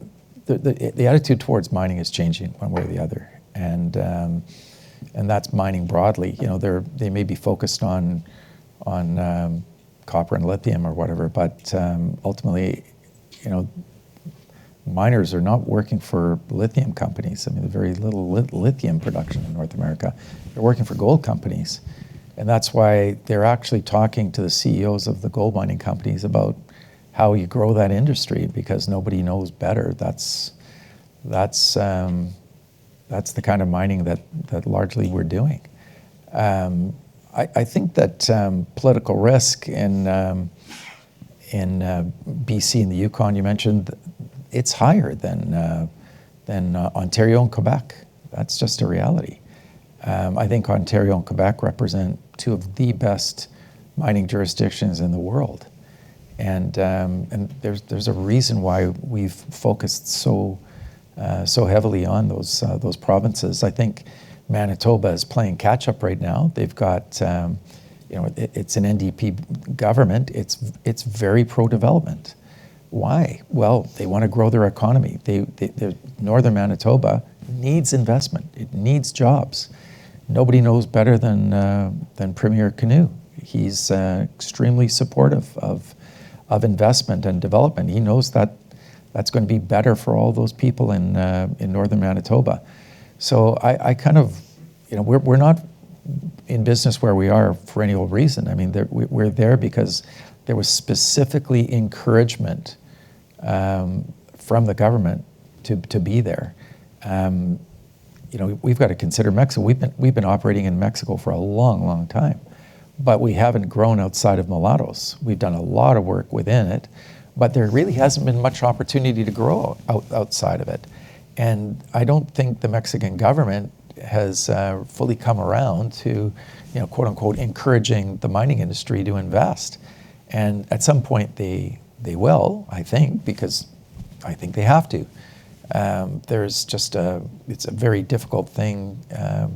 the attitude towards mining is changing one way or the other, and that's mining broadly. You know, they're, they may be focused on copper and lithium or whatever, but ultimately, you know, miners are not working for lithium companies. I mean, there's very little lithium production in North America. They're working for gold companies, and that's why they're actually talking to the CEOs of the gold mining companies about how you grow that industry, because nobody knows better. That's the kind of mining that largely we're doing. I think that political risk in B.C. and the Yukon, you mentioned, it's higher than Ontario and Quebec. That's just a reality. I think Ontario and Quebec represent two of the best mining jurisdictions in the world, and there's a reason why we've focused so heavily on those provinces. I think Manitoba is playing catch-up right now. They've got. You know, it's an NDP government. It's very pro-development. Why? Well, they wanna grow their economy. They, the northern Manitoba needs investment. It needs jobs. Nobody knows better than Premier Kinew. He's extremely supportive of investment and development. He knows that that's gonna be better for all those people in northern Manitoba. So I kind of. You know, we're not in business where we are for any old reason. I mean, we're there because there was specifically encouragement from the government to be there. You know, we've got to consider Mexico. We've been, we've been operating in Mexico for a long, long time, but we haven't grown outside of Mulatos. We've done a lot of work within it, but there really hasn't been much opportunity to grow outside of it. And I don't think the Mexican government has fully come around to, you know, quote, unquote, "encouraging the mining industry to invest." And at some point, they, they will, I think, because I think they have to. There's just a... It's a very difficult thing,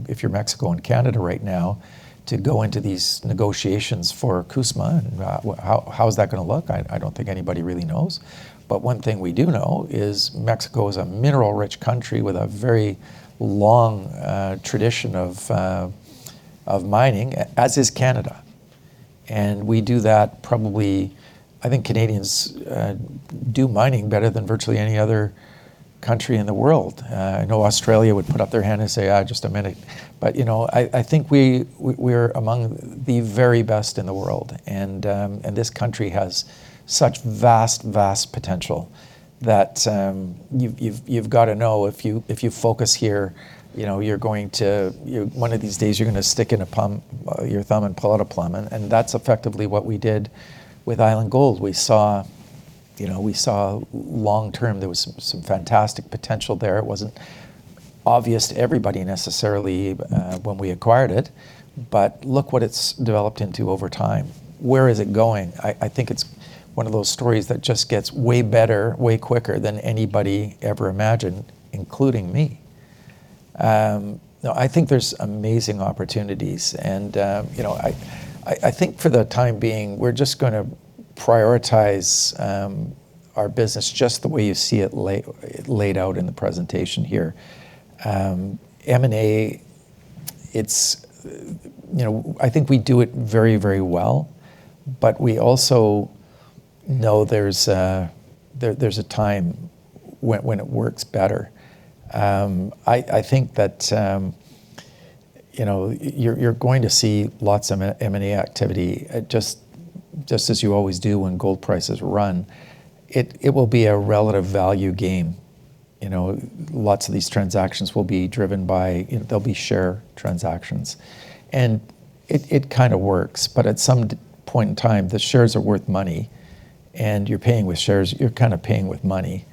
if you're Mexico and Canada right now, to go into these negotiations for CUSMA, and how, how is that gonna look? I, I don't think anybody really knows. But one thing we do know is Mexico is a mineral-rich country with a very long tradition of mining, as is Canada. And we do that probably. I think Canadians do mining better than virtually any other country in the world. I know Australia would put up their hand and say, "Uh, just a minute." But, you know, I, I think we, we're among the very best in the world, and this country has such vast, vast potential that, you've got to know, if you focus here, you know, you're going to, one of these days, you're gonna stick in a plum, your thumb and pull out a plum, and that's effectively what we did with Island Gold. We saw, you know, we saw long term, there was some fantastic potential there. It wasn't obvious to everybody necessarily when we acquired it, but look what it's developed into over time. Where is it going? I think it's one of those stories that just gets way better, way quicker than anybody ever imagined, including me. You know, I think there's amazing opportunities, and you know, I think for the time being, we're just gonna prioritize our business just the way you see it laid out in the presentation here. M&A... it's you know, I think we do it very, very well, but we also know there's there's a time when it works better. I think that you know, you're going to see lots of M&A activity just as you always do when gold prices run. It will be a relative value game. You know, lots of these transactions will be driven by... They'll be share transactions, and it kind of works. But at some point in time, the shares are worth money, and you're paying with shares, you're kind of paying with money.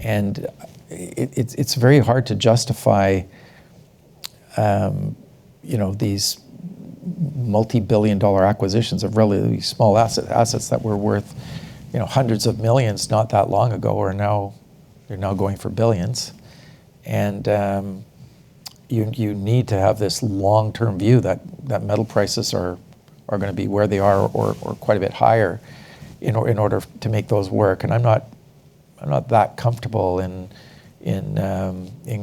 And it's very hard to justify, you know, these multi-billion-dollar acquisitions of really small assets that were worth, you know, hundreds of millions not that long ago, are now going for billions. And you need to have this long-term view that metal prices are gonna be where they are or quite a bit higher in order to make those work. And I'm not that comfortable in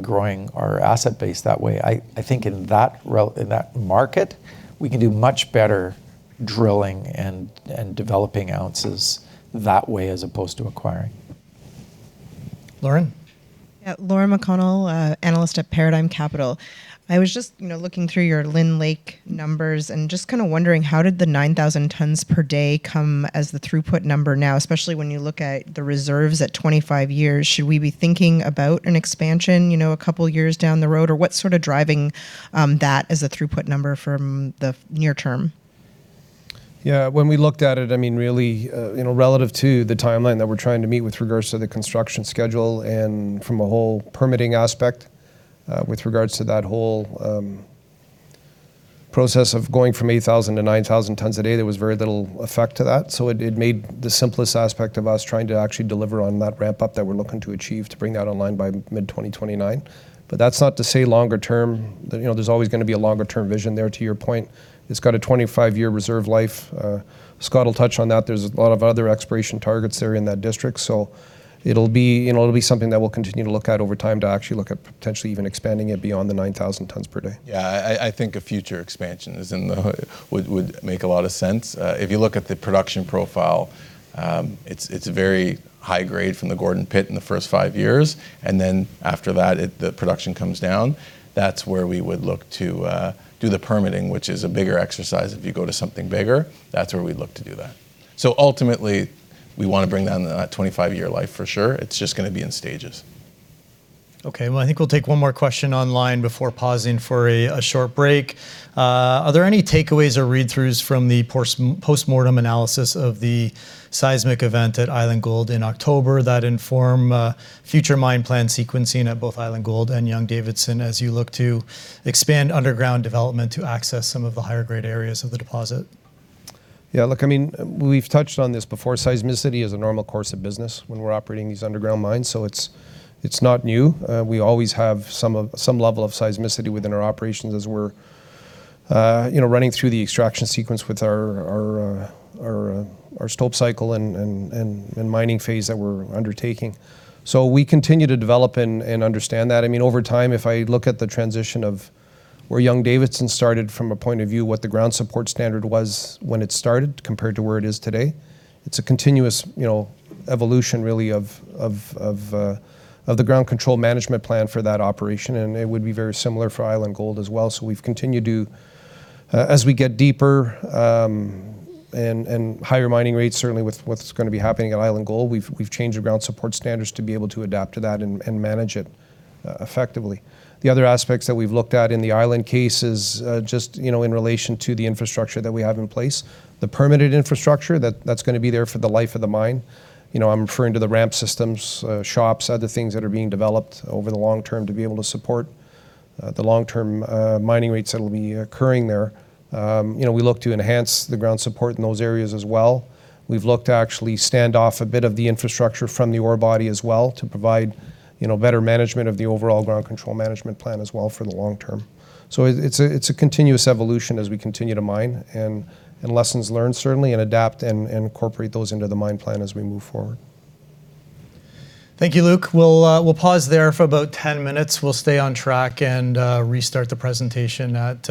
growing our asset base that way. I think in that market, we can do much better drilling and developing ounces that way, as opposed to acquiring. Lauren? Yeah, Lauren McConnell, analyst at Paradigm Capital. I was just, you know, looking through your Lynn Lake numbers, and just kind of wondering, how did the 9,000 tonnes per day come as the throughput number now, especially when you look at the reserves at 25 years? Should we be thinking about an expansion, you know, a couple of years down the road, or what's sort of driving that as a throughput number from the near term? Yeah, when we looked at it, I mean, really, you know, relative to the timeline that we're trying to meet with regards to the construction schedule and from a whole permitting aspect, with regards to that whole process of going from 8,000 tonnes to 9,000 tonnes a day, there was very little effect to that. So it, it made the simplest aspect of us trying to actually deliver on that ramp up that we're looking to achieve, to bring that online by mid-2029. But that's not to say longer term... You know, there's always gonna be a longer-term vision there, to your point. It's got a 25-year reserve life. Scott will touch on that. There's a lot of other exploration targets there in that district, so it'll be, you know, it'll be something that we'll continue to look at over time to actually look at potentially even expanding it beyond the 9,000 tonnes per day. Yeah, I think a future expansion is in the... would make a lot of sense. If you look at the production profile, it's a very high grade from the Gordon Pit in the first 5 years, and then after that, the production comes down. That's where we would look to do the permitting, which is a bigger exercise. If you go to something bigger, that's where we'd look to do that. Ultimately, we wanna bring down that 25-year life for sure. It's just gonna be in stages. Okay, well, I think we'll take one more question online before pausing for a short break. Are there any takeaways or read-throughs from the post-mortem analysis of the seismic event at Island Gold in October that inform future mine plan sequencing at both Island Gold and Young-Davidson, as you look to expand underground development to access some of the higher-grade areas of the deposit? Yeah, look, I mean, we've touched on this before. Seismicity is a normal course of business when we're operating these underground mines, so it's, it's not new. We always have some level of seismicity within our operations as we're, you know, running through the extraction sequence with our stope cycle and mining phase that we're undertaking. So we continue to develop and understand that. I mean, over time, if I look at the transition of where Young-Davidson started from a point of view, what the ground support standard was when it started, compared to where it is today, it's a continuous, you know, evolution really, of the ground control management plan for that operation, and it would be very similar for Island Gold as well. So we've continued to as we get deeper and higher mining rates, certainly with what's gonna be happening at Island Gold, we've changed the ground support standards to be able to adapt to that and manage it effectively. The other aspects that we've looked at in the Island case is just, you know, in relation to the infrastructure that we have in place. The permitted infrastructure that's gonna be there for the life of the mine. You know, I'm referring to the ramp systems, shops, other things that are being developed over the long term to be able to support the long-term mining rates that will be occurring there. You know, we look to enhance the ground support in those areas as well. We've looked to actually stand off a bit of the infrastructure from the ore body as well, to provide, you know, better management of the overall ground control management plan as well for the long term. So it's a, it's a continuous evolution as we continue to mine and lessons learned, certainly, and adapt and incorporate those into the mine plan as we move forward. Thank you, Luc. We'll pause there for about ten minutes. We'll stay on track and restart the presentation at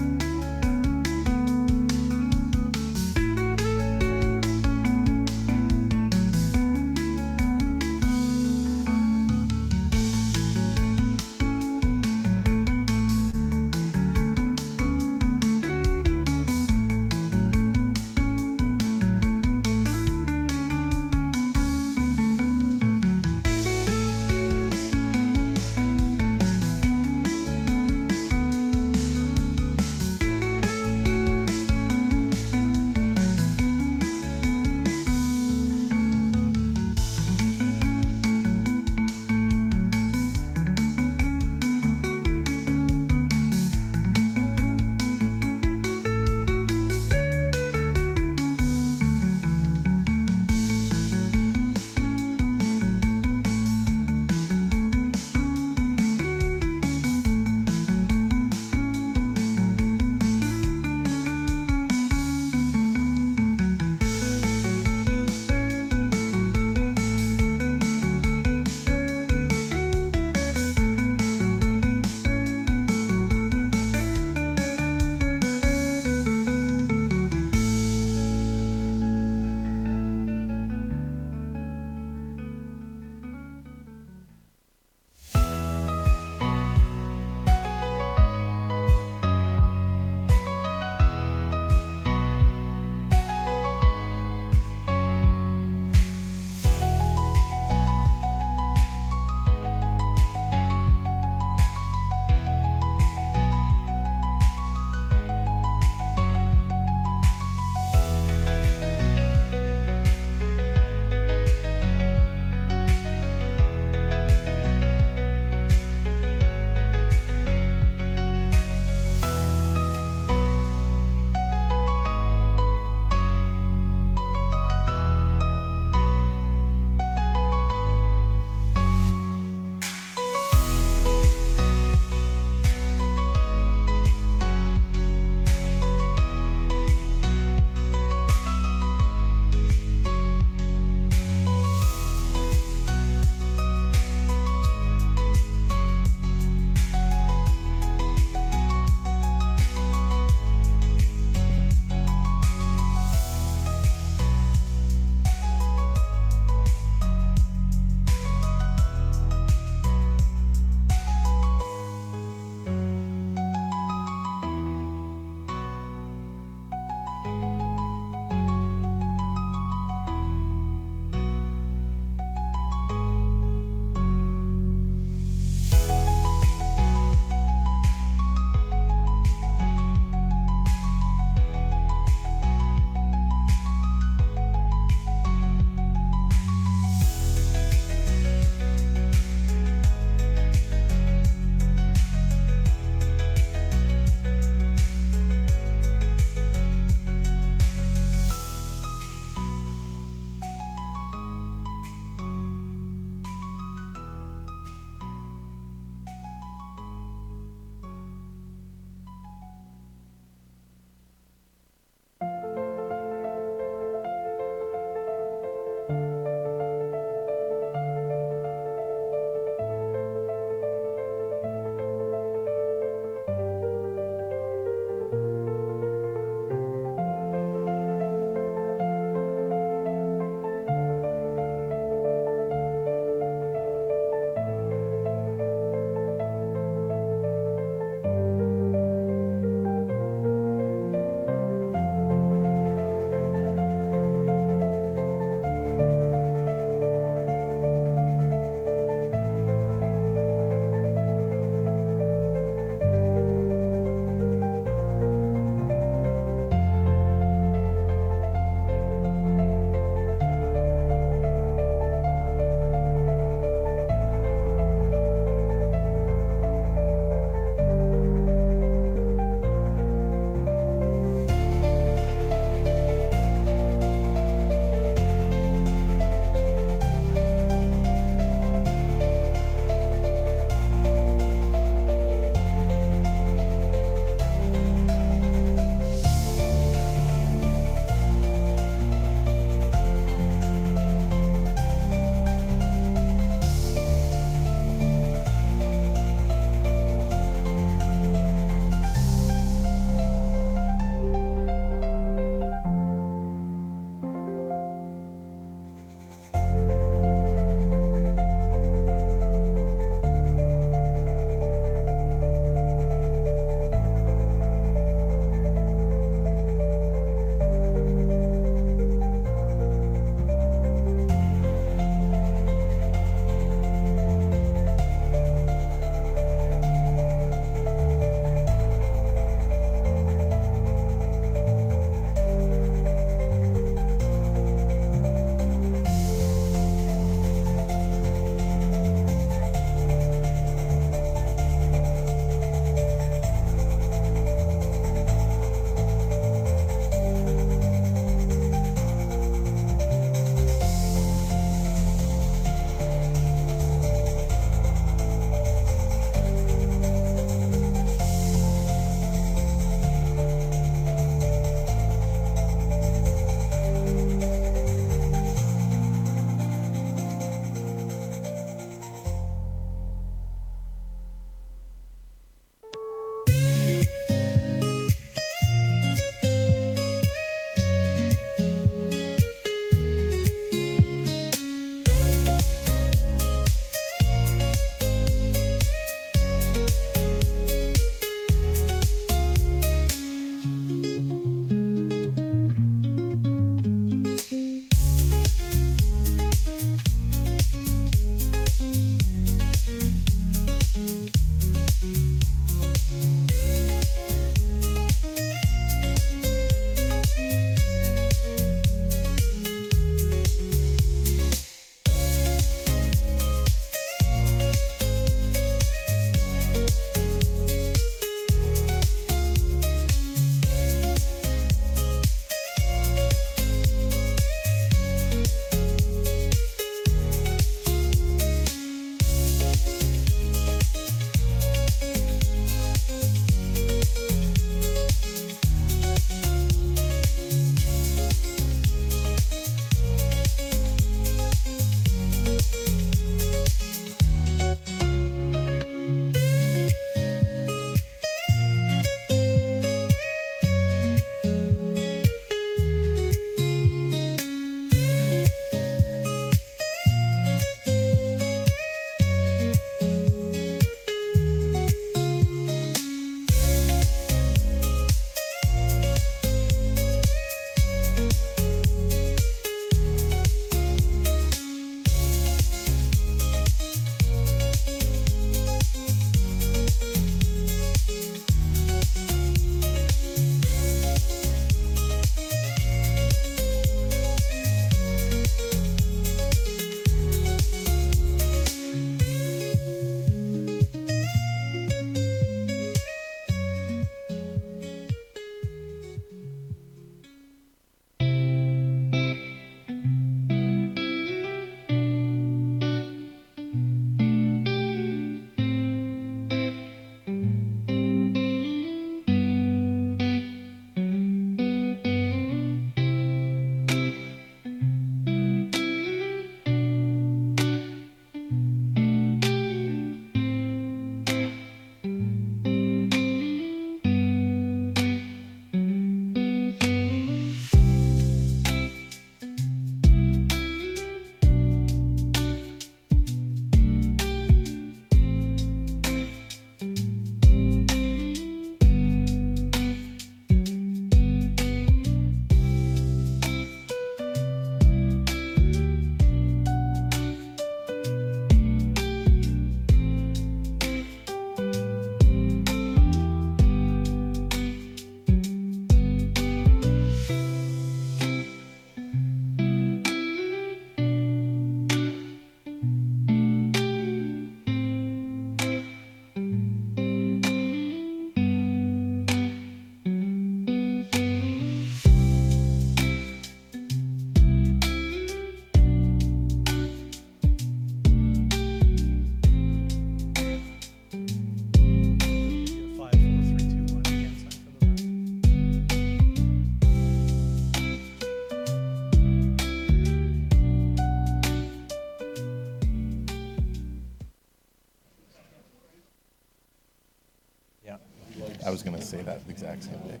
10:15. Yeah, I was gonna say that exact same thing.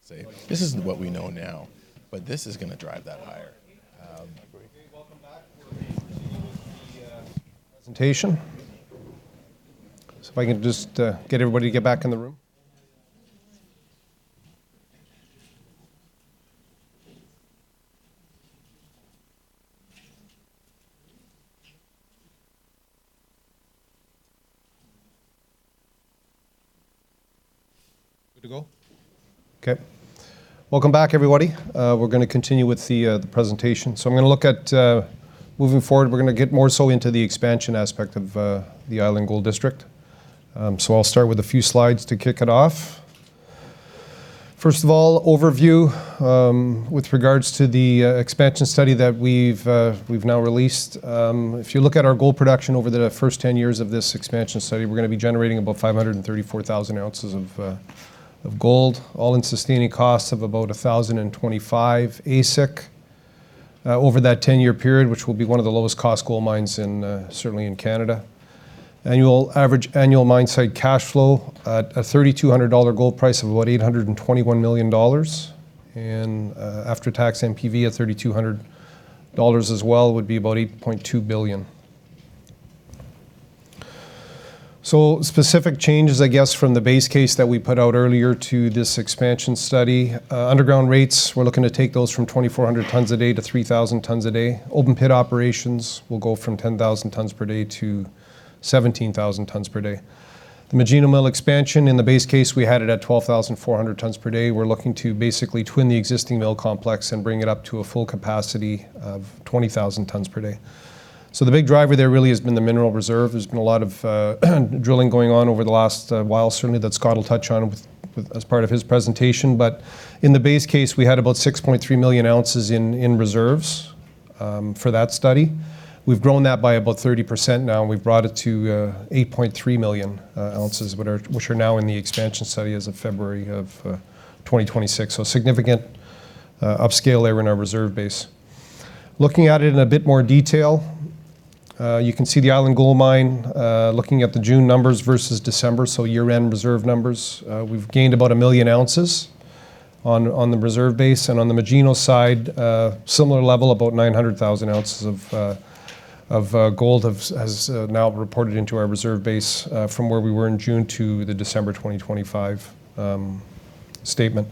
Say, this isn't what we know now, but this is gonna drive that higher. Okay, welcome back. We're going to continue with the presentation. So if I can just get everybody to get back in the room. Good to go? Okay. Welcome back, everybody. We're gonna continue with the presentation. So I'm gonna look at... Moving forward, we're gonna get more so into the expansion aspect of the Island Gold District. So I'll start with a few slides to kick it off. First of all, overview, with regards to the expansion study that we've now released. If you look at our gold production over the first 10 years of this expansion study, we're gonna be generating about 534,000 ounces of gold, all-in sustaining costs of about $1,025 AISC over that 10-year period, which will be one of the lowest cost gold mines in certainly in Canada. Average annual mine-site cash flow at a $3,200 gold price of about $821 million, and after-tax NPV at $3,200 as well, would be about $8.2 billion. So specific changes, I guess, from the base case that we put out earlier to this expansion study. Underground rates, we're looking to take those from 2,400 tonnes a day to 3,000 tonnes a day. Open pit operations will go from 10,000 tonnes per day to 17,000 tonnes per day. The Magino mill expansion, in the base case, we had it at 12,400 tonnes per day. We're looking to basically twin the existing mill complex and bring it up to a full capacity of 20,000 tonnes per day. So the big driver there really has been the mineral reserve. There's been a lot of drilling going on over the last while. Certainly, that Scott will touch on with as part of his presentation. But in the base case, we had about 6.3 million ounces in reserves for that study. We've grown that by about 30% now, and we've brought it to eight point three million ounces, but which are now in the expansion study as of February of 2026. So significant upscale there in our reserve base. Looking at it in a bit more detail, you can see the Island Gold Mine, looking at the June numbers versus December, so year-end reserve numbers. We've gained about a million ounces on the reserve base, and on the Magino side, a similar level, about 900,000 ounces of gold has now reported into our reserve base, from where we were in June to the December 2025 statement.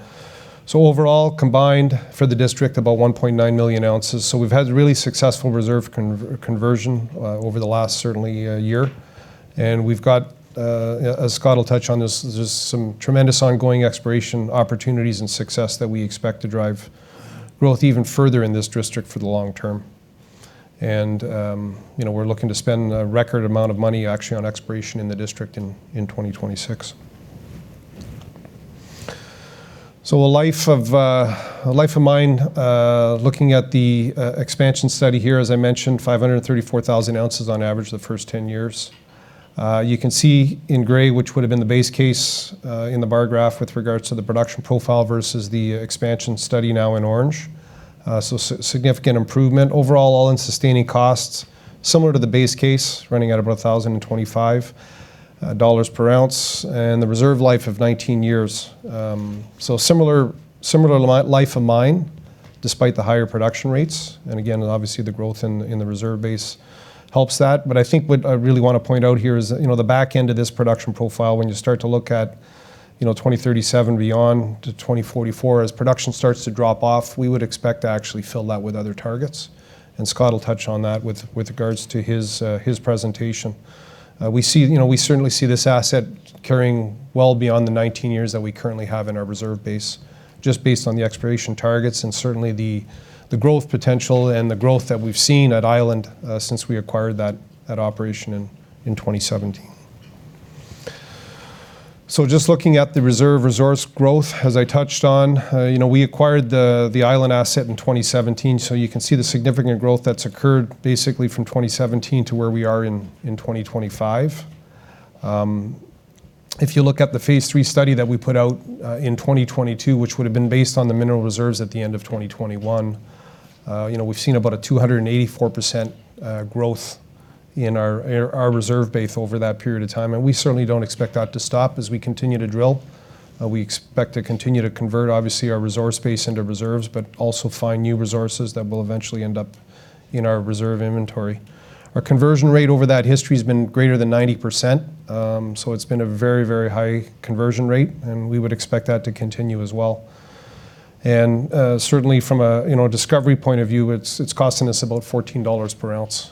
So overall, combined for the district, about 1.9 million ounces. So we've had a really successful reserve conversion over the last certainly year. And we've got... As Scott will touch on this, there's some tremendous ongoing exploration opportunities and success that we expect to drive growth even further in this district for the long term. And, you know, we're looking to spend a record amount of money, actually, on exploration in the district in 2026. So the life of the life of mine looking at the expansion study here, as I mentioned, 534,000 ounces on average, the first 10 years. You can see in gray, which would have been the base case in the bar graph with regards to the production profile versus the expansion study now in orange. So significant improvement overall, all-in sustaining costs, similar to the base case, running at about $1,025 per ounce, and the reserve life of 19 years. So similar life of mine, despite the higher production rates, and again, obviously, the growth in the reserve base helps that. But I think what I really want to point out here is that, you know, the back end of this production profile, when you start to look at, you know, 2037 beyond to 2044, as production starts to drop off, we would expect to actually fill that with other targets, and Scott will touch on that with regards to his presentation. We see... You know, we certainly see this asset carrying well beyond the 19 years that we currently have in our reserve base, just based on the exploration targets and certainly the, the growth potential and the growth that we've seen at Island, since we acquired that, that operation in, in 2017. So just looking at the reserve resource growth, as I touched on, you know, we acquired the, the Island asset in 2017, so you can see the significant growth that's occurred basically from 2017 to where we are in, in 2025. If you look at the Phase 3 study that we put out in 2022, which would have been based on the mineral reserves at the end of 2021, you know, we've seen about a 284% growth in our reserve base over that period of time, and we certainly don't expect that to stop as we continue to drill. We expect to continue to convert, obviously, our resource base into reserves, but also find new resources that will eventually end up in our reserve inventory. Our conversion rate over that history has been greater than 90%, so it's been a very, very high conversion rate, and we would expect that to continue as well. Certainly from a, you know, discovery point of view, it's costing us about $14 per ounce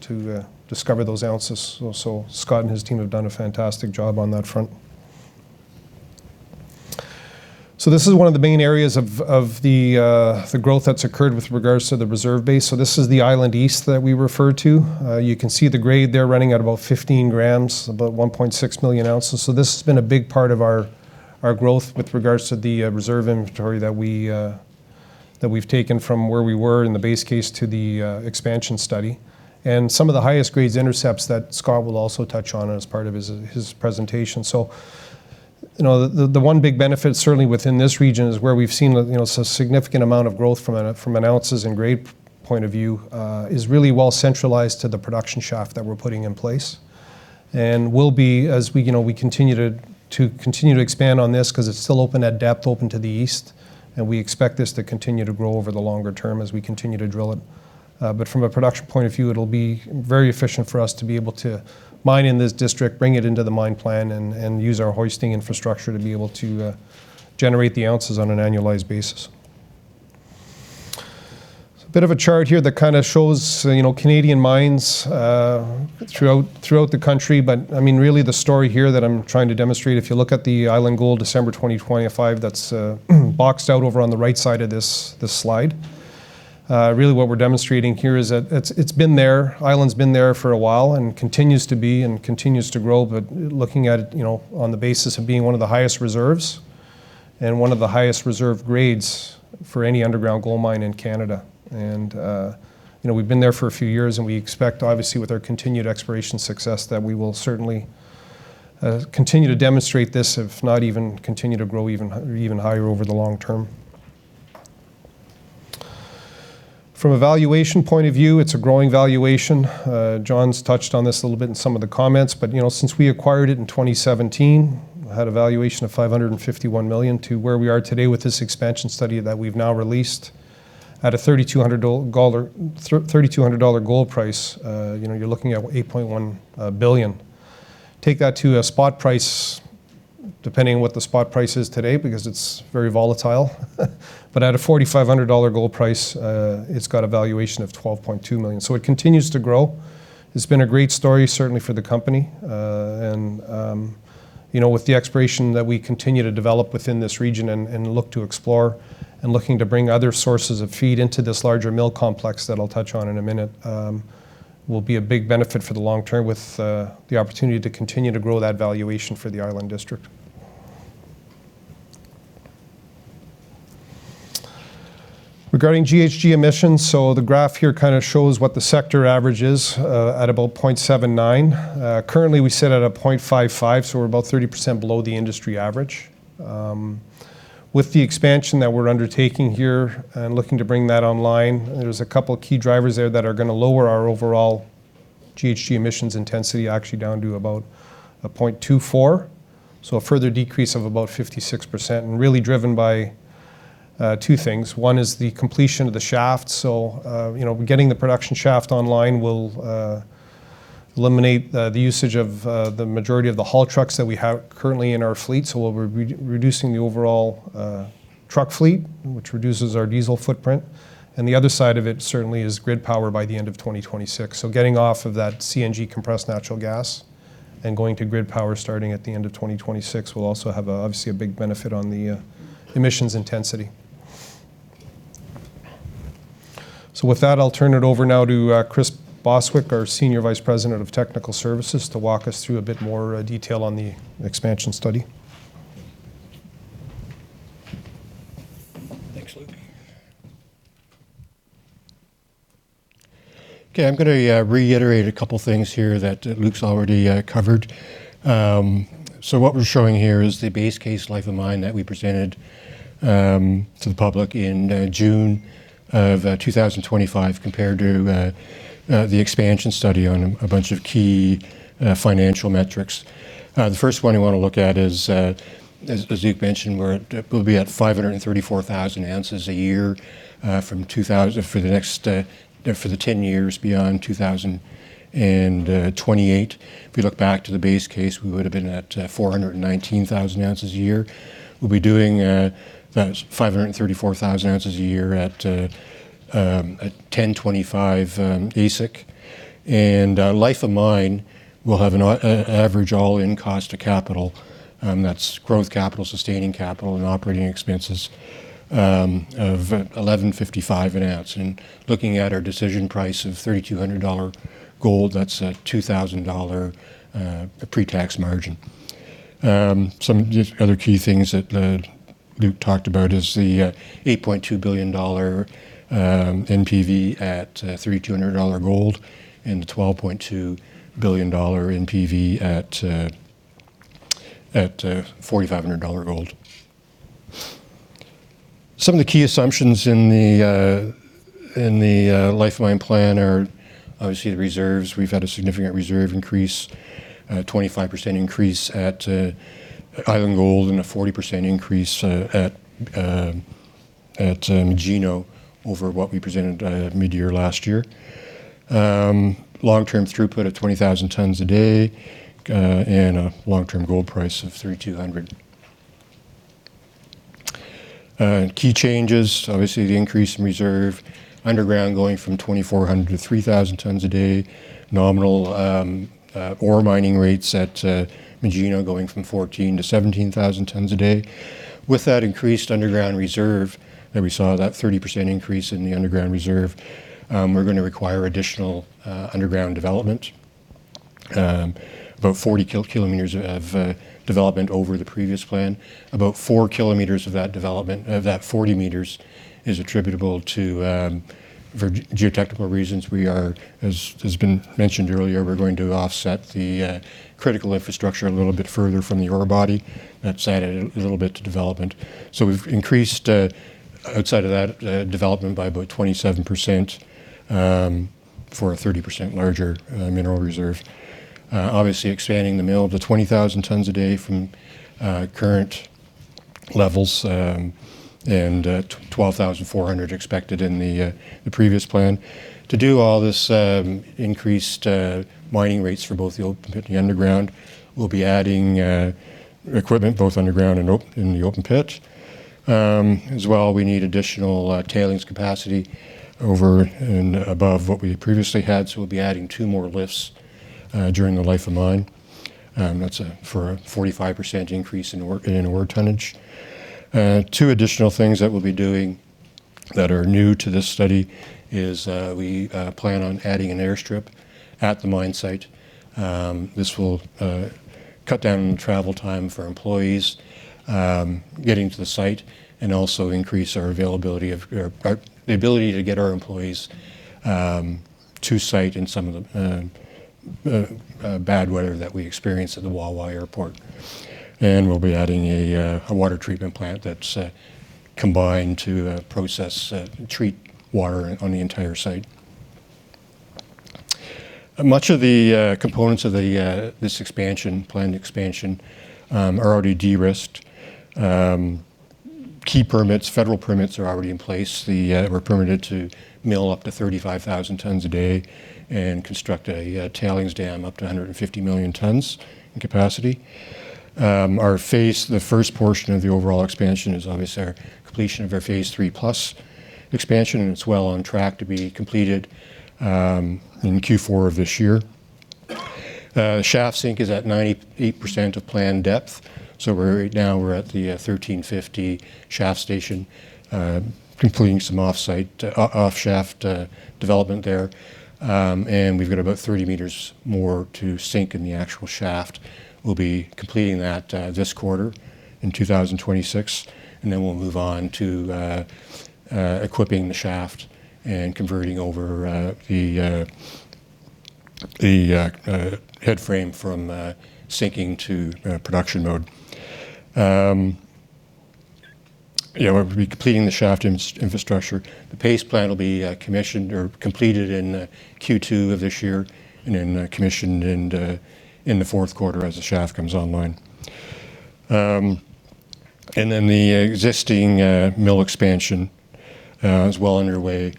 to discover those ounces. So, Scott and his team have done a fantastic job on that front. So this is one of the main areas of the growth that's occurred with regards to the reserve base. So this is the Island East that we referred to. You can see the grade there running at about 15 g, about 1.6 million ounces. So this has been a big part of our growth with regards to the reserve inventory that we've taken from where we were in the base case to the expansion study. And some of the highest grades intercepts that Scott will also touch on as part of his presentation. So, you know, the one big benefit, certainly within this region, is where we've seen a, you know, significant amount of growth from an ounces and grade point of view is really well centralized to the production shaft that we're putting in place. And we'll be, as we, you know, we continue to expand on this because it's still open at depth, open to the east, and we expect this to continue to grow over the longer term as we continue to drill it. But from a production point of view, it'll be very efficient for us to be able to mine in this district, bring it into the mine plan, and use our hoisting infrastructure to be able to generate the ounces on an annualized basis. A bit of a chart here that kind of shows, you know, Canadian mines throughout the country. But, I mean, really, the story here that I'm trying to demonstrate, if you look at the Island Gold, December 2025, that's boxed out over on the right side of this slide. Really, what we're demonstrating here is that it's been there, Island's been there for a while and continues to be and continues to grow. But looking at it, you know, on the basis of being one of the highest reserves and one of the highest reserve grades for any underground gold mine in Canada. You know, we've been there for a few years, and we expect, obviously, with our continued exploration success, that we will certainly continue to demonstrate this, if not even continue to grow even higher over the long term. From a valuation point of view, it's a growing valuation. John's touched on this a little bit in some of the comments, but, you know, since we acquired it in 2017, we had a valuation of $551 million to where we are today with this expansion study that we've now released at a $3,200 gold price, you know, you're looking at $8.1 billion. Take that to a spot price, depending on what the spot price is today, because it's very volatile. But at a $4,500 gold price, it's got a valuation of $12.2 million. So it continues to grow. It's been a great story, certainly for the company. You know, with the exploration that we continue to develop within this region and, and look to explore, and looking to bring other sources of feed into this larger mill complex, that I'll touch on in a minute, will be a big benefit for the long term, with the opportunity to continue to grow that valuation for the Island District. Regarding GHG emissions, so the graph here kinda shows what the sector average is, at about 0.79. Currently, we sit at a 0.55, so we're about 30% below the industry average. With the expansion that we're undertaking here and looking to bring that online, there's a couple of key drivers there that are gonna lower our overall GHG emissions intensity actually down to about 0.24, so a further decrease of about 56%, and really driven by two things. One is the completion of the shaft. So you know, getting the production shaft online will eliminate the usage of the majority of the haul trucks that we have currently in our fleet. So we'll be reducing the overall truck fleet, which reduces our diesel footprint. And the other side of it certainly is grid power by the end of 2026. So getting off of that CNG, compressed natural gas, and going to grid power, starting at the end of 2026, will also have, obviously, a big benefit on the emissions intensity. So with that, I'll turn it over now to Chris Bostwick, our Senior Vice President of Technical Services, to walk us through a bit more detail on the expansion study. Thanks, Luc. Okay, I'm gonna reiterate a couple of things here that Luc's already covered. So what we're showing here is the base case life of mine that we presented to the public in June of 2025, compared to the expansion study on a bunch of key financial metrics. The first one you wanna look at is, as Luc mentioned, we'll be at 534,000 ounces a year from 2028. For the next ten years beyond 2028. If you look back to the base case, we would've been at 419,000 ounces a year. We'll be doing about 534,000 ounces a year at $1,025 AISC. Life of mine will have an average all-in cost to capital, and that's growth capital, sustaining capital, and operating expenses, of $1,155 an ounce. Looking at our decision price of $3,200 gold, that's a $2,000 pre-tax margin. Some just other key things that Luc talked about is the $8.2 billion NPV at $3,200 gold and the $12.2 billion NPV at $4,500 gold. Some of the key assumptions in the life of mine plan are obviously the reserves. We've had a significant reserve increase, 25% increase at Island Gold, and a 40% increase at Magino over what we presented midyear last year. Long-term throughput of 20,000 tonnes a day, and a long-term gold price of $3,200. Key changes, obviously, the increase in reserve, underground going from 2,400 to 3,000 tonnes a day. Nominal, ore mining rates at Magino, going from 14,000 to 17,000 tonnes a day. With that increased underground reserve, and we saw that 30% increase in the underground reserve, we're gonna require additional, underground development, about 40 km of development over the previous plan. About 4 km of that development. Of that 40 km is attributable to, for geotechnical reasons, we are, as has been mentioned earlier, we're going to offset the, critical infrastructure a little bit further from the ore body. That's added a little bit to development. So we've increased outside of that development by about 27% for a 30% larger mineral reserve. Obviously, expanding the mill to 20,000 tonnes a day from current levels and 12,400 expected in the previous plan. To do all this, increased mining rates for both the open and the underground, we'll be adding equipment both underground and in the open pit. As well, we need additional tailings capacity over and above what we previously had, so we'll be adding 2 more lifts during the life of mine, and that's for a 45% increase in ore tonnage. Two additional things that we'll be doing that are new to this study is we plan on adding an airstrip at the mine site. This will cut down travel time for employees getting to the site and also increase our availability of our... The ability to get our employees to site in some of the bad weather that we experience at the Wawa Airport. We'll be adding a water treatment plant that's combined to process, treat water on the entire site. Much of the components of this expansion, planned expansion, are already de-risked. Key permits, federal permits are already in place. We're permitted to mill up to 35,000 tonnes a day and construct a tailings dam up to 150 million tonnes in capacity. Phase 3+ Expansion, the first portion of the overall expansion, is obviously our completion of our Phase 3+ Expansion, and it's well on track to be completed in Q4 of this year. Shaft sink is at 98% of planned depth, so we're right now, we're at the 1,350 shaft station, completing some off-site, off-shaft development there. And we've got about 30 meters more to sink in the actual shaft. We'll be completing that this quarter in 2026, and then we'll move on to equipping the shaft and converting over the headframe from sinking to production mode. We'll be completing the shaft infrastructure. The phase plan will be commissioned or completed in Q2 of this year and then commissioned in the fourth quarter as the shaft comes online. And then the existing mill expansion is well underway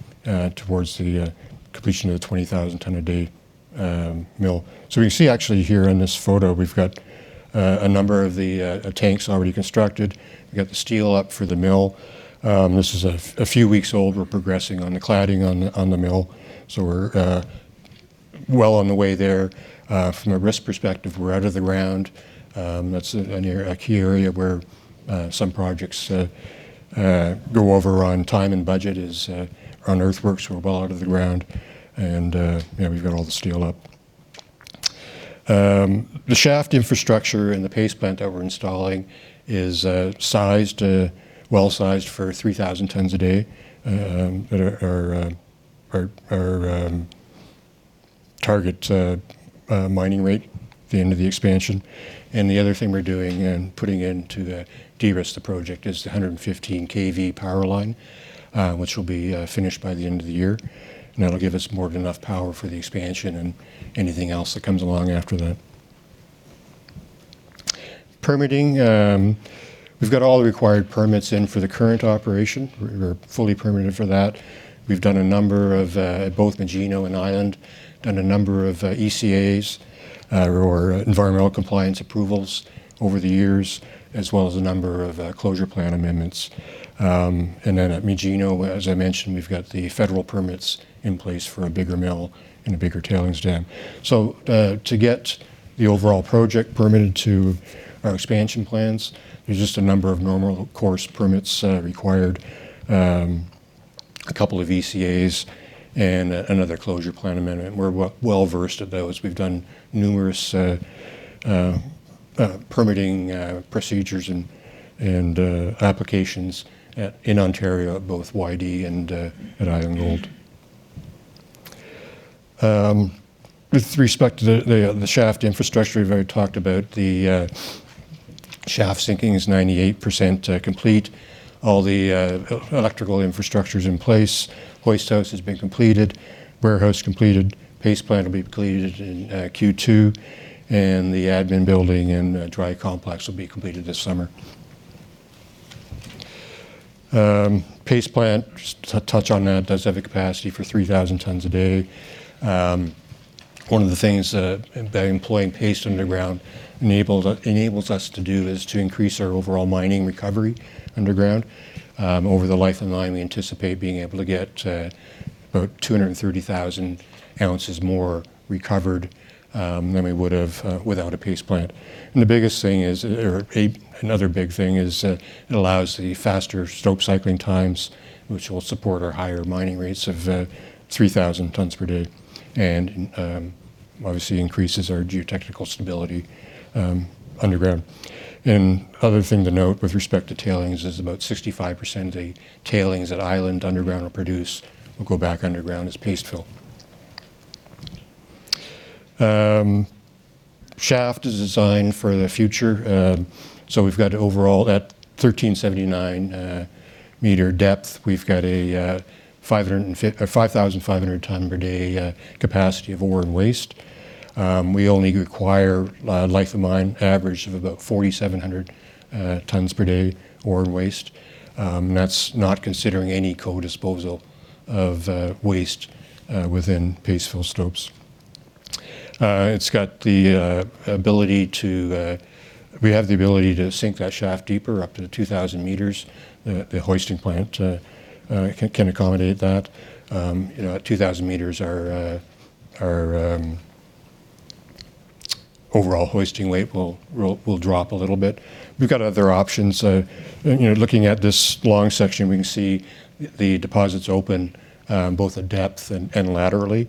towards the completion of the 20,000-tonne-a-day mill. So you see actually here in this photo, we've got a number of the tanks already constructed. We've got the steel up for the mill. This is a few weeks old. We're progressing on the cladding on the mill, so we're well on the way there. From a risk perspective, we're out of the ground. That's a key area where some projects go over on time and budget is on earthworks. We're well out of the ground and we've got all the steel up. The shaft infrastructure and the paste plant that we're installing is sized, well-sized for 3,000 tonnes a day that are target mining rate at the end of the expansion. And the other thing we're doing and putting into de-risk the project is the 115 kV power line, which will be finished by the end of the year. And that'll give us more than enough power for the expansion and anything else that comes along after that. Permitting, we've got all the required permits in for the current operation. We're fully permitted for that. We've done a number of... Both Magino and Island, done a number of ECAs or environmental compliance approvals over the years, as well as a number of closure plan amendments. And then at Magino, as I mentioned, we've got the federal permits in place for a bigger mill and a bigger tailings dam. So, to get the overall project permitted to our expansion plans, there's just a number of normal course permits required, a couple of ECAs and another closure plan amendment. We're well-versed at those. We've done numerous permitting procedures and applications in Ontario, both Young-Davidson and at Island Gold. With respect to the shaft infrastructure, we've already talked about the shaft sinking is 98% complete. All the electrical infrastructure is in place. Hoist house has been completed, warehouse completed, paste plant will be completed in Q2, and the admin building and dry complex will be completed this summer. Paste plant, just to touch on that, does have a capacity for 3,000 tonnes a day. One of the things that employing paste underground enables us to do is to increase our overall mining recovery underground. Over the life of the mine, we anticipate being able to get about 230,000 ounces more recovered than we would have without a paste plant. And the biggest thing is, another big thing is, it allows the faster stope cycling times, which will support our higher mining rates of 3,000 tonnes per day and obviously increases our geotechnical stability underground. Other thing to note with respect to tailings is about 65% of the tailings at Island underground will produce, will go back underground as paste fill. Shaft is designed for the future, so we've got overall at 1,379 meter depth, we've got a 5,500 tonne per day capacity of ore and waste. We only require a life of mine average of about 4,700 tonnes per day, ore and waste. That's not considering any co-disposal of waste within paste fill stopes. It's got the ability to... We have the ability to sink that shaft deeper, up to 2,000 meters. The hoisting plant can accommodate that. You know, at 2,000 meters, our overall hoisting weight will drop a little bit. We've got other options. You know, looking at this long section, we can see the deposits open both in depth and laterally.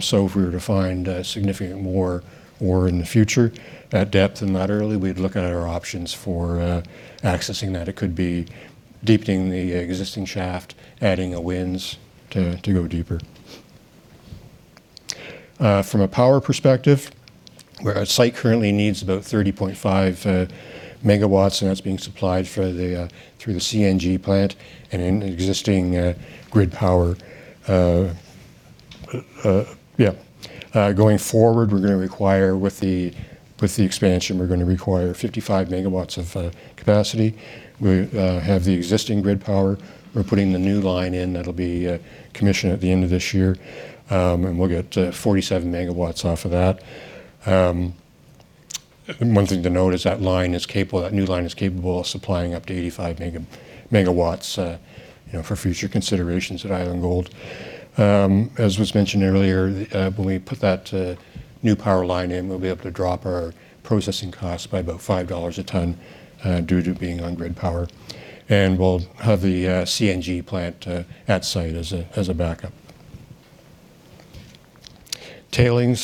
So if we were to find significant more ore in the future at depth and laterally, we'd look at our options for accessing that. It could be deepening the existing shaft, adding a winze to go deeper. From a power perspective, where our site currently needs about 30.5 MW, and that's being supplied through the CNG plant and existing grid power. Yeah. Going forward, we're gonna require with the, with the expansion, we're gonna require 55 MW of capacity. We have the existing grid power. We're putting the new line in. That'll be commissioned at the end of this year, and we'll get 47 MW off of that. And one thing to note is that line is capable, that new line is capable of supplying up to 85 MW, you know, for future considerations at Island Gold. As was mentioned earlier, when we put that new power line in, we'll be able to drop our processing costs by about $5 a tonne, due to being on grid power, and we'll have the CNG plant at site as a backup. Tailings,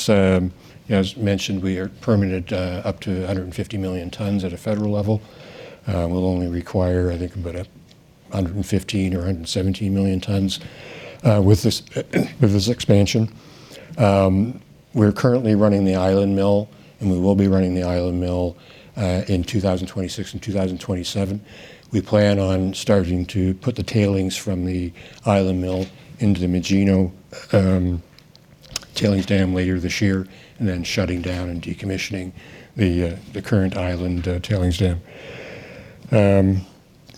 as mentioned, we are permitted up to 150 million tonnes at a federal level. We'll only require, I think, about 115 million or 117 million tonnes with this expansion. We're currently running the Island mill, and we will be running the Island mill in 2026 and 2027. We plan on starting to put the tailings from the Island mill into the Magino tailings dam later this year and then shutting down and decommissioning the current Island tailings dam.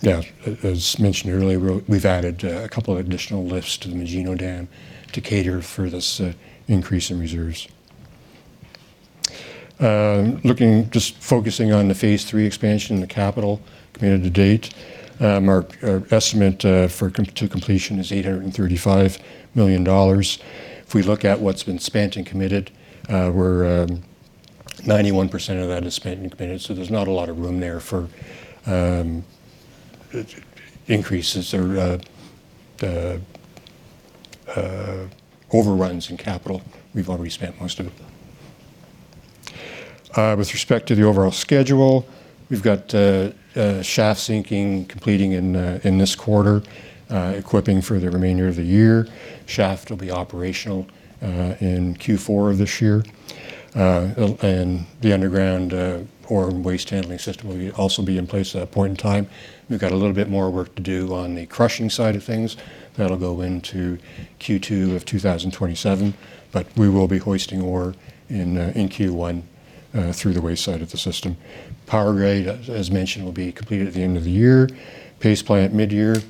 Now, as mentioned earlier, we've added a couple of additional lifts to the Magino dam to cater for this increase in reserves. Just focusing on the Phase 3 expansion and the capital committed to date, our estimate for completion is $835 million. If we look at what's been spent and committed, we're 91% of that is spent and committed, so there's not a lot of room there for increases or the overruns in capital. We've already spent most of it. With respect to the overall schedule, we've got shaft sinking completing in this quarter, equipping for the remainder of the year. Shaft will be operational in Q4 of this year, and the underground ore waste handling system will also be in place at that point in time. We've got a little bit more work to do on the crushing side of things. That'll go into Q2 of 2027, but we will be hoisting ore in Q1 through the waste side of the system. Phase 3, as, as mentioned, will be completed at the end of the year, paste plant, midyear,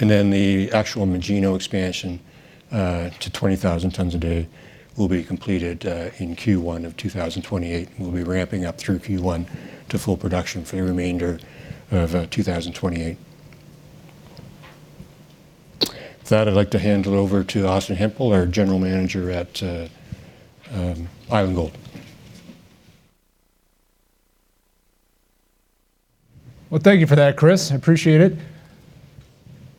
and then the actual Magino expansion to 20,000 tonnes a day will be completed in Q1 of 2028. We'll be ramping up through Q1 to full production for the remainder of 2028. With that, I'd like to hand it over to Austin Hemphill, our general manager at Island Gold District. Well, thank you for that, Chris. I appreciate it.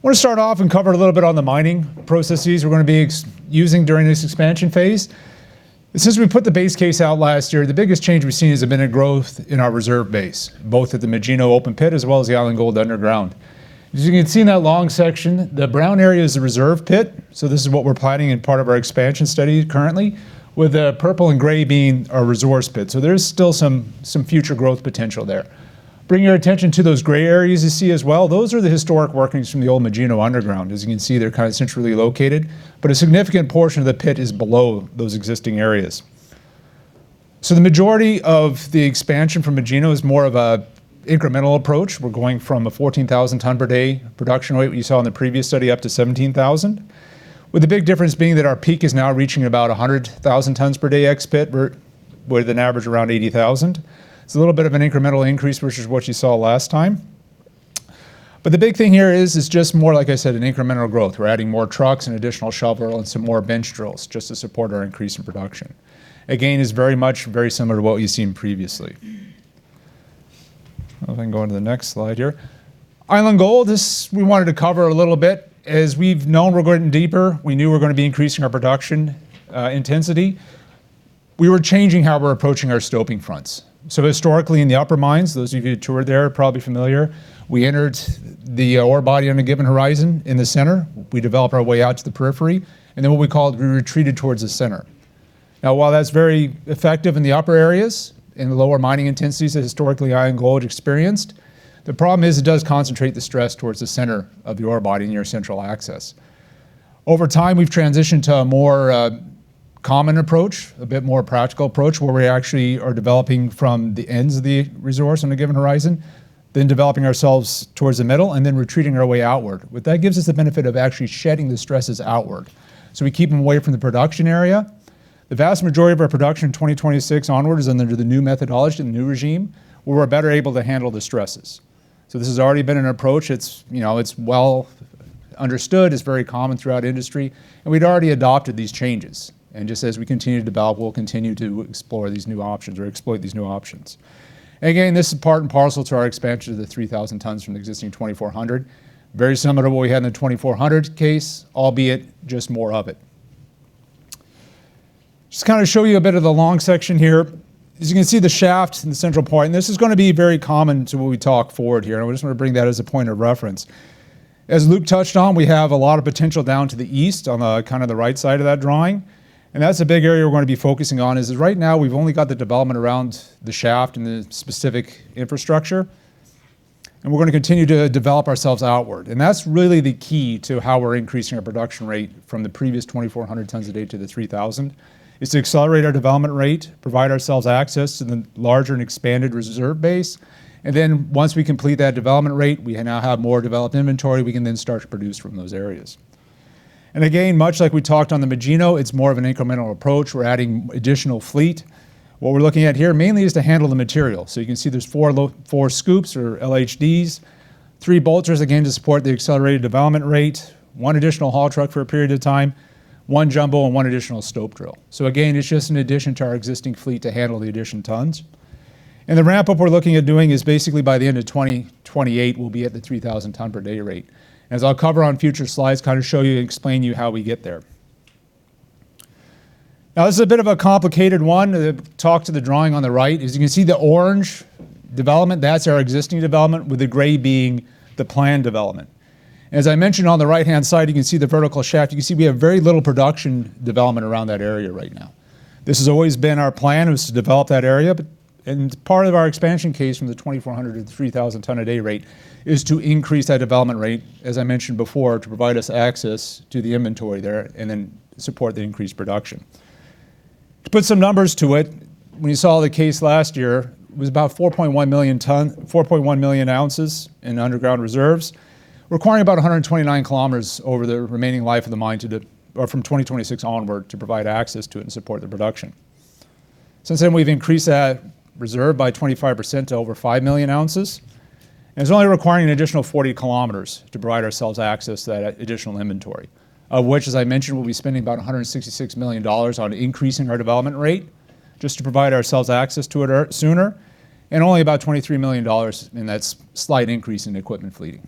I want to start off and cover a little bit on the mining processes we're gonna be using during this expansion phase. Since we put the base case out last year, the biggest change we've seen has been a growth in our reserve base, both at the Magino open pit as well as the Island Gold underground. As you can see in that long section, the brown area is a reserve pit, so this is what we're planning in part of our expansion study currently, with the purple and gray being our resource pit. So there is still some future growth potential there. Bring your attention to those gray areas you see as well. Those are the historic workings from the old Magino underground. As you can see, they're kind of centrally located, but a significant portion of the pit is below those existing areas. So the majority of the expansion from Magino is more of a incremental approach. We're going from a 14,000 tonne per day production rate, what you saw in the previous study, up to 17,000, with the big difference being that our peak is now reaching about a 100,000 tonnes per day ex pit, where, with an average around 80,000. It's a little bit of an incremental increase, which is what you saw last time. But the big thing here is, it's just more, like I said, an incremental growth. We're adding more trucks, an additional shovel, and some more bench drills just to support our increase in production. Again, it's very much very similar to what we've seen previously. Well, then go on to the next slide here. Island Gold, this we wanted to cover a little bit. As we've known, we're going deeper. We knew we were gonna be increasing our production intensity. We were changing how we're approaching our stoping fronts. So historically, in the upper mines, those of you who toured there are probably familiar, we entered the ore body on a given horizon in the center. We developed our way out to the periphery, and then what we called, we retreated towards the center. Now, while that's very effective in the upper areas, in the lower mining intensities that historically Island Gold experienced, the problem is it does concentrate the stress towards the center of the ore body and your central axis. Over time, we've transitioned to a more, common approach, a bit more practical approach, where we actually are developing from the ends of the resource on a given horizon, then developing ourselves towards the middle and then retreating our way outward. What that gives us the benefit of actually shedding the stresses outward, so we keep them away from the production area. The vast majority of our production, 2026 onward, is under the new methodology, the new regime, where we're better able to handle the stresses. So this has already been an approach. It's, you know, it's well understood, it's very common throughout industry, and we'd already adopted these changes. And just as we continue to develop, we'll continue to explore these new options or exploit these new options. Again, this is part and parcel to our expansion of the 3,000 tonnes from the existing 2,400. Very similar to what we had in the 2,400 case, albeit just more of it. Just to kind of show you a bit of the long section here. As you can see, the shaft in the central point, and this is gonna be very common to what we talk forward here, and I just want to bring that as a point of reference. As Luc touched on, we have a lot of potential down to the east on the, kind of the right side of that drawing, and that's a big area we're gonna be focusing on, is right now we've only got the development around the shaft and the specific infrastructure, and we're gonna continue to develop ourselves outward. That's really the key to how we're increasing our production rate from the previous 2,400 tonnes a day to the 3,000, is to accelerate our development rate, provide ourselves access to the larger and expanded reserve base, and then once we complete that development rate, we now have more developed inventory. We can then start to produce from those areas. And again, much like we talked on the Magino, it's more of an incremental approach. We're adding additional fleet. What we're looking at here mainly is to handle the material. So you can see there's 4 scoops or LHDs, 3 bolters, again, to support the accelerated development rate, 1 additional haul truck for a period of time, 1 jumbo and 1 additional stope drill. So again, it's just an addition to our existing fleet to handle the additional tonnes. And the ramp-up we're looking at doing is basically by the end of 2028, we'll be at the 3,000 tonne per day rate. As I'll cover on future slides, kind of show you and explain to you how we get there. Now, this is a bit of a complicated one. The talk to the drawing on the right, as you can see, the orange development, that's our existing development, with the gray being the plan development. As I mentioned, on the right-hand side, you can see the vertical shaft. You can see we have very little production development around that area right now. This has always been our plan, was to develop that area, but and part of our expansion case from the 2,400-tonne to 3,000-tonne-per-day rate, is to increase that development rate, as I mentioned before, to provide us access to the inventory there and then support the increased production. To put some numbers to it, when you saw the case last year, it was about 4.1 million ounces in underground reserves, requiring about 129 km over the remaining life of the mine to the, or from 2026 onward, to provide access to it and support the production. Since then, we've increased that reserve by 25% to over 5 million ounces, and it's only requiring an additional 40 km to provide ourselves access to that additional inventory. Of which, as I mentioned, we'll be spending about $166 million on increasing our development rate just to provide ourselves access to it earlier sooner, and only about $23 million in that slight increase in equipment fleet.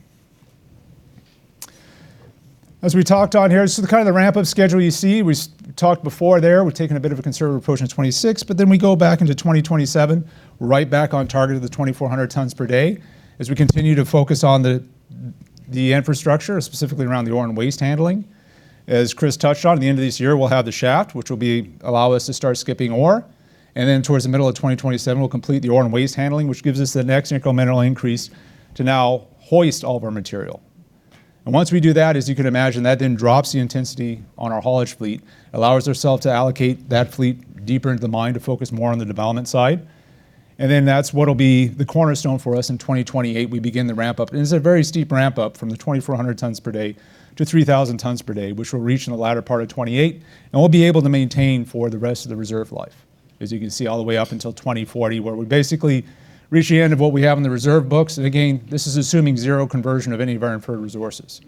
As we talked on here, this is the kind of ramp-up schedule you see. We talked before there, we've taken a bit of a conservative approach in 2026, but then we go back into 2027, right back on target of 2,400 tonnes per day, as we continue to focus on the infrastructure, specifically around the ore and waste handling. As Chris touched on, at the end of this year, we'll have the shaft, which will allow us to start skipping ore, and then towards the middle of 2027, we'll complete the ore and waste handling, which gives us the next incremental increase to now hoist all of our material. And once we do that, as you can imagine, that then drops the intensity on our haulage fleet, allows ourselves to allocate that fleet deeper into the mine to focus more on the development side. And then that's what will be the cornerstone for us in 2028, we begin the ramp-up. And it's a very steep ramp up from the 2,400 tonnes per day to 3,000 tonnes per day, which we'll reach in the latter part of 2028, and we'll be able to maintain for the rest of the reserve life. As you can see, all the way up until 2040, where we basically reach the end of what we have in the reserve books. Again, this is assuming zero conversion of any of our inferred resources,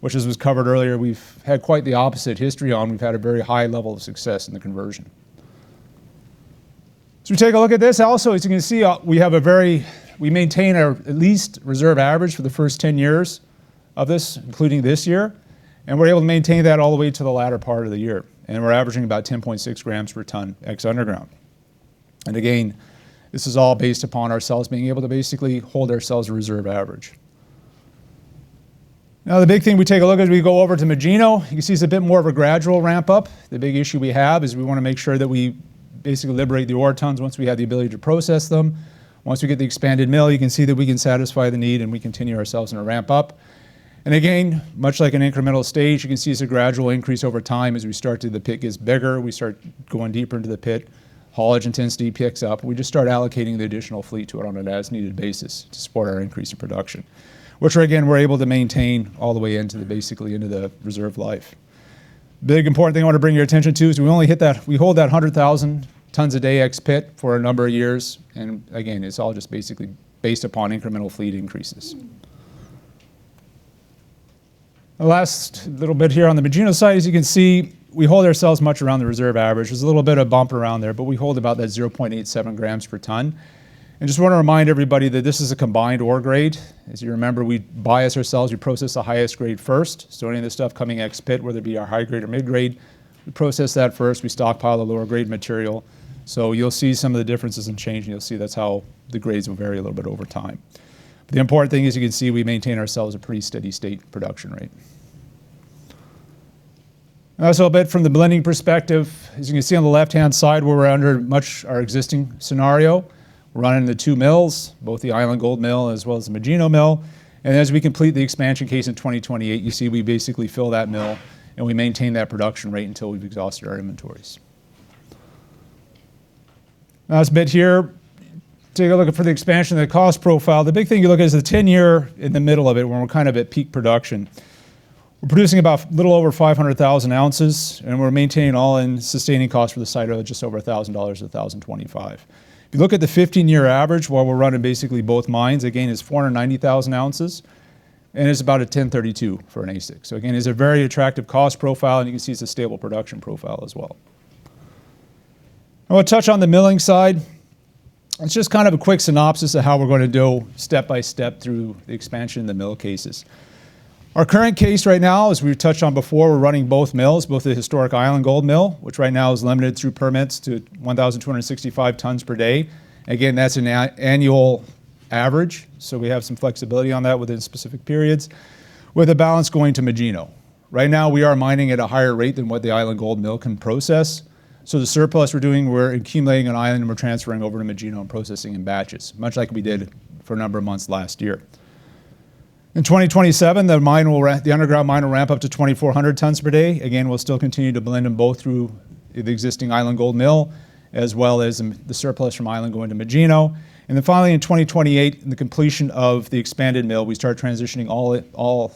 which as was covered earlier, we've had quite the opposite history on. We've had a very high level of success in the conversion. We take a look at this. Also, as you can see, we have a very... We maintain our at least reserve average for the first 10 years of this, including this year, and we're able to maintain that all the way to the latter part of the year, and we're averaging about 10.6 grams per tonne, ex-underground. Again, this is all based upon ourselves being able to basically hold ourselves a reserve average. Now, the big thing we take a look at as we go over to Magino, you can see it's a bit more of a gradual ramp-up. The big issue we have is we wanna make sure that we basically liberate the ore tonnes once we have the ability to process them. Once we get the expanded mill, you can see that we can satisfy the need, and we continue ourselves in a ramp up. And again, much like an incremental stage, you can see it's a gradual increase over time as we start to, the pit gets bigger, we start going deeper into the pit, haulage intensity picks up. We just start allocating the additional fleet to it on an as-needed basis to support our increase in production, which again, we're able to maintain all the way into the, basically into the reserve life. Big important thing I want to bring your attention to is we hold that 100,000 tonnes a day ex-pit for a number of years, and again, it's all just basically based upon incremental fleet increases. The last little bit here on the Magino site, as you can see, we hold ourselves much around the reserve average. There's a little bit of bump around there, but we hold about that 0.87 grams per tonne. And just wanna remind everybody that this is a combined ore grade. As you remember, we bias ourselves, we process the highest grade first. So any of this stuff coming ex-pit, whether it be our high grade or mid-grade, we process that first, we stockpile the lower grade material. So you'll see some of the differences in change, and you'll see that's how the grades will vary a little bit over time. The important thing is, you can see we maintain ourselves a pretty steady state production rate. Also, a bit from the blending perspective, as you can see on the left-hand side, we're under much our existing scenario. We're running the two mills, both the Island Gold mill as well as the Magino mill. And as we complete the expansion case in 2028, you see we basically fill that mill, and we maintain that production rate until we've exhausted our inventories. Last bit here, take a look for the expansion, the cost profile. The big thing you look at is the 10-year in the middle of it, when we're kind of at peak production. We're producing about little over 500,000 ounces, and we're maintaining. All-in Sustaining Costs for the site are just over $1,000, $1,025. If you look at the 15-year average, while we're running basically both mines, again, it's 490,000 ounces, and it's about a $1,032 for an AISC. So again, it's a very attractive cost profile, and you can see it's a stable production profile as well. I want to touch on the milling side. It's just kind of a quick synopsis of how we're gonna go step by step through the expansion of the mill cases. Our current case right now, as we've touched on before, we're running both mills, both the historic Island Gold mill, which right now is limited through permits to 1,265 tonnes per day. Again, that's an annual average, so we have some flexibility on that within specific periods, with the balance going to Magino. Right now, we are mining at a higher rate than what the Island Gold mill can process. So the surplus we're doing, we're accumulating on Island, and we're transferring over to Magino and processing in batches, much like we did for a number of months last year. In 2027, the mine will the underground mine will ramp up to 2,400 tonnes per day. Again, we'll still continue to blend them both through the existing Island Gold mill, as well as the, the surplus from Island going to Magino. Then finally, in 2028, the completion of the expanded mill, we start transitioning all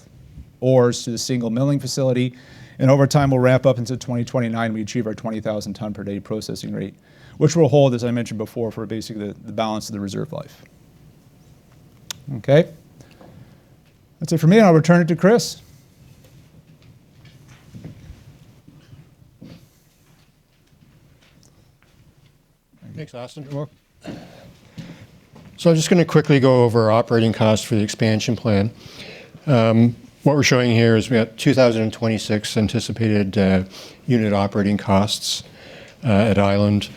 ores to the single milling facility, and over time, we'll wrap up into 2029, we achieve our 20,000 tonne per day processing rate, which will hold, as I mentioned before, for basically the balance of the reserve life. Okay. That's it for me, and I'll return it to Chris. Thanks, Austin. So I'm just gonna quickly go over operating costs for the expansion plan. What we're showing here is we have 2026 anticipated unit operating costs at Island.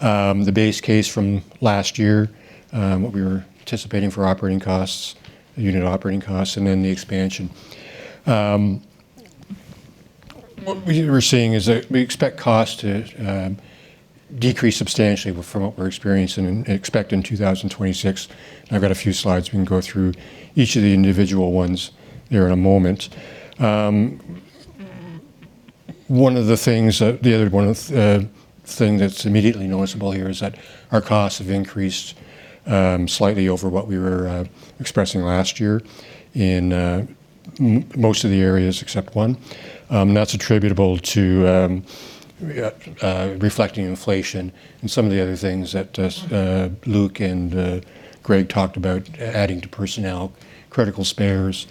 The base case from last year, what we were anticipating for operating costs, unit operating costs, and then the expansion. What we're seeing is that we expect costs to decrease substantially from what we're experiencing and expect in 2026. I've got a few slides we can go through each of the individual ones here in a moment. One of the other things that's immediately noticeable here is that our costs have increased slightly over what we were expressing last year in most of the areas except one. That's attributable to reflecting inflation and some of the other things that Luc and Greg talked about adding to personnel, critical spares,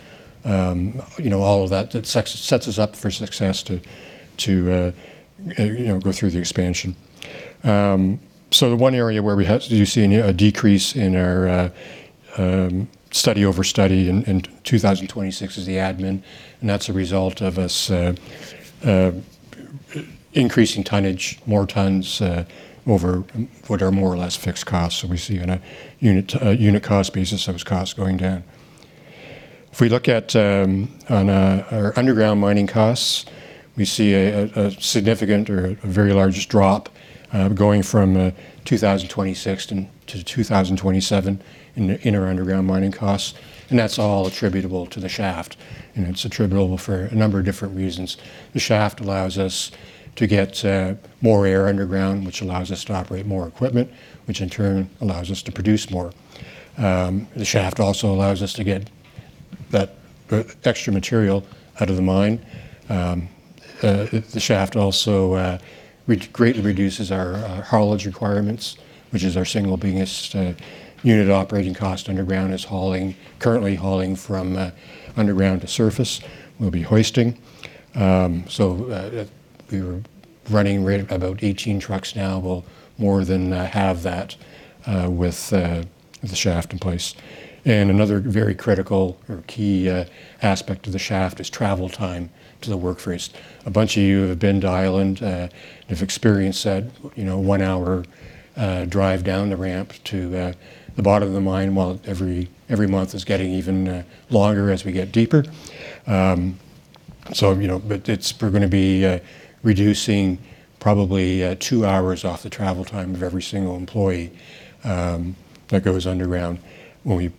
you know, all of that, that sets us up for success to go through the expansion. So the one area where we have... Did you see any decrease in our study over study in 2026 is the admin, and that's a result of us increasing tonnage, more tonnes over what are more or less fixed costs. So we see in a unit cost basis, those costs going down. If we look at, on, our underground mining costs, we see a significant or a very large drop, going from 2026 to 2027 in our underground mining costs, and that's all attributable to the shaft, and it's attributable for a number of different reasons. The shaft allows us to get more air underground, which allows us to operate more equipment, which in turn allows us to produce more. The shaft also allows us to get that extra material out of the mine. The shaft also greatly reduces our haulage requirements, which is our single biggest unit operating cost underground, is hauling, currently hauling from underground to surface. We'll be hoisting. So, we were running about 18 trucks now. We'll more than halve that with the shaft in place. Another very critical or key aspect of the shaft is travel time to the workforce. A bunch of you have been to Island and have experienced that, you know, 1-hour drive down the ramp to the bottom of the mine, while every month is getting even longer as we get deeper. So, you know, but it's... We're gonna be reducing probably 2 hours off the travel time of every single employee that goes underground. When we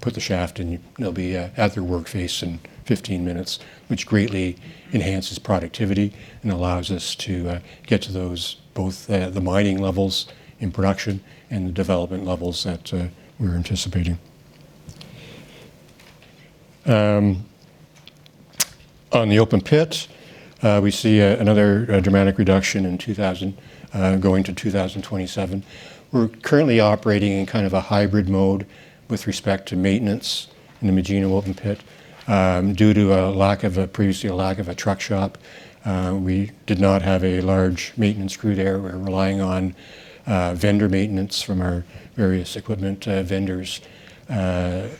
put the shaft in, they'll be at their work face in 15 minutes, which greatly enhances productivity and allows us to get to those, both the mining levels in production and the development levels that we're anticipating. On the open pit, we see another dramatic reduction in 2024 going to 2027. We're currently operating in kind of a hybrid mode with respect to maintenance in the Magino open pit. Due to a previous lack of a truck shop, we did not have a large maintenance crew there. We're relying on vendor maintenance from our various equipment vendors,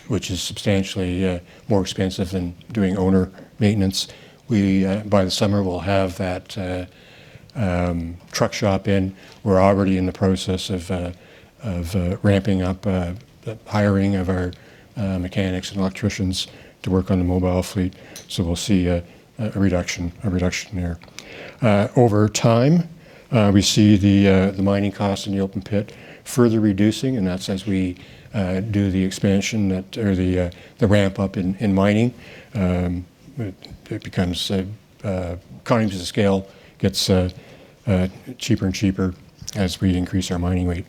which is substantially more expensive than doing owner maintenance. By the summer, we will have that truck shop in. We're already in the process of ramping up the hiring of our mechanics and electricians to work on the mobile fleet. So we'll see a reduction there. Over time, we see the mining costs in the open pit further reducing, and that's as we do the expansion or the ramp up in mining. It becomes economies of scale gets cheaper and cheaper as we increase our mining rate.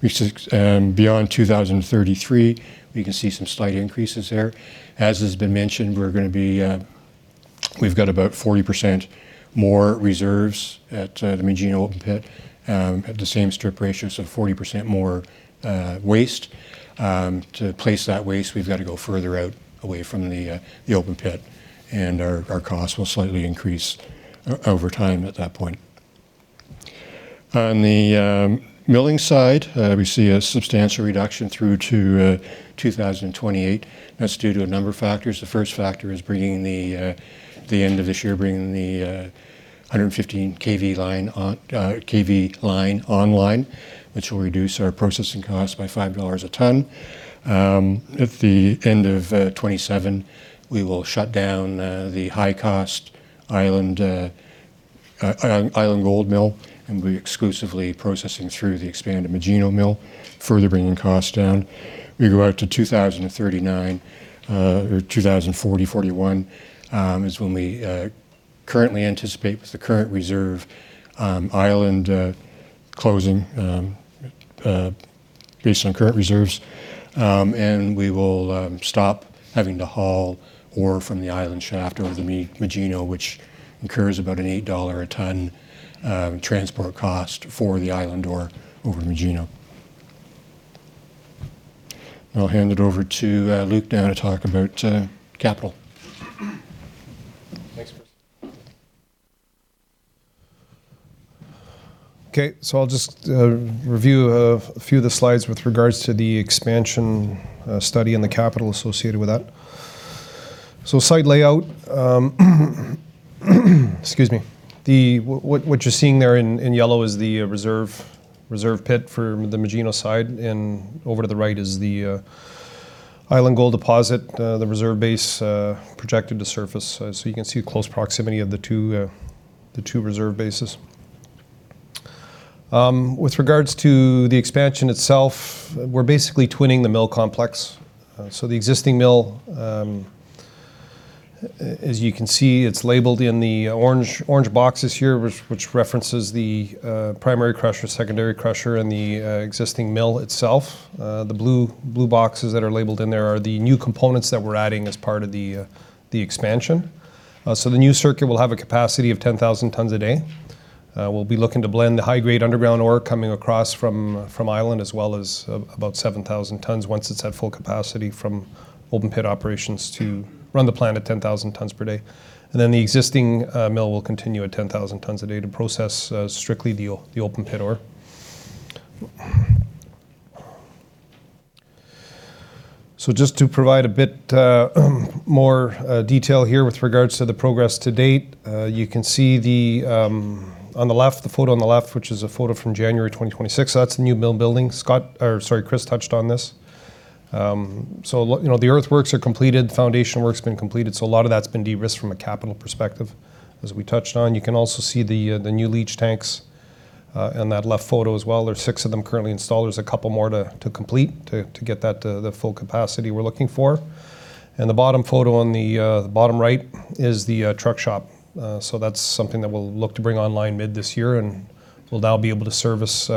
Beyond 2033, we can see some slight increases there. As has been mentioned, we're gonna be. We've got about 40% more reserves at the Magino open pit, at the same strip ratios of 40% more waste. To place that waste, we've got to go further out away from the open pit, and our costs will slightly increase over time at that point. On the milling side, we see a substantial reduction through to 2028. That's due to a number of factors. The first factor is bringing the end of this year, bringing the 115 kV line on kV line online, which will reduce our processing costs by $5 a tonne. At the end of 2027, we will shut down the high-cost Island Gold mill, and be exclusively processing through the expanded Magino mill, further bringing costs down. We go out to 2039 or 2040-2041, is when we currently anticipate with the current reserve, Island closing based on current reserves. We will stop having to haul ore from the Island shaft over to the Magino, which incurs about $8 a tonne transport cost for the Island ore over Magino. I'll hand it over to Luc now to talk about capital. Thanks, Chris. Okay, so I'll just review a few of the slides with regards to the expansion study and the capital associated with that. So site layout, excuse me. What you're seeing there in yellow is the reserve pit for the Magino side, and over to the right is the Island Gold deposit, the reserve base projected to surface. So you can see close proximity of the two reserve bases. With regards to the expansion itself, we're basically twinning the mill complex. So the existing mill, as you can see, it's labeled in the orange boxes here, which references the primary crusher, secondary crusher, and the existing mill itself. The blue, blue boxes that are labeled in there are the new components that we're adding as part of the expansion. So the new circuit will have a capacity of 10,000 tonnes a day. We'll be looking to blend the high-grade underground ore coming across from, from Island, as well as about 7,000 tonnes once it's at full capacity from open pit operations to run the plant at 10,000 tonnes per day. And then, the existing mill will continue at 10,000 tonnes a day to process strictly the open pit ore. So just to provide a bit more detail here with regards to the progress to date, you can see the. On the left, the photo on the left, which is a photo from January 2026, so that's the new mill building. Scott or, sorry, Chris touched on this. So you know, the earthworks are completed, foundation work's been completed, so a lot of that's been de-risked from a capital perspective, as we touched on. You can also see the new leach tanks in that left photo as well. There's 6 of them currently installed. There's a couple more to get that to the full capacity we're looking for. And the bottom photo on the bottom right is the truck shop. So that's something that we'll look to bring online mid this year, and we'll now be able to service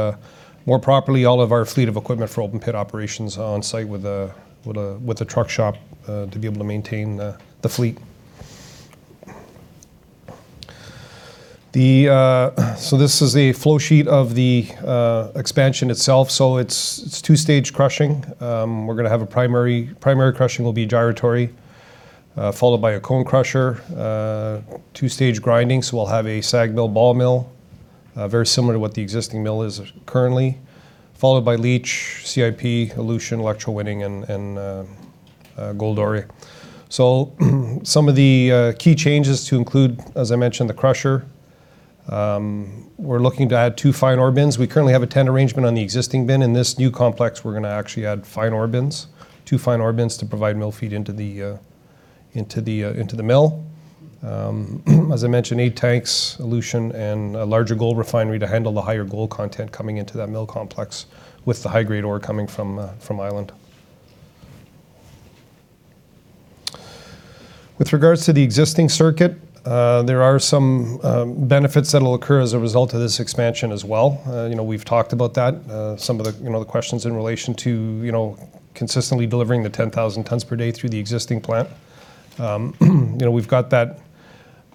more properly all of our fleet of equipment for open pit operations on-site with a truck shop to be able to maintain the fleet. So this is a flow sheet of the expansion itself. So it's two-stage crushing. We're gonna have a primary crushing will be gyratory followed by a cone crusher, two-stage grinding, so we'll have a SAG mill, ball mill, very similar to what the existing mill is currently. Followed by leach, CIP, elution, electrowinning, and gold pour. So some of the key changes to include, as I mentioned, the crusher. We're looking to add two fine ore bins. We currently have a tent arrangement on the existing bin. In this new complex, we're gonna actually add fine ore bins, two fine ore bins to provide mill feed into the mill. As I mentioned, 8 tanks, elution, and a larger gold refinery to handle the higher gold content coming into that mill complex with the high-grade ore coming from Island. With regards to the existing circuit, there are some benefits that will occur as a result of this expansion as well. You know, we've talked about that, some of the, you know, the questions in relation to, you know, consistently delivering the 10,000 tonnes per day through the existing plant. You know, we've got that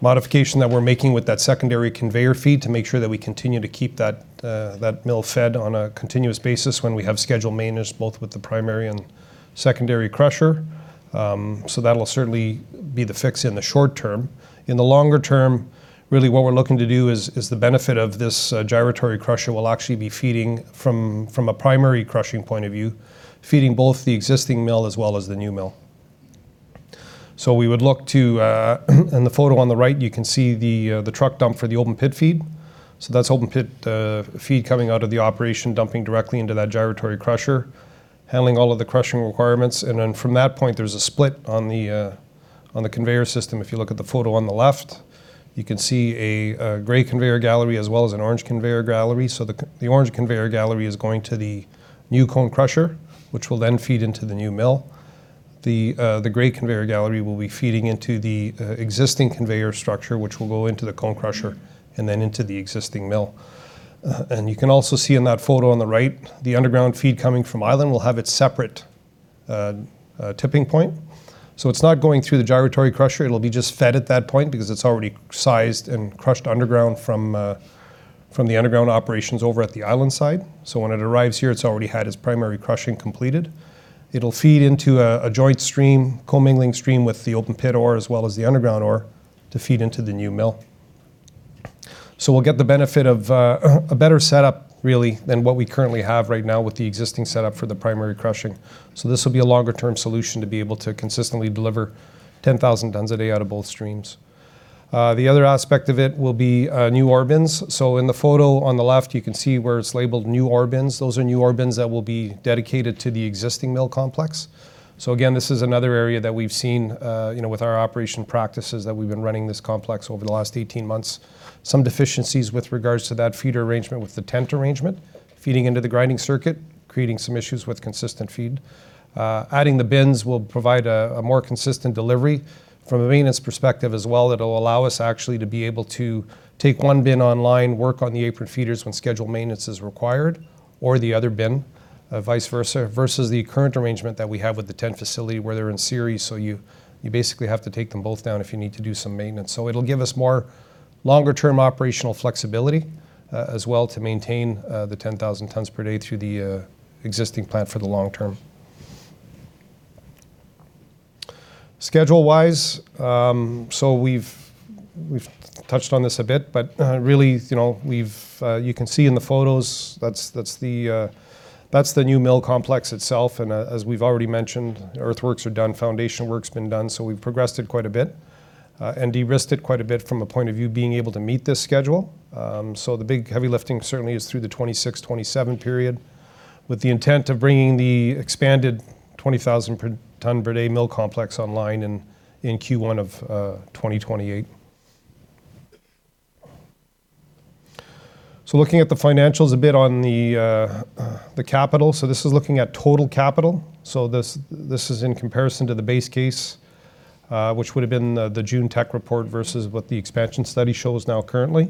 modification that we're making with that secondary conveyor feed to make sure that we continue to keep that mill fed on a continuous basis when we have scheduled maintenance, both with the primary and secondary crusher. So that'll certainly be the fix in the short term. In the longer term, really what we're looking to do is the benefit of this gyratory crusher will actually be feeding from a primary crushing point of view, feeding both the existing mill as well as the new mill. So we would look to, and the photo on the right, you can see the truck dump for the open pit feed. So that's open pit feed coming out of the operation, dumping directly into that gyratory crusher, handling all of the crushing requirements. And then, from that point, there's a split on the on the conveyor system. If you look at the photo on the left, you can see a gray conveyor gallery as well as an orange conveyor gallery. So the orange conveyor gallery is going to the new cone crusher, which will then feed into the new mill. The gray conveyor gallery will be feeding into the existing conveyor structure, which will go into the cone crusher and then into the existing mill. And you can also see in that photo on the right, the underground feed coming from Island will have its separate tipping point. So it's not going through the gyratory crusher. It'll be just fed at that point because it's already sized and crushed underground from the underground operations over at the Island site. So when it arrives here, it's already had its primary crushing completed. It'll feed into a joint stream, co-mingling stream with the open pit ore, as well as the underground ore, to feed into the new mill. So we'll get the benefit of a better setup really than what we currently have right now with the existing setup for the primary crushing. So this will be a longer-term solution to be able to consistently deliver 10,000 tonnes a day out of both streams. The other aspect of it will be new ore bins. So in the photo on the left, you can see where it's labeled "new ore bins." Those are new ore bins that will be dedicated to the existing mill complex. So again, this is another area that we've seen, you know, with our operation practices that we've been running this complex over the last 18 months. Some deficiencies with regards to that feeder arrangement, with the tent arrangement, feeding into the grinding circuit, creating some issues with consistent feed. Adding the bins will provide a more consistent delivery. From a maintenance perspective as well, it'll allow us actually to be able to take one bin online, work on the apron feeders when scheduled maintenance is required, or the other bin, vice versa, versus the current arrangement that we have with the tent facility, where they're in series, so you basically have to take them both down if you need to do some maintenance. So it'll give us more longer-term operational flexibility, as well to maintain the 10,000 tonnes per day through the existing plant for the long term. Schedule-wise, so we've touched on this a bit, but really, you know, we've... You can see in the photos, that's the new mill complex itself, and as we've already mentioned, earthworks are done, foundation work's been done, so we've progressed it quite a bit, and de-risked it quite a bit from a point of view, being able to meet this schedule. So the big heavy lifting certainly is through the 2026-2027 period, with the intent of bringing the expanded 20,000 tonne per day mill complex online in Q1 of 2028. So looking at the financials a bit on the capital. So this is looking at total capital. So this is in comparison to the base case, which would've been the June tech report versus what the expansion study shows now currently.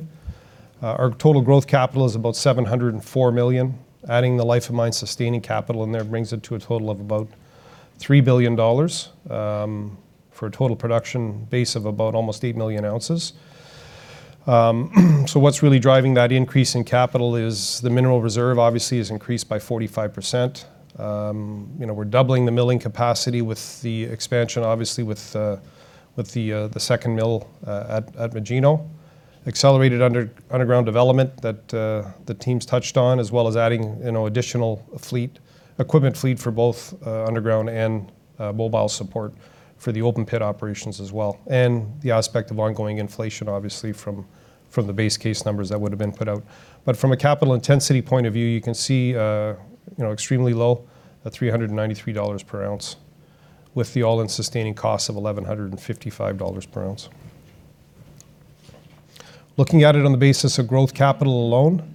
Our total growth capital is about $704 million. Adding the life of mine sustaining capital in there brings it to a total of about $3 billion for a total production base of about almost 8 million ounces. So what's really driving that increase in capital is the mineral reserve obviously is increased by 45%. You know, we're doubling the milling capacity with the expansion, obviously, with the second mill at Magino. Accelerated underground development that the teams touched on, as well as adding, you know, additional equipment fleet for both underground and mobile support for the open pit operations as well, and the aspect of ongoing inflation, obviously, from the base case numbers that would've been put out. But from a capital intensity point of view, you can see, you know, extremely low, at $393 per ounce, with the all-in sustaining cost of $1,155 per ounce. Looking at it on the basis of growth capital alone,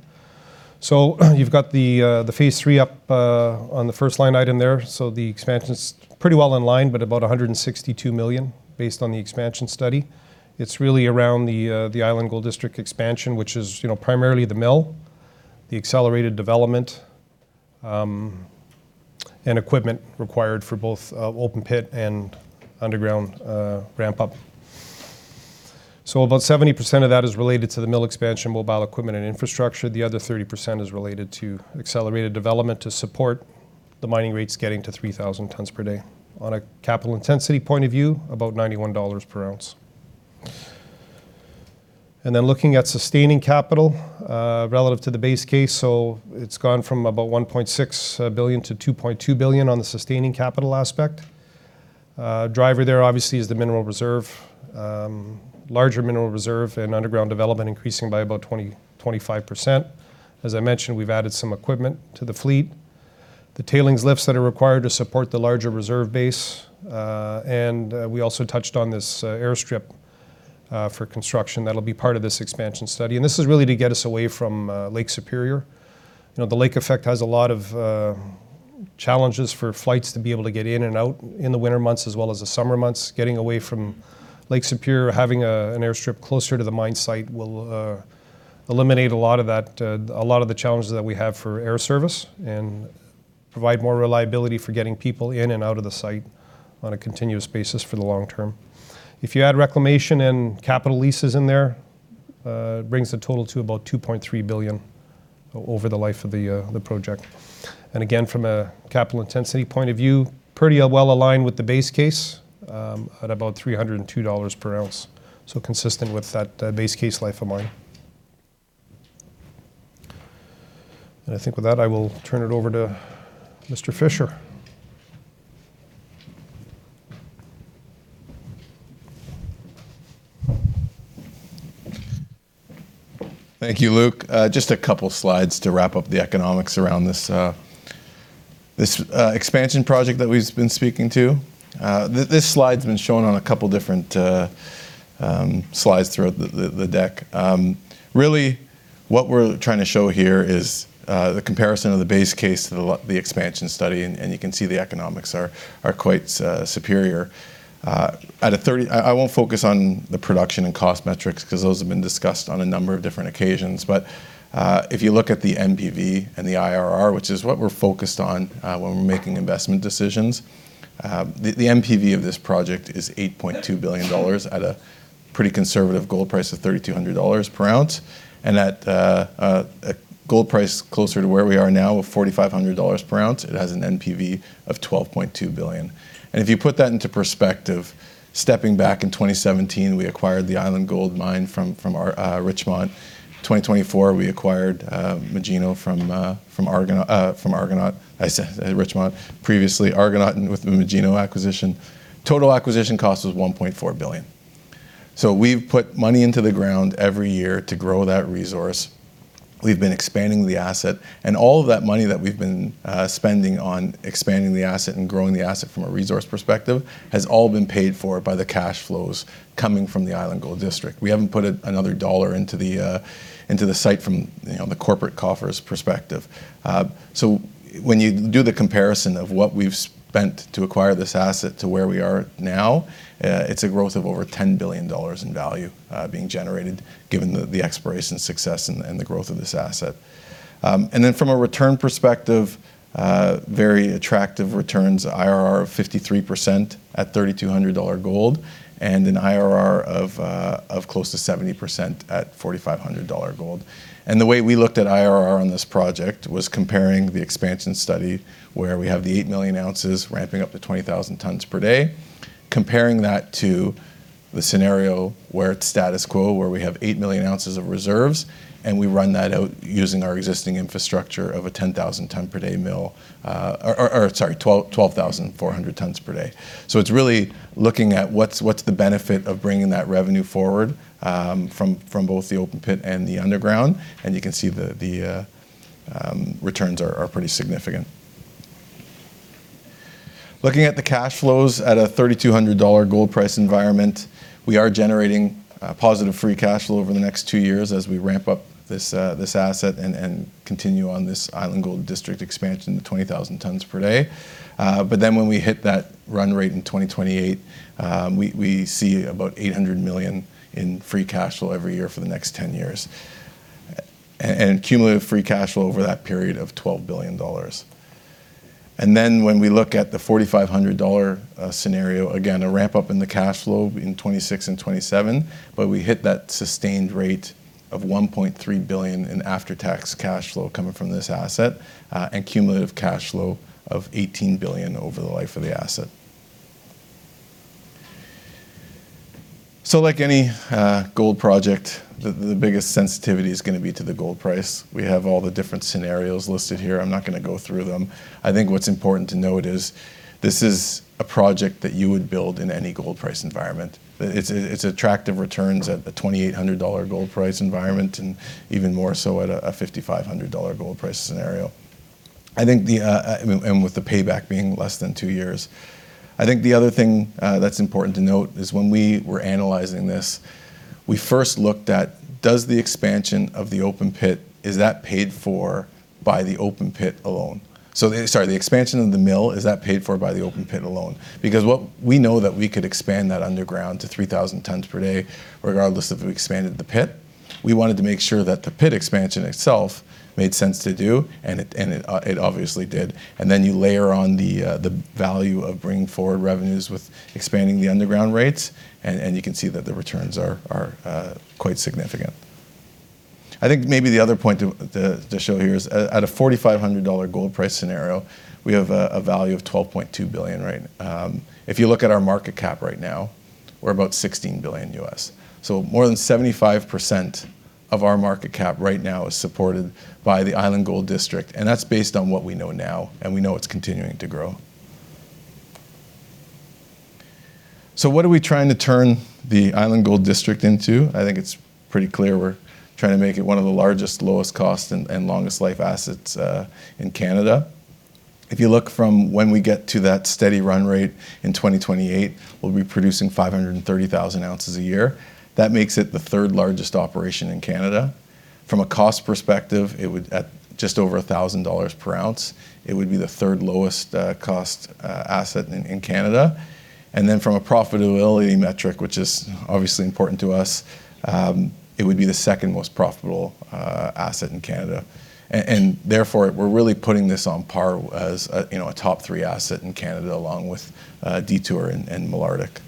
so you've got the Phase 3 up on the first line item there, so the expansion's pretty well in line, but about $162 million based on the expansion study. It's really around the Island Gold District expansion, which is, you know, primarily the mill, the accelerated development, and equipment required for both open pit and underground ramp up. So about 70% of that is related to the mill expansion, mobile equipment, and infrastructure. The other 30% is related to accelerated development to support the mining rates getting to 3,000 tonnes per day. On a capital intensity point of view, about $91 per ounce. And then looking at sustaining capital, relative to the base case, so it's gone from about $1.6 billion to $2.2 billion on the sustaining capital aspect. Driver there, obviously, is the mineral reserve, larger mineral reserve and underground development increasing by about 20%-25%. As I mentioned, we've added some equipment to the fleet, the tailings lifts that are required to support the larger reserve base, and we also touched on this airstrip for construction. That'll be part of this expansion study. And this is really to get us away from Lake Superior. You know, the lake effect has a lot of challenges for flights to be able to get in and out in the winter months, as well as the summer months. Getting away from Lake Superior, having an airstrip closer to the mine site will eliminate a lot of that, a lot of the challenges that we have for air service and provide more reliability for getting people in and out of the site on a continuous basis for the long term. If you add reclamation and capital leases in there, it brings the total to about $2.3 billion over the life of the project. And again, from a capital intensity point of view, pretty well-aligned with the base case at about $302 per ounce, so consistent with that base case life of mine. I think with that, I will turn it over to Mr. Fisher. Thank you, Luc. Just a couple slides to wrap up the economics around this expansion project that we've been speaking to. This slide's been shown on a couple different slides throughout the deck. Really, what we're trying to show here is the comparison of the base case to the expansion study, and you can see the economics are quite superior. I won't focus on the production and cost metrics, 'cause those have been discussed on a number of different occasions, but if you look at the NPV and the IRR, which is what we're focused on when we're making investment decisions, the NPV of this project is $8.2 billion at a pretty conservative gold price of $3,200 per ounce. At a gold price closer to where we are now, of $4,500 per ounce, it has an NPV of $12.2 billion. If you put that into perspective, stepping back in 2017, we acquired the Island Gold Mine from Richmont. In 2024, we acquired Magino from Argonaut. I said Richmont, previously Argonaut, and with the Magino acquisition, total acquisition cost was $1.4 billion. So we've put money into the ground every year to grow that resource. We've been expanding the asset, and all of that money that we've been spending on expanding the asset and growing the asset from a resource perspective, has all been paid for by the cash flows coming from the Island Gold District. We haven't put another dollar into the site from, you know, the corporate coffers perspective. So when you do the comparison of what we've spent to acquire this asset to where we are now, it's a growth of over $10 billion in value being generated, given the exploration success and the growth of this asset. And then from a return perspective, very attractive returns, IRR of 53% at $3,200 gold, and an IRR of close to 70% at $4,500 gold. The way we looked at IRR on this project was comparing the expansion study, where we have the 8 million ounces ramping up to 20,000 tonnes per day, comparing that to the scenario where it's status quo, where we have 8 million ounces of reserves, and we run that out using our existing infrastructure of a 10,000 tonne per day mill, or 12,400 tonnes per day. So it's really looking at what's the benefit of bringing that revenue forward, from both the open pit and the underground, and you can see the returns are pretty significant. Looking at the cash flows at a $3,200 gold price environment, we are generating positive free cash flow over the next two years as we ramp up this asset and continue on this Island Gold District expansion to 20,000 tonnes per day. But then, when we hit that run rate in 2028, we see about $800 million in free cash flow every year for the next ten years, and cumulative free cash flow over that period of $12 billion. And then, when we look at the $4,500 scenario, again, a ramp-up in the cash flow in 2026 and 2027, but we hit that sustained rate of $1.3 billion in after-tax cash flow coming from this asset, and cumulative cash flow of $18 billion over the life of the asset. So, like any gold project, the biggest sensitivity is gonna be to the gold price. We have all the different scenarios listed here. I'm not gonna go through them. I think what's important to note is, this is a project that you would build in any gold price environment. It's attractive returns at a $2,800 gold price environment, and even more so at a $5,500 gold price scenario. I think... And with the payback being less than two years. I think the other thing that's important to note is, when we were analyzing this, we first looked at, does the expansion of the open pit, is that paid for by the open pit alone? So the- sorry, the expansion of the mill, is that paid for by the open pit alone? Because what... We know that we could expand that underground to 3,000 tonnes per day, regardless of if we expanded the pit. We wanted to make sure that the pit expansion itself made sense to do, and it obviously did. And then you layer on the value of bringing forward revenues with expanding the underground rates, and you can see that the returns are quite significant. I think maybe the other point to show here is, at a $4,500 gold price scenario, we have a value of $12.2 billion, right? If you look at our market cap right now, we're about $16 billion. So more than 75% of our market cap right now is supported by the Island Gold District, and that's based on what we know now, and we know it's continuing to grow. So what are we trying to turn the Island Gold District into? I think it's pretty clear we're trying to make it one of the largest, lowest cost, and longest life assets in Canada. If you look from when we get to that steady run rate in 2028, we'll be producing 530,000 ounces a year. That makes it the third largest operation in Canada. From a cost perspective, it would, at just over $1,000 per ounce, it would be the third lowest cost asset in Canada. And then from a profitability metric, which is obviously important to us, it would be the second most profitable asset in Canada. And therefore, we're really putting this on par as a, you know, a top three asset in Canada, along with Detour and Malartic.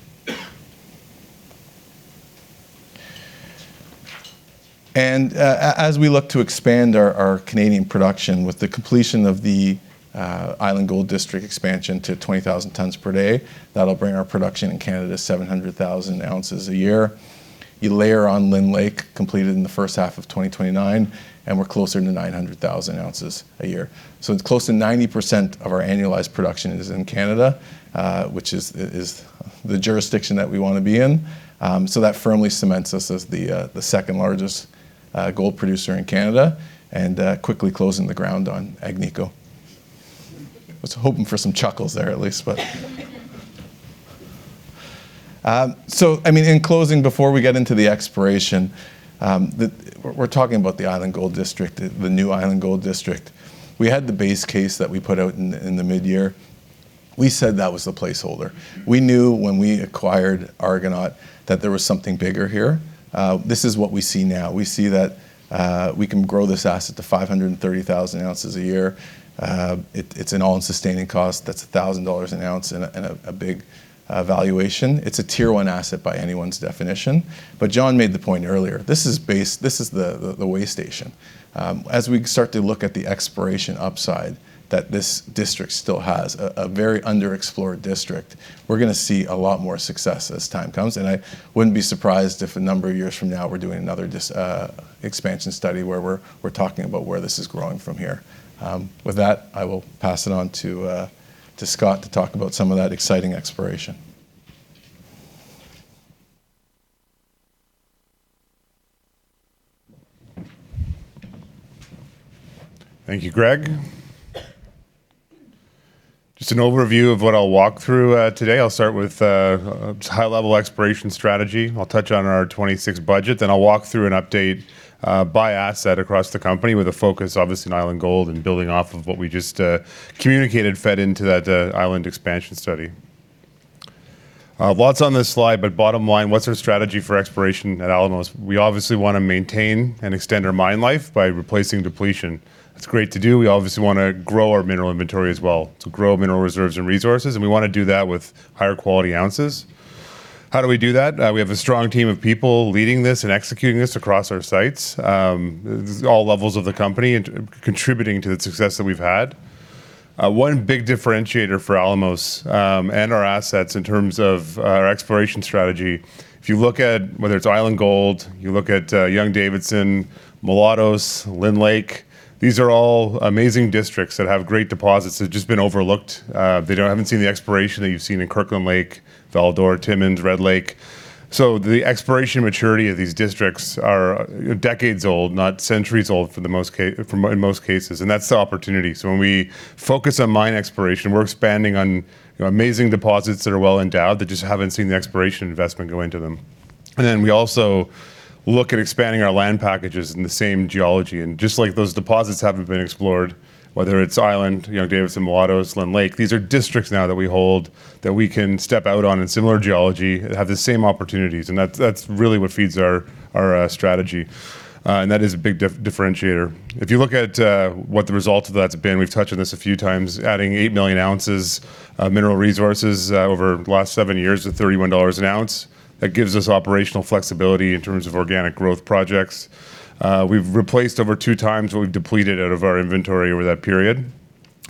And as we look to expand our Canadian production, with the completion of the Island Gold District expansion to 20,000 tonnes per day, that'll bring our production in Canada to 700,000 ounces a year. You layer on Lynn Lake, completed in the first half of 2029, and we're closer to 900,000 ounces a year. So it's close to 90% of our annualized production is in Canada, which is the jurisdiction that we wanna be in. So that firmly cements us as the second-largest gold producer in Canada, and quickly closing the ground on Agnico. I was hoping for some chuckles there, at least, but- I mean, in closing, before we get into the exploration, we're talking about the Island Gold District, the new Island Gold District. We had the base case that we put out in the midyear. We said that was the placeholder. We knew when we acquired Argonaut, that there was something bigger here. This is what we see now. We see that we can grow this asset to 530,000 ounces a year. It's an all-in sustaining cost, that's $1,000 an ounce and a big valuation. It's a Tier One asset by anyone's definition. But John made the point earlier, this is base, this is the way station. As we start to look at the exploration upside, that this district still has a very underexplored district, we're gonna see a lot more success as time comes, and I wouldn't be surprised if a number of years from now we're doing another expansion study, where we're talking about where this is growing from here. With that, I will pass it on to Scott to talk about some of that exciting exploration. Thank you, Greg. Just an overview of what I'll walk through today. I'll start with high-level exploration strategy. I'll touch on our 2026 budget, then I'll walk through an update by asset across the company, with a focus, obviously, on Island Gold and building off of what we just communicated, fed into that Island expansion study. Lots on this slide, but bottom line, what's our strategy for exploration at Alamos? We obviously wanna maintain and extend our mine life by replacing depletion. That's great to do. We obviously wanna grow our mineral inventory as well, to grow mineral reserves and resources, and we wanna do that with higher quality ounces. How do we do that? We have a strong team of people leading this and executing this across our sites, all levels of the company and contributing to the success that we've had. One big differentiator for Alamos, and our assets in terms of our exploration strategy, if you look at whether it's Island Gold, you look at Young-Davidson, Mulatos, Lynn Lake, these are all amazing districts that have great deposits that have just been overlooked. They haven't seen the exploration that you've seen in Kirkland Lake, Val-d'Or, Timmins, Red Lake. So the exploration maturity of these districts are decades old, not centuries old, for in most cases, and that's the opportunity. So when we focus on mine exploration, we're expanding on amazing deposits that are well endowed, that just haven't seen the exploration investment go into them. We also look at expanding our land packages in the same geology, and just like those deposits haven't been explored, whether it's Island, Young-Davidson, Mulatos, Lynn Lake, these are districts now that we hold, that we can step out on in similar geology, have the same opportunities, and that's really what feeds our strategy, and that is a big differentiator. If you look at what the result of that's been, we've touched on this a few times, adding 8 million ounces of mineral resources over the last 7 years at $31 an ounce, that gives us operational flexibility in terms of organic growth projects. We've replaced over two times what we've depleted out of our inventory over that period,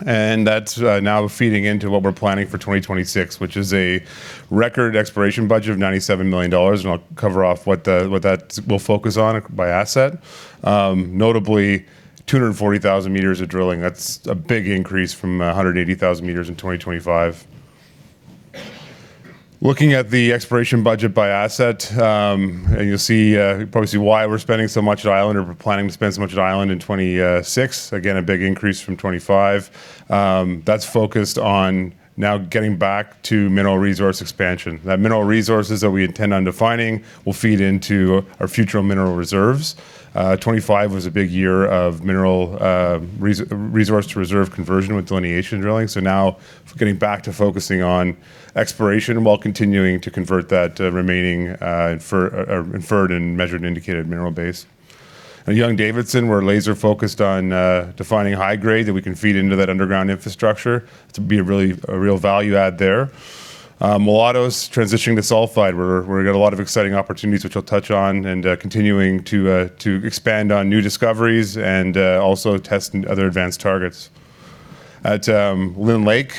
and that's now feeding into what we're planning for 2026, which is a record exploration budget of $97 million, and I'll cover off what that will focus on by asset. Notably, 240,000 m of drilling. That's a big increase from 180,000 m in 2025. Looking at the exploration budget by asset, and you'll see, probably see why we're spending so much at Island or planning to spend so much at Island in 2026. Again, a big increase from 2025. That's focused on now getting back to mineral resource expansion. That mineral resources that we intend on defining will feed into our future mineral reserves. 2025 was a big year of mineral resource to reserve conversion with delineation drilling. So now getting back to focusing on exploration while continuing to convert that remaining inferred and measured and indicated mineral base. At Young-Davidson, we're laser focused on defining high grade that we can feed into that underground infrastructure to be a real value add there. Mulatos transitioning to sulfide, where we've got a lot of exciting opportunities, which I'll touch on, and continuing to expand on new discoveries and also test other advanced targets. At Lynn Lake,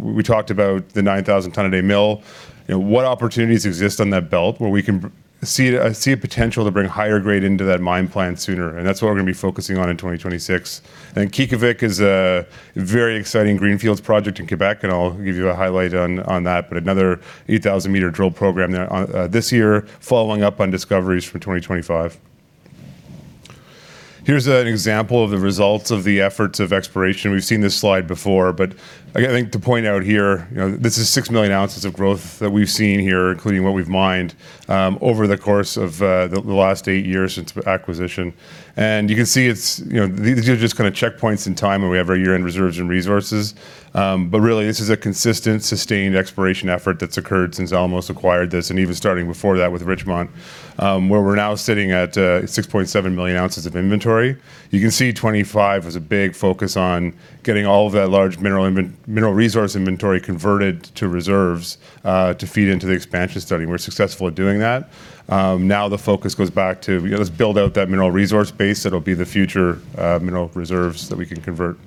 we talked about the 9,000 tonne a day mill. You know, what opportunities exist on that belt where we can see a potential to bring higher grade into that mine plan sooner, and that's what we're gonna be focusing on in 2026. Qiqavik is a very exciting greenfields project in Quebec, and I'll give you a highlight on that, but another 8,000-meter drill program there this year, following up on discoveries from 2025. Here's an example of the results of the efforts of exploration. We've seen this slide before, but I think to point out here, you know, this is 6 million ounces of growth that we've seen here, including what we've mined over the course of the last 8 years since acquisition. You can see it's, you know, these are just kind of checkpoints in time, and we have our year-end reserves and resources. But really, this is a consistent, sustained exploration effort that's occurred since Alamos acquired this, and even starting before that with Richmont, where we're now sitting at, 6.7 million ounces of inventory. You can see 25 was a big focus on getting all of that large mineral resource inventory converted to reserves, to feed into the expansion study. We're successful at doing that. Now the focus goes back to, you know, let's build out that mineral resource base that'll be the future, mineral reserves that we can convert.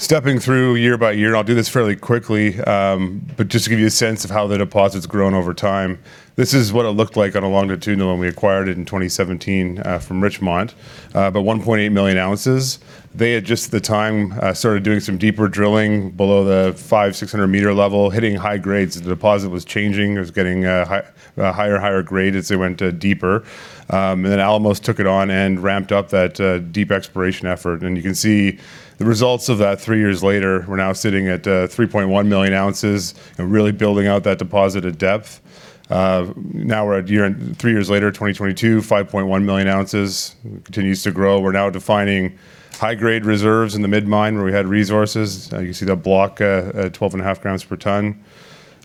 Stepping through year by year, and I'll do this fairly quickly, but just to give you a sense of how the deposit's grown over time, this is what it looked like on a longitudinal when we acquired it in 2017, from Richmont, about 1.8 million ounces. They had just at the time, started doing some deeper drilling below the 500 m-600 m level, hitting high grades. The deposit was changing. It was getting, higher and higher grade as they went, deeper. And then Alamos took it on and ramped up that, deep exploration effort, and you can see the results of that three years later. We're now sitting at, 3.1 million ounces and really building out that deposit at depth. Now we're at year... three years later, 2022, 5.1 million ounces. Continues to grow. We're now defining high-grade reserves in the mid-mine, where we had resources. Now, you can see that block, at 12.5 grams per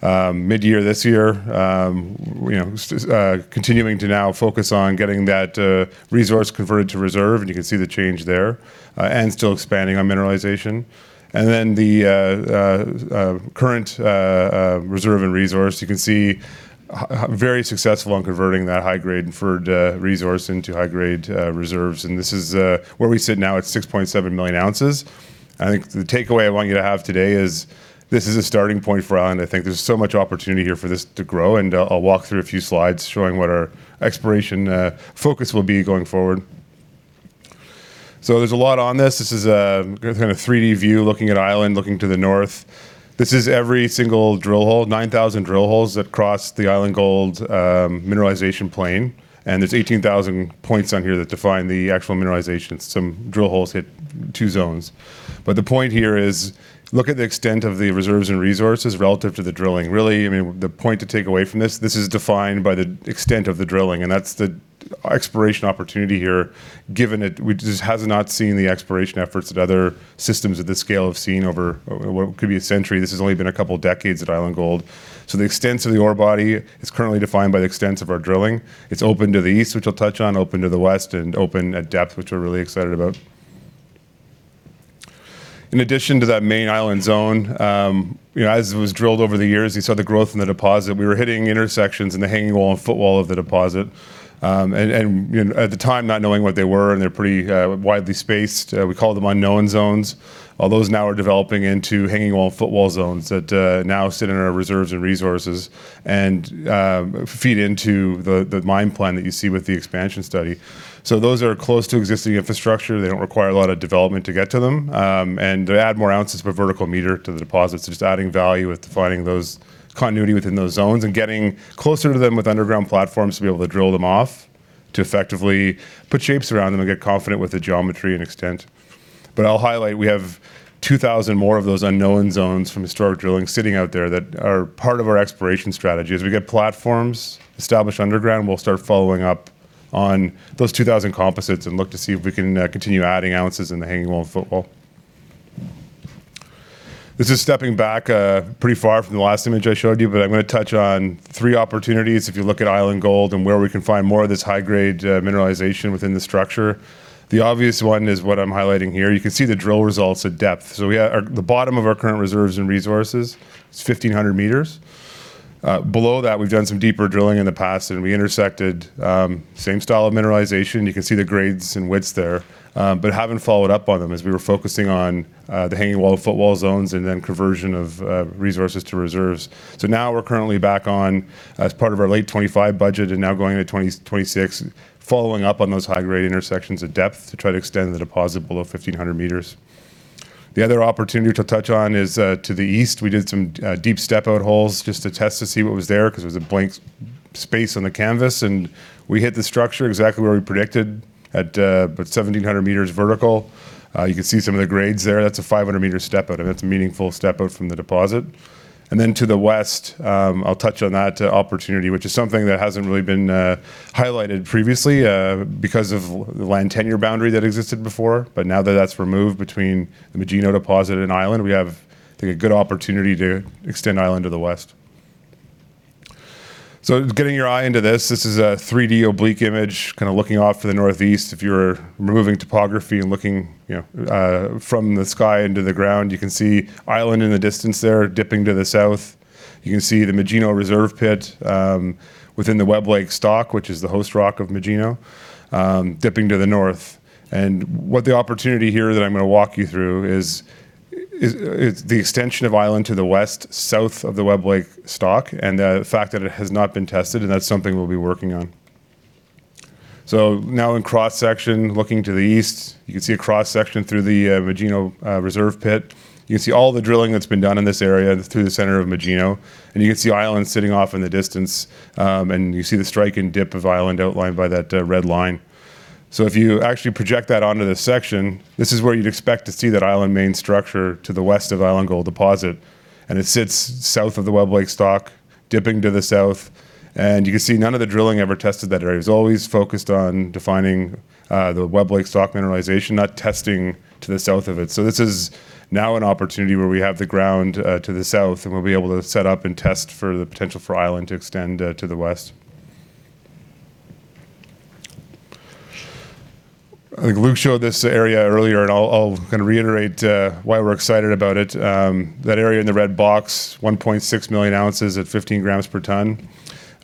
tonne. Mid-year this year, you know, continuing to now focus on getting that resource converted to reserve, and you can see the change there, and still expanding on mineralization. And then the current reserve and resource, you can see very successful on converting that high-grade inferred resource into high-grade reserves, and this is where we sit now at 6.7 million ounces. I think the takeaway I want you to have today is, this is a starting point for us, and I think there's so much opportunity here for this to grow, and I'll walk through a few slides showing what our exploration focus will be going forward.... So there's a lot on this. This is a kind of 3D view, looking at Island, looking to the north. This is every single drill hole, 9,000 drill holes that cross the Island Gold mineralization plane, and there's 18,000 points on here that define the actual mineralization. Some drill holes hit two zones. But the point here is, look at the extent of the reserves and resources relative to the drilling. Really, I mean, the point to take away from this, this is defined by the extent of the drilling, and that's the exploration opportunity here, given that this has not seen the exploration efforts that other systems of this scale have seen over what could be a century. This has only been a couple of decades at Island Gold. So the extents of the ore body is currently defined by the extents of our drilling. It's open to the east, which I'll touch on, open to the west, and open at depth, which we're really excited about. In addition to that main Island zone, you know, as it was drilled over the years, you saw the growth in the deposit. We were hitting intersections in the hanging wall and footwall of the deposit, and at the time, not knowing what they were, and they're pretty widely spaced. We called them unknown zones. Well, those now are developing into hanging wall and footwall zones that now sit in our reserves and resources and feed into the mine plan that you see with the expansion study. So those are close to existing infrastructure. They don't require a lot of development to get to them, and they add more ounces per vertical meter to the deposit. So just adding value with defining those continuity within those zones and getting closer to them with underground platforms to be able to drill them off, to effectively put shapes around them and get confident with the geometry and extent. But I'll highlight, we have 2,000 more of those unknown zones from historic drilling sitting out there that are part of our exploration strategy. As we get platforms established underground, we'll start following up on those 2,000 composites and look to see if we can continue adding ounces in the hanging wall and footwall. This is stepping back pretty far from the last image I showed you, but I'm gonna touch on three opportunities. If you look at Island Gold and where we can find more of this high-grade mineralization within the structure, the obvious one is what I'm highlighting here. You can see the drill results at depth. So we have... the bottom of our current reserves and resources is 1,500 meters. Below that, we've done some deeper drilling in the past, and we intersected same style of mineralization. You can see the grades and widths there, but haven't followed up on them as we were focusing on the hanging wall and footwall zones and then conversion of resources to reserves. So now we're currently back on as part of our late 2025 budget and now going into 2026, following up on those high-grade intersections at depth to try to extend the deposit below 1,500 m. The other opportunity to touch on is to the east. We did some deep step-out holes just to test to see what was there, 'cause it was a blank space on the canvas, and we hit the structure exactly where we predicted at about 1,700 meters vertical. You can see some of the grades there. That's a 500-meter step out, and that's a meaningful step out from the deposit. And then to the west, I'll touch on that opportunity, which is something that hasn't really been highlighted previously, because of the land tenure boundary that existed before, but now that that's removed between the Magino deposit and Island, we have, I think, a good opportunity to extend Island to the west. So getting your eye into this, this is a 3D oblique image, kind of looking off to the northeast. If you're removing topography and looking, you know, from the sky into the ground, you can see Island in the distance there, dipping to the south. You can see the Magino reserve pit within the Webb Lake Stock, which is the host rock of Magino, dipping to the north. And what the opportunity here that I'm going to walk you through is the extension of Island to the west, south of the Webb Lake Stock, and the fact that it has not been tested, and that's something we'll be working on. So now in cross-section, looking to the east, you can see a cross-section through the Magino reserve pit. You can see all the drilling that's been done in this area through the center of Magino, and you can see Island sitting off in the distance, and you see the strike and dip of Island outlined by that red line. So if you actually project that onto this section, this is where you'd expect to see that Island main structure to the west of Island Gold deposit, and it sits south of the Webb Lake Stock, dipping to the south. You can see none of the drilling ever tested that area. It was always focused on defining the Webb Lake Stock mineralization, not testing to the south of it. So this is now an opportunity where we have the ground to the south, and we'll be able to set up and test for the potential for Island to extend to the west. I think Luc showed this area earlier, and I'll, I'll kind of reiterate why we're excited about it. That area in the red box, 1.6 million ounces at 15 grams per tonne.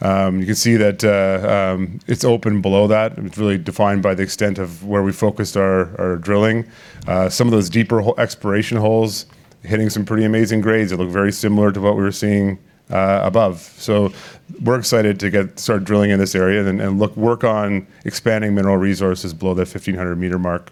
You can see that it's open below that. It's really defined by the extent of where we focused our drilling. Some of those deeper exploration holes hitting some pretty amazing grades that look very similar to what we were seeing above. So we're excited to start drilling in this area and work on expanding mineral resources below that 1,500 meter mark.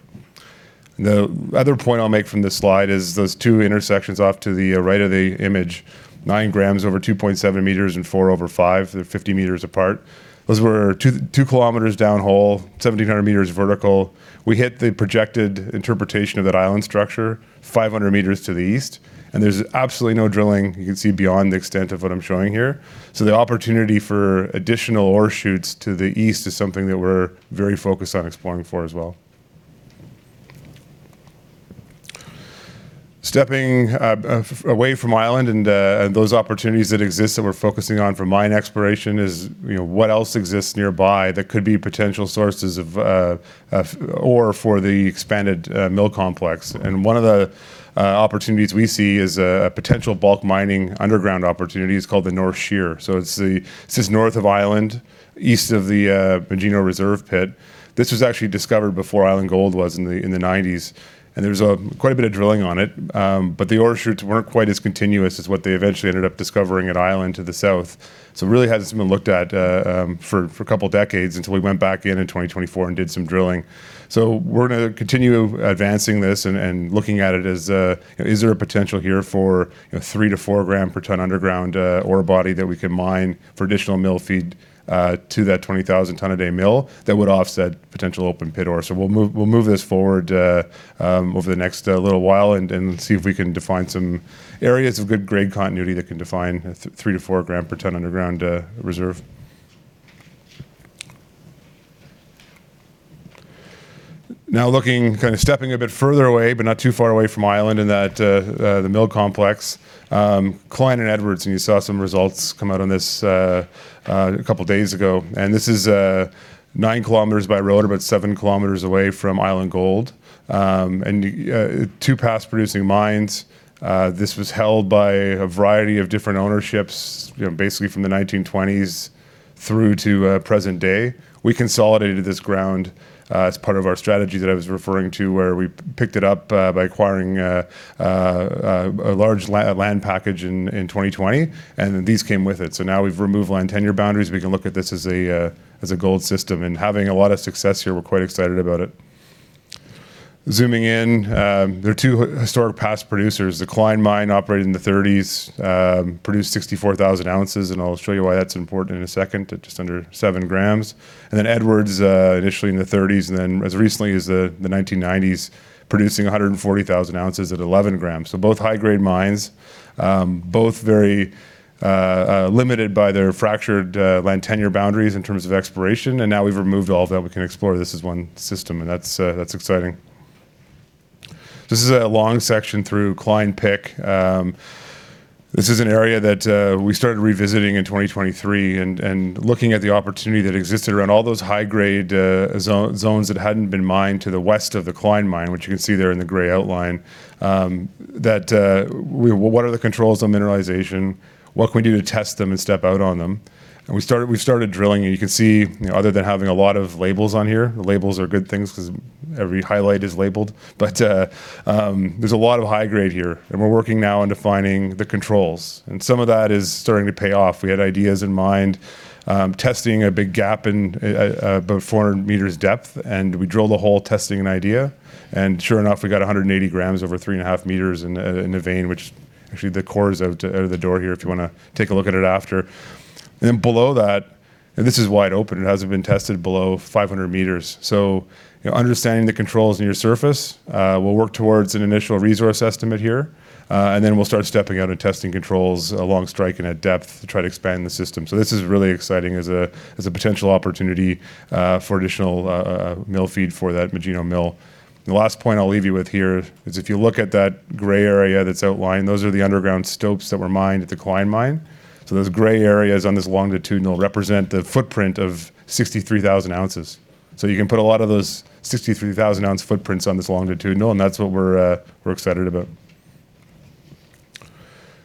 The other point I'll make from this slide is those two intersections off to the right of the image, 9 grams over 2.7 meters and 4 over 5, they're 50 m apart. Those were 2, 2 km downhole, 1,700 m vertical. We hit the projected interpretation of that Island structure, 500 m to the east, and there's absolutely no drilling. You can see beyond the extent of what I'm showing here. So the opportunity for additional ore shoots to the east is something that we're very focused on exploring for as well. Stepping away from Island and those opportunities that exist that we're focusing on for mine exploration is, you know, what else exists nearby that could be potential sources of ore for the expanded mill complex? And one of the opportunities we see is a potential bulk mining underground opportunity. It's called the North Shear. So it's this is north of Island, east of the Magino reserve pit. This was actually discovered before Island Gold was in the nineties, and there was quite a bit of drilling on it, but the ore shoots weren't quite as continuous as what they eventually ended up discovering at Island to the south. So it really hasn't been looked at for a couple of decades until we went back in in 2024 and did some drilling. So we're gonna continue advancing this and looking at it as... Is there a potential here for a 3-4 gram-per-tonne underground ore body that we can mine for additional mill feed to that 20,000-tonne-a-day mill that would offset potential open pit ore? We'll move this forward over the next little while and see if we can define some areas of good grade continuity that can define a 3-4 gram-per-tonne underground reserve. Now looking, kind of stepping a bit further away, but not too far away from Island and that mill complex, Cline and Edwards, and you saw some results come out on this a couple of days ago, and this is 9 km by road, about 7 km away from Island Gold. Two past producing mines. This was held by a variety of different ownerships, you know, basically from the 1920s through to present day. We consolidated this ground as part of our strategy that I was referring to, where we picked it up a large land package in 2020, and then these came with it. So now we've removed land tenure boundaries. We can look at this as a gold system, and having a lot of success here, we're quite excited about it. Zooming in, there are two historic past producers. The Cline Mine, operating in the 1930s, produced 64,000 ounces, and I'll show you why that's important in a second, to just under 7 g. And then Edwards, initially in the 1930s and then as recently as the 1990s, producing 140,000 ounces at 11 g. So both high-grade mines, both very, limited by their fractured, land tenure boundaries in terms of exploration, and now we've removed all of that. We can explore this as one system, and that's, that's exciting. This is a long section through Cline-Pick. This is an area that, we started revisiting in 2023 and looking at the opportunity that existed around all those high-grade zones that hadn't been mined to the west of the Cline Mine, which you can see there in the gray outline. What are the controls on mineralization? What can we do to test them and step out on them? And we started drilling, and you can see, you know, other than having a lot of labels on here, the labels are good things 'cause every highlight is labeled. But, there's a lot of high grade here, and we're working now on defining the controls, and some of that is starting to pay off. We had ideas in mind, testing a big gap in about 400 m depth, and we drilled a hole testing an idea, and sure enough, we got 180 g over 3.5 m in a vein, which actually, the core is out of the door here if you wanna take a look at it after. Then below that, this is wide open. It hasn't been tested below 500 m. So understanding the controls near surface, we'll work towards an initial resource estimate here, and then we'll start stepping out and testing controls along strike and at depth to try to expand the system. So this is really exciting as a potential opportunity for additional mill feed for that Magino mill. The last point I'll leave you with here is if you look at that gray area that's outlined, those are the underground stopes that were mined at the Cline Mine. So those gray areas on this longitudinal represent the footprint of 63,000 ounces. So you can put a lot of those 63,000-ounce footprints on this longitudinal, and that's what we're excited about.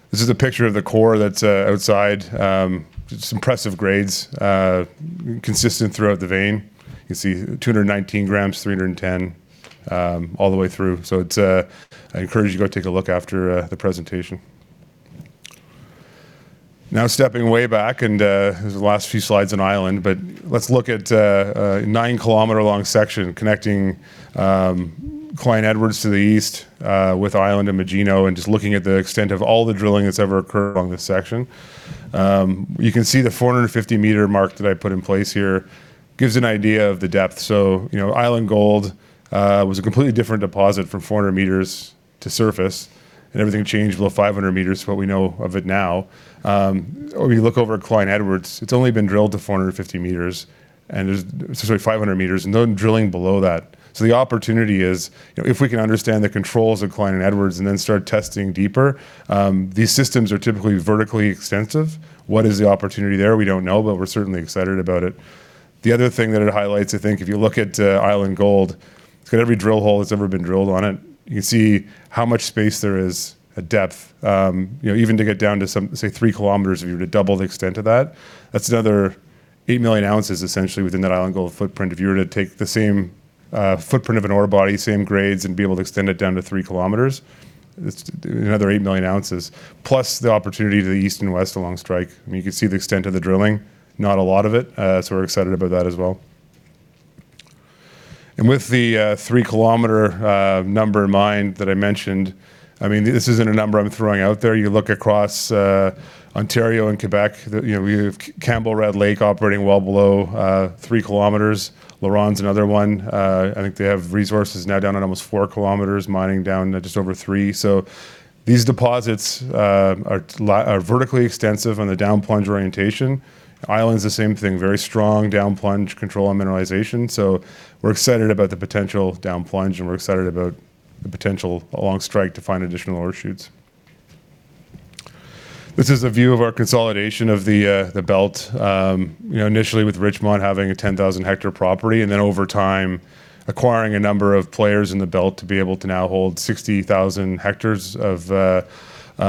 This is a picture of the core that's outside. It's impressive grades consistent throughout the vein. You can see 219 g, 310, all the way through. So it's I encourage you to go take a look after the presentation. Now, stepping way back, and this is the last few slides on Island, but let's look at a 9-km-long section connecting Cline/Edwards to the east with Island and Magino, and just looking at the extent of all the drilling that's ever occurred along this section. You can see the 450-meter mark that I put in place here gives an idea of the depth. So, you know, Island Gold was a completely different deposit from 400 m to surface, and everything changed below 500 meters from what we know of it now. When you look over at Cline/Edwards, it's only been drilled to 450 m, and there's, sorry, 500 m, and no drilling below that. So the opportunity is, you know, if we can understand the controls of Cline and Edwards and then start testing deeper, these systems are typically vertically extensive. What is the opportunity there? We don't know, but we're certainly excited about it. The other thing that it highlights, I think if you look at Island Gold, it's got every drill hole that's ever been drilled on it. You can see how much space there is at depth, you know, even to get down to some, say, three kilometers, if you were to double the extent of that, that's another eight million ounces, essentially within that Island Gold footprint. If you were to take the same footprint of an ore body, same grades, and be able to extend it down to three kilometers, it's another eight million ounces, plus the opportunity to the east and west along strike. I mean, you can see the extent of the drilling, not a lot of it, so we're excited about that as well. With the 3-kilometer number in mind that I mentioned, I mean, this isn't a number I'm throwing out there. You look across Ontario and Quebec, you know, we have Campbell Red Lake operating well below 3 km. LaRonde's another one. I think they have resources now down on almost 4 kilometers, mining down to just over 3. So these deposits are vertically extensive on the down plunge orientation. Island's the same thing, very strong down plunge control on mineralization, so we're excited about the potential down plunge, and we're excited about the potential along strike to find additional ore shoots. This is a view of our consolidation of the belt, you know, initially with Richmont having a 10,000-hectare property, and then over time, acquiring a number of players in the belt to be able to now hold 60,000 hectares of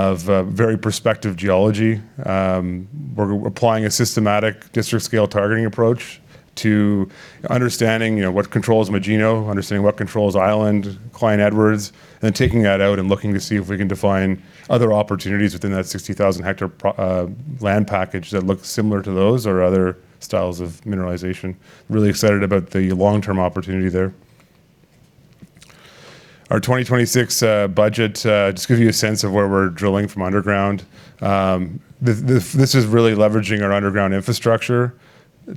very prospective geology. We're applying a systematic district-scale targeting approach to understanding, you know, what controls Magino, understanding what controls Island, Cline/Edwards, and then taking that out and looking to see if we can define other opportunities within that 60,000-hectare land package that looks similar to those or other styles of mineralization. Really excited about the long-term opportunity there. Our 2026 budget just gives you a sense of where we're drilling from underground. This is really leveraging our underground infrastructure,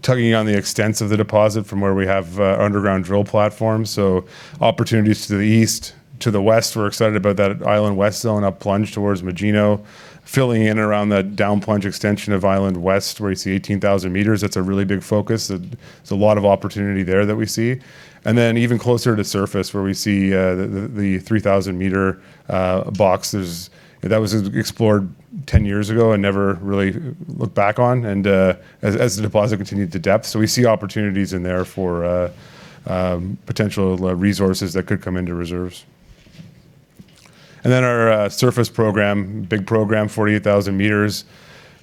tugging on the extents of the deposit from where we have underground drill platforms. So opportunities to the east, to the west, we're excited about that Island West Zone up plunge towards Magino, filling in around the down plunge extension of Island West, where you see 18,000 m. That's a really big focus. There's a lot of opportunity there that we see. And then even closer to surface, where we see the 3,000-meter boxes, that was explored 10 years ago and never really looked back on, and as the deposit continued to depth. So we see opportunities in there for potential resources that could come into reserves. And then our surface program, big program, 48,000 m.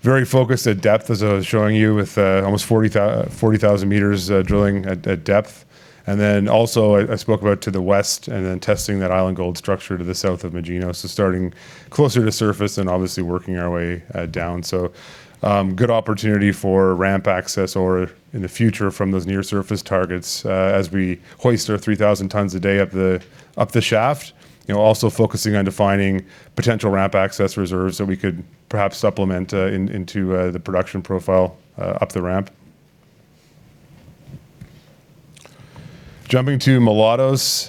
Very focused at depth, as I was showing you, with almost 40,000 m drilling at depth. And then also, I spoke about to the west and then testing that Island Gold structure to the south of Magino. So starting closer to surface and obviously working our way down. So good opportunity for ramp access or in the future from those near surface targets as we hoist our 3,000 tonnes a day up the shaft. You know, also focusing on defining potential ramp access reserves that we could perhaps supplement into the production profile up the ramp. Jumping to Mulatos,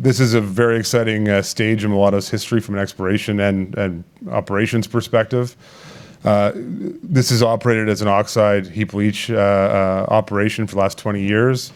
this is a very exciting stage in Mulatos' history from an exploration and operations perspective. This is operated as an oxide heap leach operation for the last 20 years.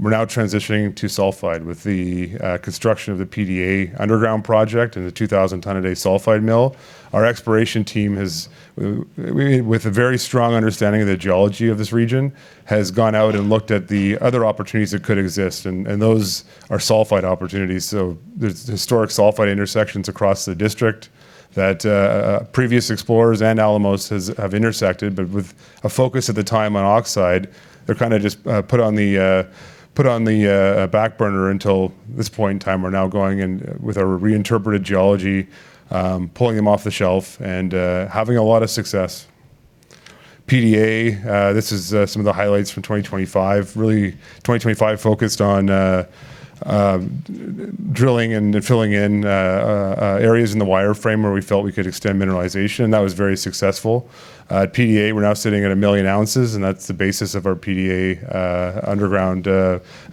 We're now transitioning to sulfide with the construction of the PDA underground project and the 2,000 tonne a day sulfide mill. Our exploration team has, with a very strong understanding of the geology of this region, has gone out and looked at the other opportunities that could exist, and those are sulfide opportunities. So there's historic sulfide intersections across the district that previous explorers and Alamos have intersected, but with a focus at the time on oxide, they're kind of just put on the back burner until this point in time. We're now going in with our reinterpreted geology, pulling them off the shelf and having a lot of success. PDA, this is some of the highlights from 2025. Really, 2025 focused on drilling and filling in areas in the wireframe where we felt we could extend mineralization, and that was very successful. At PDA, we're now sitting at 1 million ounces, and that's the basis of our PDA underground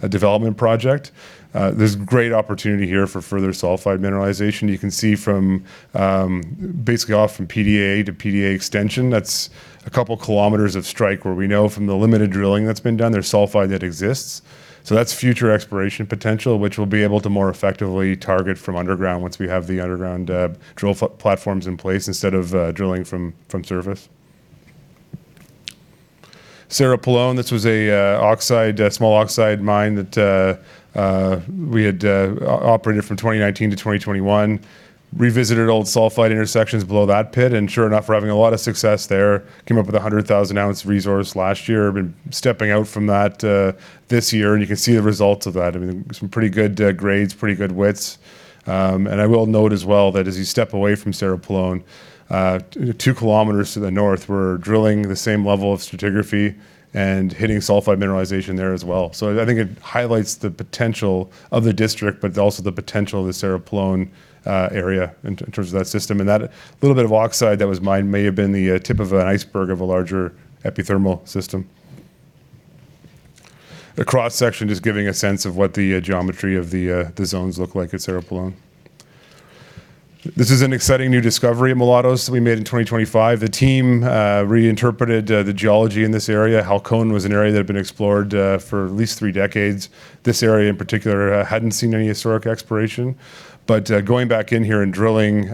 development project. There's great opportunity here for further sulfide mineralization. You can see from basically off from PDA to PDA extension, that's a couple of kilometers of strike where we know from the limited drilling that's been done, there's sulfide that exists. So that's future exploration potential, which we'll be able to more effectively target from underground once we have the underground drill platforms in place instead of drilling from surface. Cerro Pelon, this was a oxide, a small oxide mine that we had operated from 2019 to 2021, revisited old sulfide intersections below that pit, and sure enough, we're having a lot of success there. Came up with a 100,000 ounce resource last year. We've been stepping out from that this year, and you can see the results of that. I mean, some pretty good grades, pretty good widths. And I will note as well that as you step away from Cerro Pelon, 2 km to the north, we're drilling the same level of stratigraphy and hitting sulfide mineralization there as well. So I think it highlights the potential of the district, but also the potential of the Cerro Pelon area in terms of that system. That little bit of oxide that was mined may have been the tip of an iceberg of a larger epithermal system. The cross-section just giving a sense of what the geometry of the zones look like at Cerro Pelon. This is an exciting new discovery at Mulatos that we made in 2025. The team reinterpreted the geology in this area. Halcon was an area that had been explored for at least three decades. This area, in particular, hadn't seen any historic exploration. But going back in here and drilling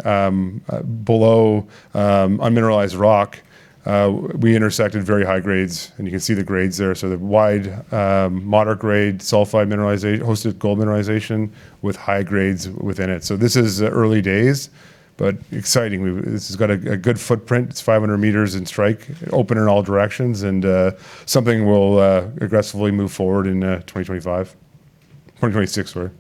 below unmineralized rock, we intersected very high grades, and you can see the grades there. So the wide moderate-grade sulfide-hosted gold mineralization with high grades within it. So this is early days, but exciting. This has got a good footprint. It's 500 m in strike, open in all directions, and something we'll aggressively move forward in 2025... 2026, sorry.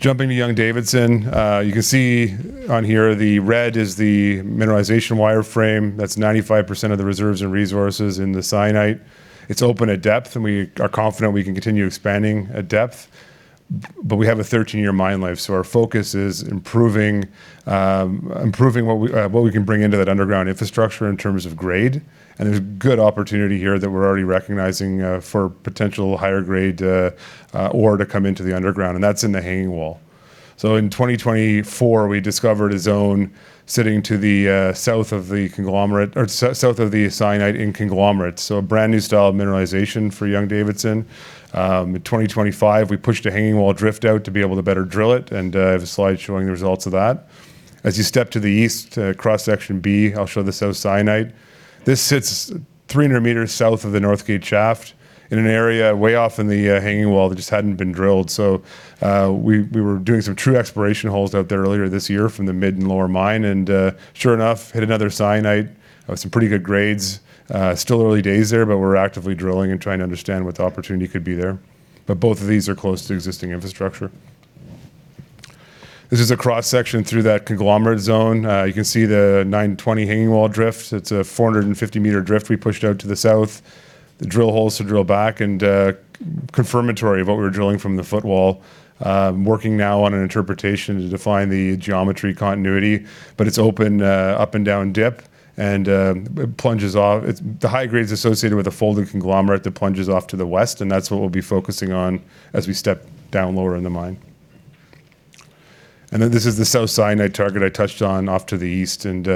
Jumping to Young-Davidson, you can see on here, the red is the mineralization wireframe. That's 95% of the reserves and resources in the syenite. It's open at depth, and we are confident we can continue expanding at depth, but we have a 13-year mine life. So our focus is improving what we can bring into that underground infrastructure in terms of grade. And there's good opportunity here that we're already recognizing for potential higher grade ore to come into the underground, and that's in the hanging wall. So in 2024, we discovered a zone sitting to the south of the conglomerate, or south of the syenite in conglomerate. So a brand-new style of mineralization for Young-Davidson. In 2025, we pushed a hanging wall drift out to be able to better drill it, and I have a slide showing the results of that. As you step to the east, cross-section B, I'll show the South Syenite. This sits 300 meters south of the Northgate Shaft in an area way off in the hanging wall that just hadn't been drilled. So we were doing some true exploration holes out there earlier this year from the mid and lower mine, and sure enough, hit another syenite, some pretty good grades. Still early days there, but we're actively drilling and trying to understand what the opportunity could be there. But both of these are close to existing infrastructure. This is a cross-section through that conglomerate zone. You can see the 920 hanging wall drift. It's a 450-meter drift we pushed out to the south, the drill holes to drill back, and confirmatory of what we were drilling from the footwall. Working now on an interpretation to define the geometry continuity, but it's open up and down dip, and it plunges off. It's the high grade's associated with a folding conglomerate that plunges off to the west, and that's what we'll be focusing on as we step down lower in the mine. And then this is the South Cline target I touched on off to the east, and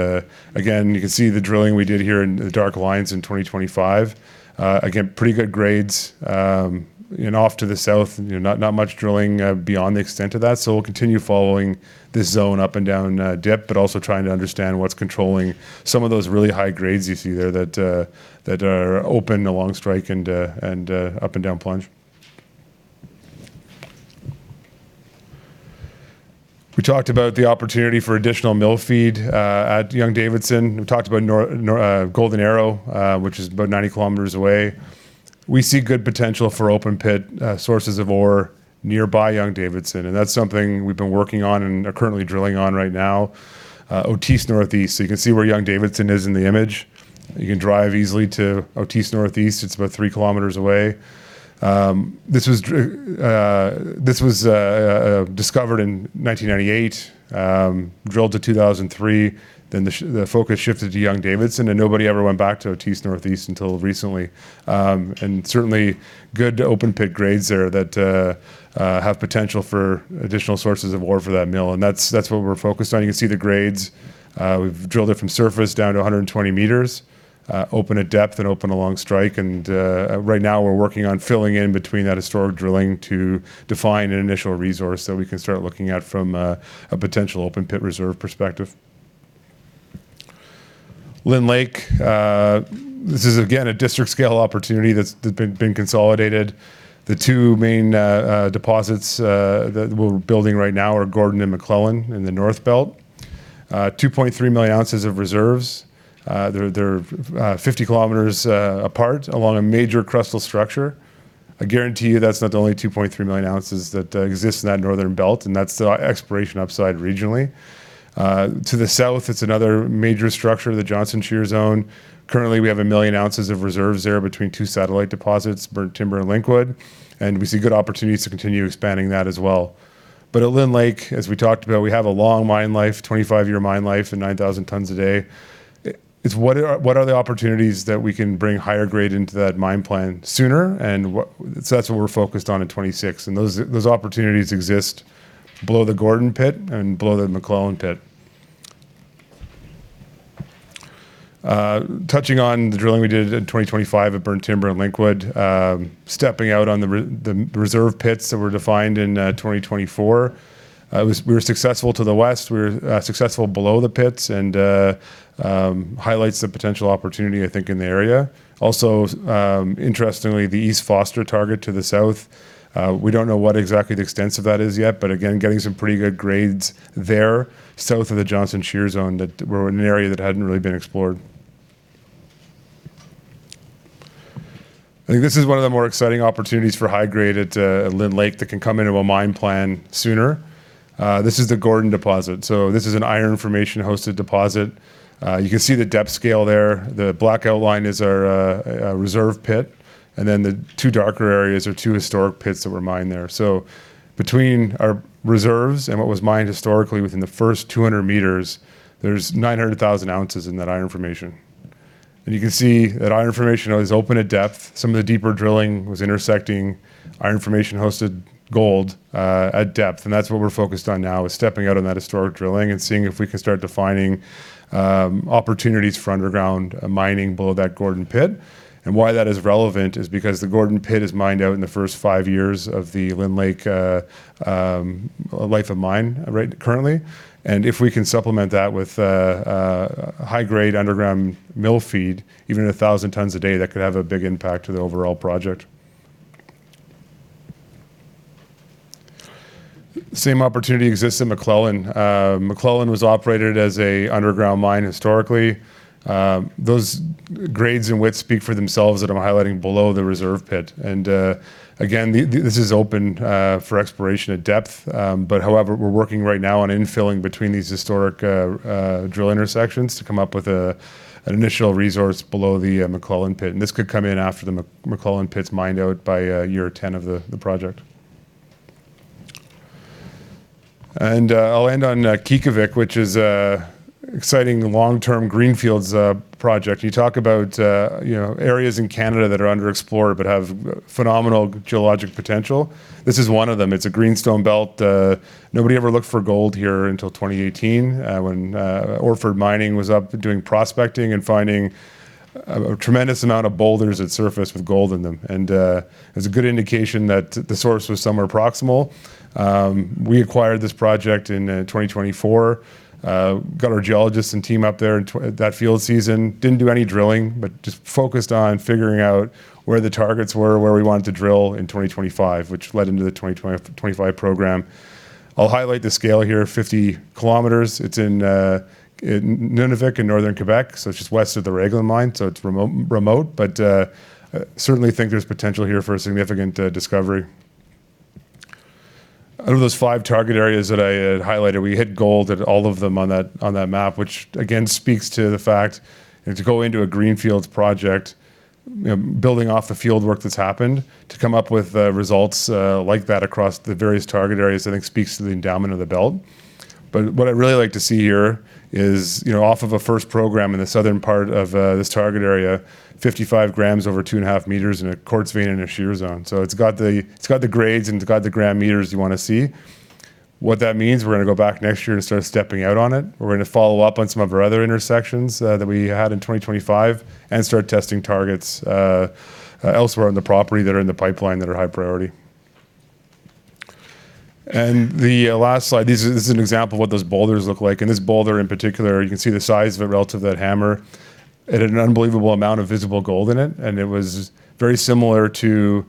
again, you can see the drilling we did here in the dark lines in 2025. Again, pretty good grades, and off to the south, you know, not much drilling beyond the extent of that. We'll continue following this zone up and down dip, but also trying to understand what's controlling some of those really high grades you see there that are open along strike and up and down plunge. We talked about the opportunity for additional mill feed at Young-Davidson. We talked about Golden Arrow, which is about 90 km away. We see good potential for open pit sources of ore nearby Young-Davidson, and that's something we've been working on and are currently drilling on right now. Otis Northeast, you can see where Young-Davidson is in the image. You can drive easily to Otis Northeast. It's about 3 km away. This was discovered in 1998, drilled to 2003. Then the focus shifted to Young-Davidson, and nobody ever went back to Otis Northeast until recently. And certainly, good open pit grades there that have potential for additional sources of ore for that mill, and that's what we're focused on. You can see the grades. We've drilled it from surface down to 120 m, open at depth and open along strike, and right now we're working on filling in between that historic drilling to define an initial resource that we can start looking at from a potential open-pit reserve perspective. Lynn Lake, this is, again, a district-scale opportunity that's been consolidated. The two main deposits that we're building right now are Gordon and MacLellan in the North Belt. 2.3 million ounces of reserves. They're 50 km apart along a major crustal structure. I guarantee you that's not the only 2.3 million ounces that exist in that northern belt, and that's the exploration upside regionally. To the south, it's another major structure, the Johnson Shear Zone. Currently, we have 1 million ounces of reserves there between two satellite deposits, Burnt Timber and Linkwood, and we see good opportunities to continue expanding that as well. But at Lynn Lake, as we talked about, we have a long mine life, 25-year mine life and 9,000 tonnes a day. It's what are the opportunities that we can bring higher grade into that mine plan sooner, and what... So that's what we're focused on in 2026, and those opportunities exist below the Gordon Pit and below the MacLellan Pit. Touching on the drilling we did in 2025 at Burnt Timber and Linkwood, stepping out on the reserve pits that were defined in 2024, we were successful to the west. We were successful below the pits and highlights the potential opportunity, I think, in the area. Also, interestingly, the East Foster target to the south, we don't know what exactly the extents of that is yet, but again, getting some pretty good grades there, south of the Johnson Shear Zone, that we're in an area that hadn't really been explored. I think this is one of the more exciting opportunities for high grade at Lynn Lake that can come into a mine plan sooner. This is the Gordon deposit. So this is an iron formation-hosted deposit. You can see the depth scale there. The black outline is our reserve pit, and then the two darker areas are two historic pits that were mined there. So between our reserves and what was mined historically within the first 200 m, there's 900,000 ounces in that iron formation. And you can see that iron formation is open at depth. Some of the deeper drilling was intersecting iron formation-hosted gold at depth, and that's what we're focused on now, is stepping out on that historic drilling and seeing if we can start defining opportunities for underground mining below that Gordon Pit. And why that is relevant is because the Gordon Pit is mined out in the first 5 years of the Lynn Lake life of mine, right, currently. And if we can supplement that with high-grade underground mill feed, even 1,000 tonnes a day, that could have a big impact to the overall project. The same opportunity exists in MacLellan. MacLellan was operated as an underground mine historically. Those grades and widths speak for themselves that I'm highlighting below the reserve pit. And again, this is open for exploration at depth, but however, we're working right now on infilling between these historic drill intersections to come up with an initial resource below the MacLellan Pit, and this could come in after the MacLellan Pit's mined out by year 10 of the project. And I'll end on Qiqavik, which is an exciting long-term greenfield project. You talk about, you know, areas in Canada that are underexplored but have phenomenal geologic potential. This is one of them. It's a greenstone belt. Nobody ever looked for gold here until 2018, when, Orford Mining was up doing prospecting and finding a tremendous amount of boulders at surface with gold in them, and, it was a good indication that the source was somewhere proximal. We acquired this project in, 2024, got our geologists and team up there in that field season. Didn't do any drilling, but just focused on figuring out where the targets were, where we wanted to drill in 2025, which led into the 2025 program. I'll highlight the scale here, 50 km. It's in Nunavik in northern Quebec, so it's just west of the Raglan Mine, so it's remote, remote, but certainly think there's potential here for a significant discovery. Out of those five target areas that I had highlighted, we hit gold at all of them on that map, which again speaks to the fact that to go into a greenfields project, you know, building off the field work that's happened, to come up with results like that across the various target areas, I think speaks to the endowment of the belt. But what I'd really like to see here is, you know, off of a first program in the southern part of this target area, 55 g over 2.5 m in a quartz vein in a shear zone. So it's got the grades, and it's got the gram meters you want to see. What that means, we're going to go back next year and start stepping out on it. We're going to follow up on some of our other intersections that we had in 2025 and start testing targets elsewhere on the property that are in the pipeline that are high priority. And the last slide, this is an example of what those boulders look like. And this boulder in particular, you can see the size of it relative to that hammer. It had an unbelievable amount of visible gold in it, and it was very similar to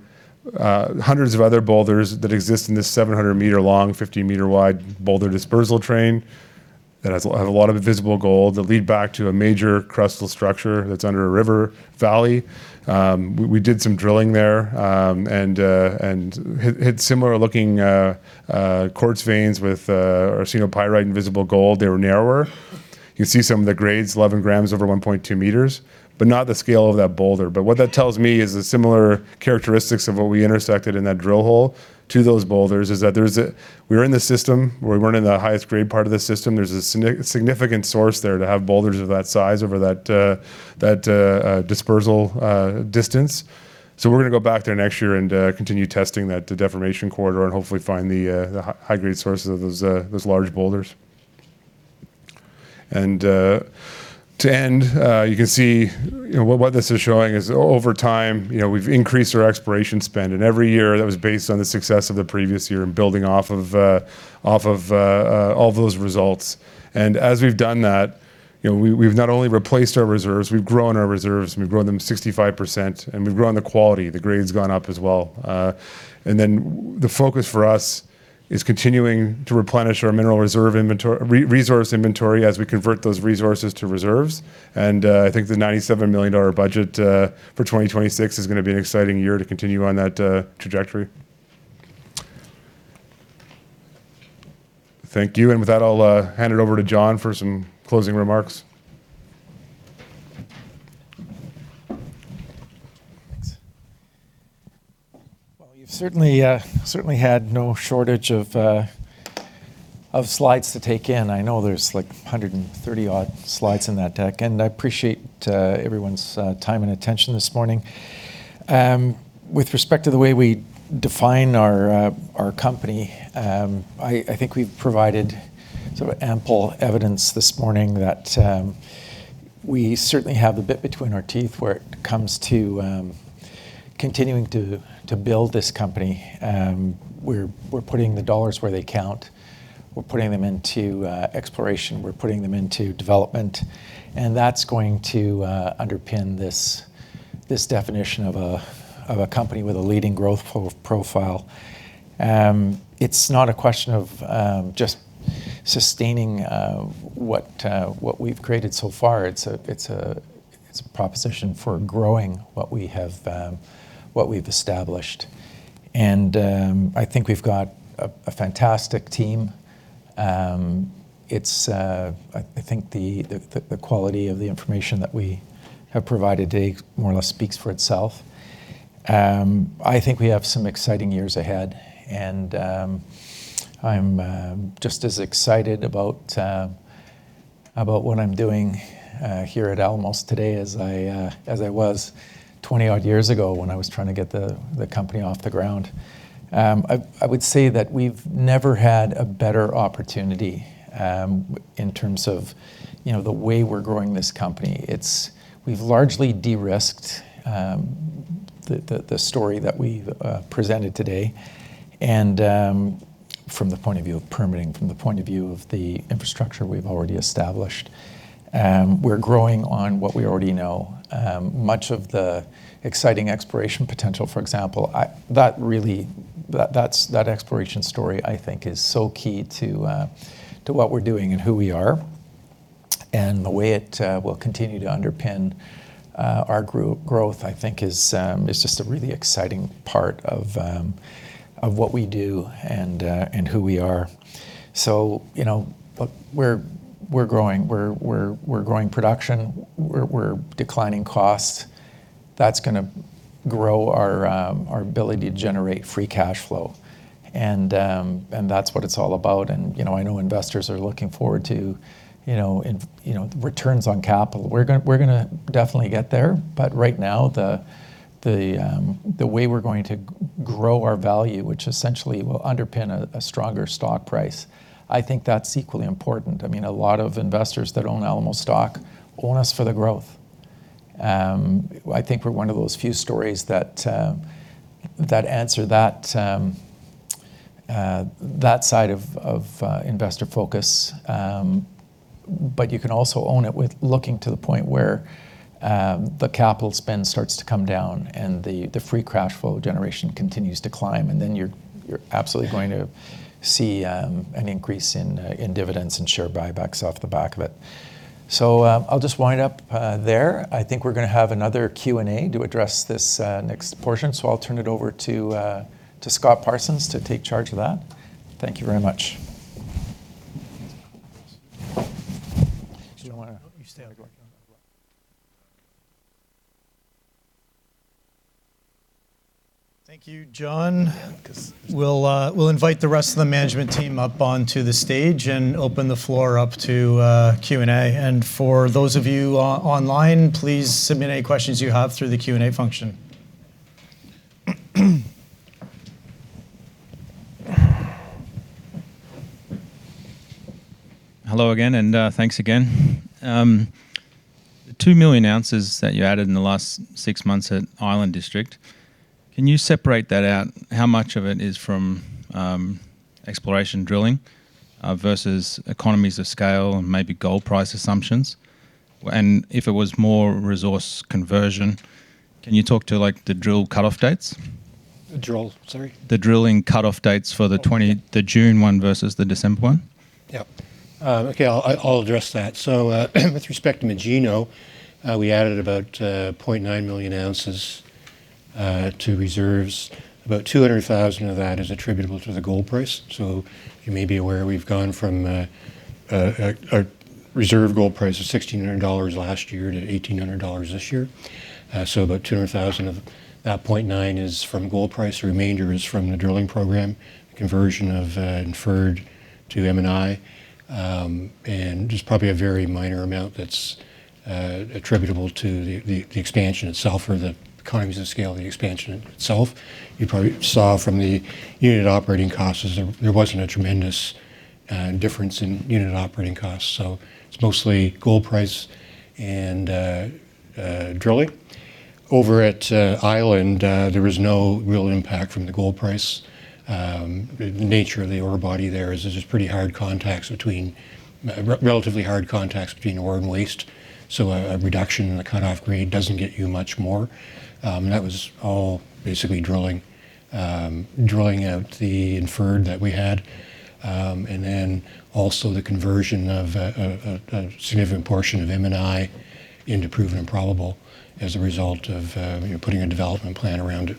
hundreds of other boulders that exist in this 700-m-long, 50-m-wide boulder dispersal train that has a lot of visible gold that lead back to a major crustal structure that's under a river valley. We did some drilling there, and hit similar-looking quartz veins with arsenopyrite and visible gold. They were narrower. You can see some of the grades, 11 g over 1.2 m, but not the scale of that boulder. But what that tells me is the similar characteristics of what we intersected in that drill hole to those boulders is that there's a—we were in the system, but we weren't in the highest grade part of the system. There's a significant source there to have boulders of that size over that dispersal distance. So we're going to go back there next year and continue testing that deformation corridor and hopefully find the high-grade sources of those large boulders. And to end, you can see, you know, what this is showing is over time, you know, we've increased our exploration spend. Every year, that was based on the success of the previous year and building off of all those results. And as we've done that, you know, we've not only replaced our reserves, we've grown our reserves, and we've grown them 65%, and we've grown the quality. The grade's gone up as well. And then the focus for us is continuing to replenish our mineral reserve inventory, resource inventory as we convert those resources to reserves. And I think the $97 million budget for 2026 is going to be an exciting year to continue on that trajectory. Thank you. And with that, I'll hand it over to John for some closing remarks. Thanks. Well, you've certainly had no shortage of slides to take in. I know there's, like, 130-odd slides in that deck, and I appreciate everyone's time and attention this morning. With respect to the way we define our company, I think we've provided sort of ample evidence this morning that we certainly have the bit between our teeth when it comes to continuing to build this company. We're putting the dollars where they count. We're putting them into exploration. We're putting them into development. And that's going to underpin this definition of a company with a leading growth profile. It's not a question of just sustaining what we've created so far. It's a proposition for growing what we have, what we've established. I think we've got a fantastic team. It's, I think the quality of the information that we have provided today more or less speaks for itself. I think we have some exciting years ahead, and I'm just as excited about what I'm doing here at Alamos today as I was 20-odd years ago when I was trying to get the company off the ground. I would say that we've never had a better opportunity, in terms of, you know, the way we're growing this company. It's... We've largely de-risked the story that we've presented today. And, from the point of view of permitting, from the point of view of the infrastructure we've already established, we're growing on what we already know. Much of the exciting exploration potential, for example, that exploration story, I think, is so key to what we're doing and who we are. And the way it will continue to underpin our growth, I think is just a really exciting part of what we do and who we are. So, you know, look, we're growing. We're growing production. We're declining costs. That's going to grow our ability to generate free cash flow, and that's what it's all about. And, you know, I know investors are looking forward to, you know, returns on capital. We're gonna definitely get there, but right now, the way we're going to grow our value, which essentially will underpin a stronger stock price, I think that's equally important. I mean, a lot of investors that own Alamos stock own us for the growth. I think we're one of those few stories that answer that side of investor focus. But you can also own it with looking to the point where the capital spend starts to come down, and the free cash flow generation continues to climb, and then you're absolutely going to see an increase in dividends and share buybacks off the back of it. So, I'll just wind up there. I think we're going to have another Q&A to address this next portion. So I'll turn it over to Scott Parsons to take charge of that. Thank you very much. ... So you wanna, you stay up there. Thank you, John. We'll invite the rest of the management team up onto the stage and open the floor up to Q&A. And for those of you online, please submit any questions you have through the Q&A function. Hello again, and, thanks again. The 2 million ounces that you added in the last six months at Island District, can you separate that out? How much of it is from exploration drilling versus economies of scale and maybe gold price assumptions? And if it was more resource conversion, can you talk to, like, the drill cutoff dates? The drill, sorry? The drilling cutoff dates for the June 1 versus the December 1. Yep. Okay, I'll address that. So, with respect to Magino, we added about 0.9 million ounces to reserves. About 200,000 of that is attributable to the gold price. So you may be aware we've gone from a reserve gold price of $1,600 last year to $1,800 this year. So about 200,000 of that 0.9 is from gold price, the remainder is from the drilling program, the conversion of inferred to M&I. And just probably a very minor amount that's attributable to the expansion itself or the economies of scale, the expansion in itself. You probably saw from the unit operating costs. There wasn't a tremendous difference in unit operating costs, so it's mostly gold price and drilling. Over at Island, there was no real impact from the gold price. The nature of the ore body there is just pretty hard contacts between, relatively hard contacts between ore and waste, so a reduction in the cutoff grade doesn't get you much more. That was all basically drilling, drilling out the inferred that we had, and then also the conversion of a significant portion of M&I into proven and probable as a result of, you know, putting a development plan around it.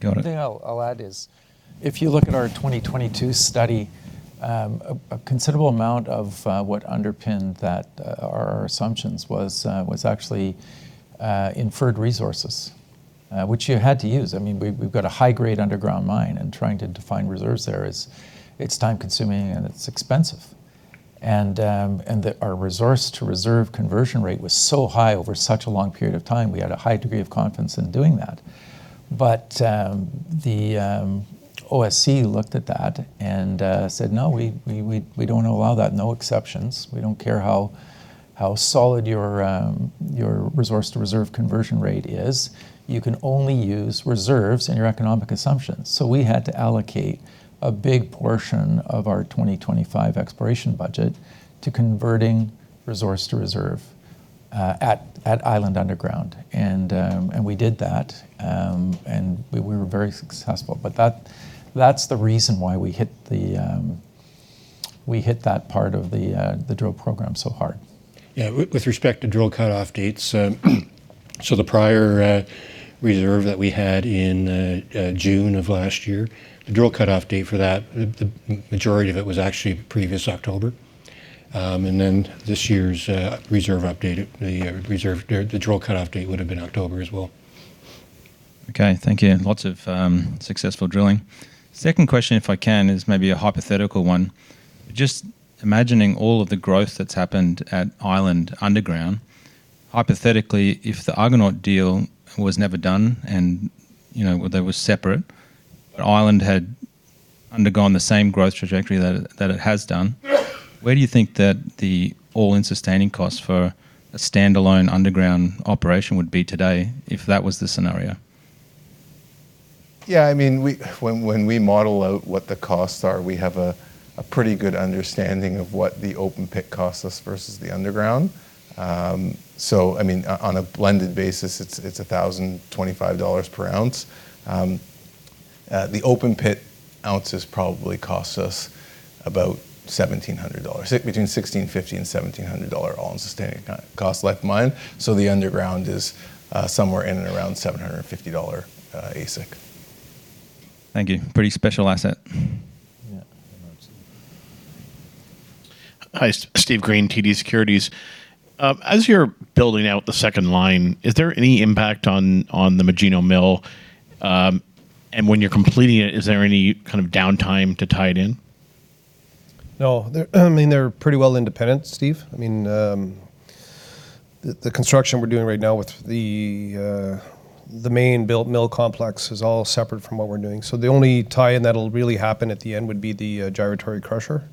Got it. The thing I'll add is, if you look at our 2022 study, a considerable amount of what underpinned that, our assumptions was actually inferred resources, which you had to use. I mean, we've got a high-grade underground mine, and trying to define reserves there is time-consuming, and it's expensive. And our resource-to-reserve conversion rate was so high over such a long period of time, we had a high degree of confidence in doing that. But the OSC looked at that and said, "No, we don't allow that. No exceptions. We don't care how solid your resource-to-reserve conversion rate is. You can only use reserves in your economic assumptions." So we had to allocate a big portion of our 2025 exploration budget to converting resource to reserve at Island Underground. And we were very successful. But that's the reason why we hit that part of the drill program so hard. Yeah, with respect to drill cutoff dates, so the prior reserve that we had in June of last year, the drill cutoff date for that, the majority of it was actually the previous October. And then this year's reserve update, the reserve the drill cutoff date would have been October as well. Okay, thank you. Lots of successful drilling. Second question, if I can, is maybe a hypothetical one. Just imagining all of the growth that's happened at Island Underground, hypothetically, if the Argonaut deal was never done and, you know, they were separate, but Island had undergone the same growth trajectory that, that it has done, where do you think that the all-in sustaining costs for a standalone underground operation would be today if that was the scenario? Yeah, I mean, we. When we model out what the costs are, we have a pretty good understanding of what the open pit costs us versus the underground. So I mean, on a blended basis, it's $1,025 per ounce. The open pit ounces probably costs us about $1,700, between $1,650-$1,700 all-in sustaining cost like mine. So the underground is somewhere in and around $750 AISC. Thank you. Pretty special asset. Yeah. Absolutely. Hi, Steve Green, TD Securities. As you're building out the second line, is there any impact on the Magino mill? And when you're completing it, is there any kind of downtime to tie it in? No, there, I mean, they're pretty well independent, Steve. I mean, the construction we're doing right now with the main built mill complex is all separate from what we're doing. So the only tie-in that'll really happen at the end would be the gyratory crusher,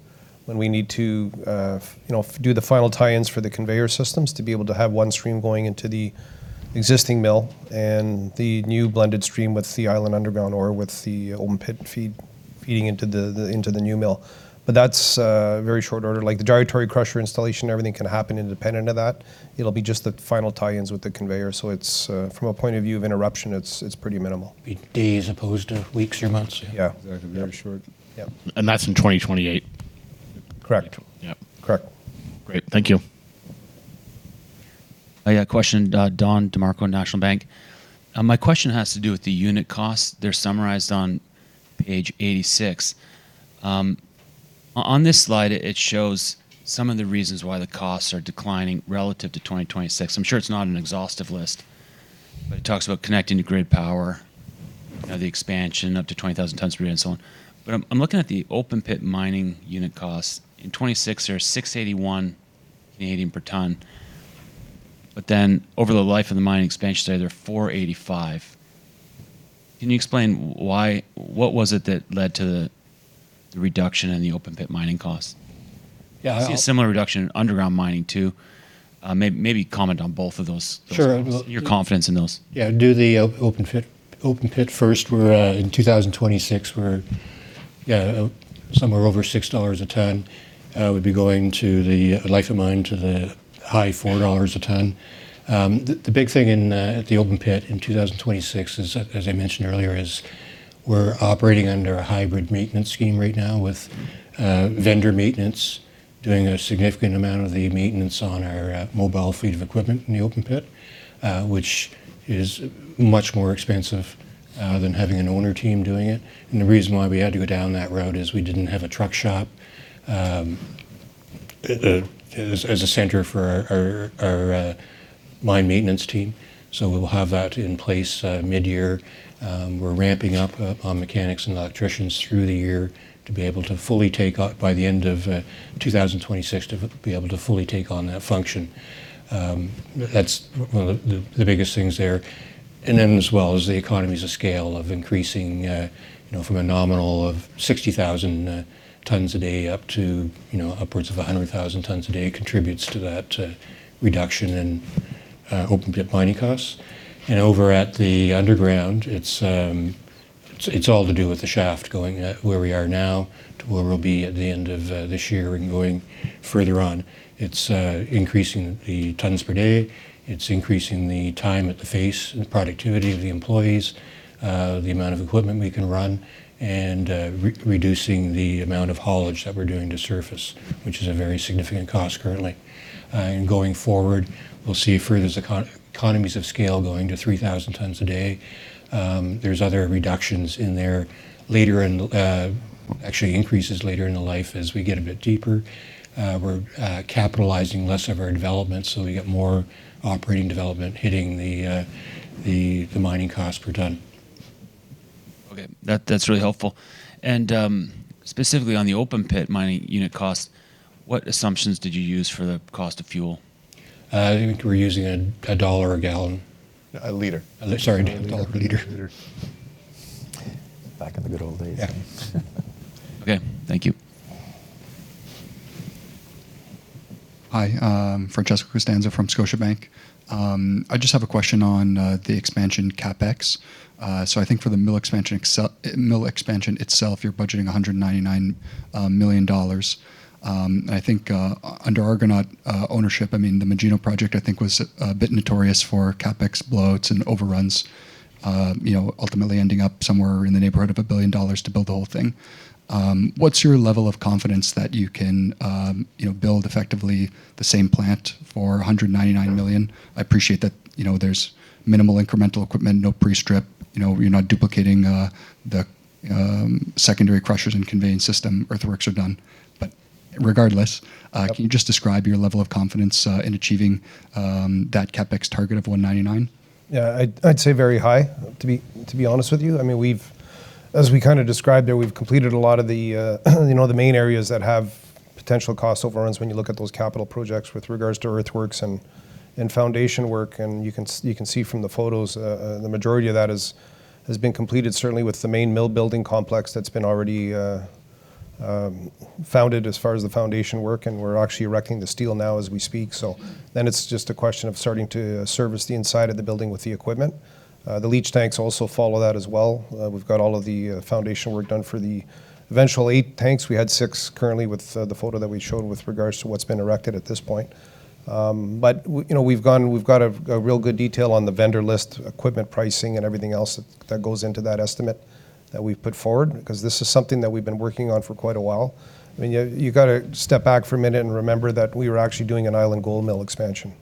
when we need to, you know, do the final tie-ins for the conveyor systems to be able to have one stream going into the existing mill and the new blended stream with the Island Underground, or with the open pit feed feeding into the new mill. But that's very short order. Like, the gyratory crusher installation, everything can happen independent of that. It'll be just the final tie-ins with the conveyor, so it's from a point of view of interruption, it's pretty minimal. It'd be days as opposed to weeks or months. Yeah, exactly. Very short. Yeah. That's in 2028? Correct. Yep. Correct. Great. Thank you.... I got a question, Don DeMarco, National Bank. My question has to do with the unit costs. They're summarized on page 86. On this slide, it shows some of the reasons why the costs are declining relative to 2026. I'm sure it's not an exhaustive list, but it talks about connecting to grid power, the expansion up to 20,000 tonnes per year, and so on. But I'm looking at the open pit mining unit costs. In 2026, they were CAD 6.81 per tonne, but then over the life of the mining expansion study, they're 4.85. Can you explain why... What was it that led to the reduction in the open pit mining costs? Yeah, I- I see a similar reduction in underground mining, too. Maybe comment on both of those things- Sure. I will- your confidence in those. Yeah, do the open pit, open pit first, where, in 2026, we're, yeah, somewhere over $6 a tonne, would be going to the life of mine, to the high $4 a tonne. The big thing in, at the open pit in 2026 is, as I mentioned earlier, we're operating under a hybrid maintenance scheme right now with vendor maintenance, doing a significant amount of the maintenance on our mobile fleet of equipment in the open pit, which is much more expensive than having an owner team doing it. The reason why we had to go down that route is we didn't have a truck shop, as a center for our mine maintenance team, so we will have that in place midyear. We're ramping up on mechanics and electricians through the year to be able to fully take on by the end of 2026, to be able to fully take on that function. That's one of the biggest things there. And then, as well as the economies of scale, of increasing, you know, from a nominal of 60,000 tonnes a day up to, you know, upwards of 100,000 tonnes a day contributes to that reduction in open pit mining costs. And over at the underground, it's all to do with the shaft going where we are now to where we'll be at the end of this year and going further on. It's increasing the tonnes per day, it's increasing the time at the face and the productivity of the employees, the amount of equipment we can run, and reducing the amount of haulage that we're doing to surface, which is a very significant cost currently. And going forward, we'll see further economies of scale going to 3,000 tonnes a day. There's other reductions in there later in... actually, increases later in the life as we get a bit deeper. We're capitalizing less of our development, so we get more operating development hitting the mining costs per tonne. Okay, that, that's really helpful. Specifically on the open pit mining unit cost, what assumptions did you use for the cost of fuel? I think we're using $1 a gallon. A liter. A liter. Sorry, $1 a liter. Back in the good old days. Yeah. Okay, thank you. Hi, Francesco Costanzo from Scotiabank. I just have a question on the expansion CapEx. So I think for the mill expansion mill expansion itself, you're budgeting $199 million. And I think under Argonaut ownership, I mean, the Magino project, I think, was a bit notorious for CapEx bloats and overruns, you know, ultimately ending up somewhere in the neighborhood of $1 billion to build the whole thing. What's your level of confidence that you can, you know, build effectively the same plant for $199 million? I appreciate that, you know, there's minimal incremental equipment, no pre-strip, you know, you're not duplicating the secondary crushers and conveyance system, earthworks are done. But regardless- Yep... can you just describe your level of confidence in achieving that CapEx target of $199? Yeah, I'd say very high, to be honest with you. I mean, we've... As we kinda described there, we've completed a lot of the, you know, the main areas that have potential cost overruns when you look at those capital projects with regards to earthworks and foundation work, and you can see from the photos, the majority of that has been completed, certainly with the main mill building complex that's been already founded as far as the foundation work, and we're actually erecting the steel now as we speak. It's just a question of starting to service the inside of the building with the equipment. The leach tanks also follow that as well. We've got all of the foundation work done for the eventual eight tanks. We had six currently with the photo that we showed with regards to what's been erected at this point. But you know, we've got a real good detail on the vendor list, equipment pricing, and everything else that goes into that estimate that we've put forward, because this is something that we've been working on for quite a while. I mean, yeah, you gotta step back for a minute and remember that we were actually doing an Island Gold mill expansion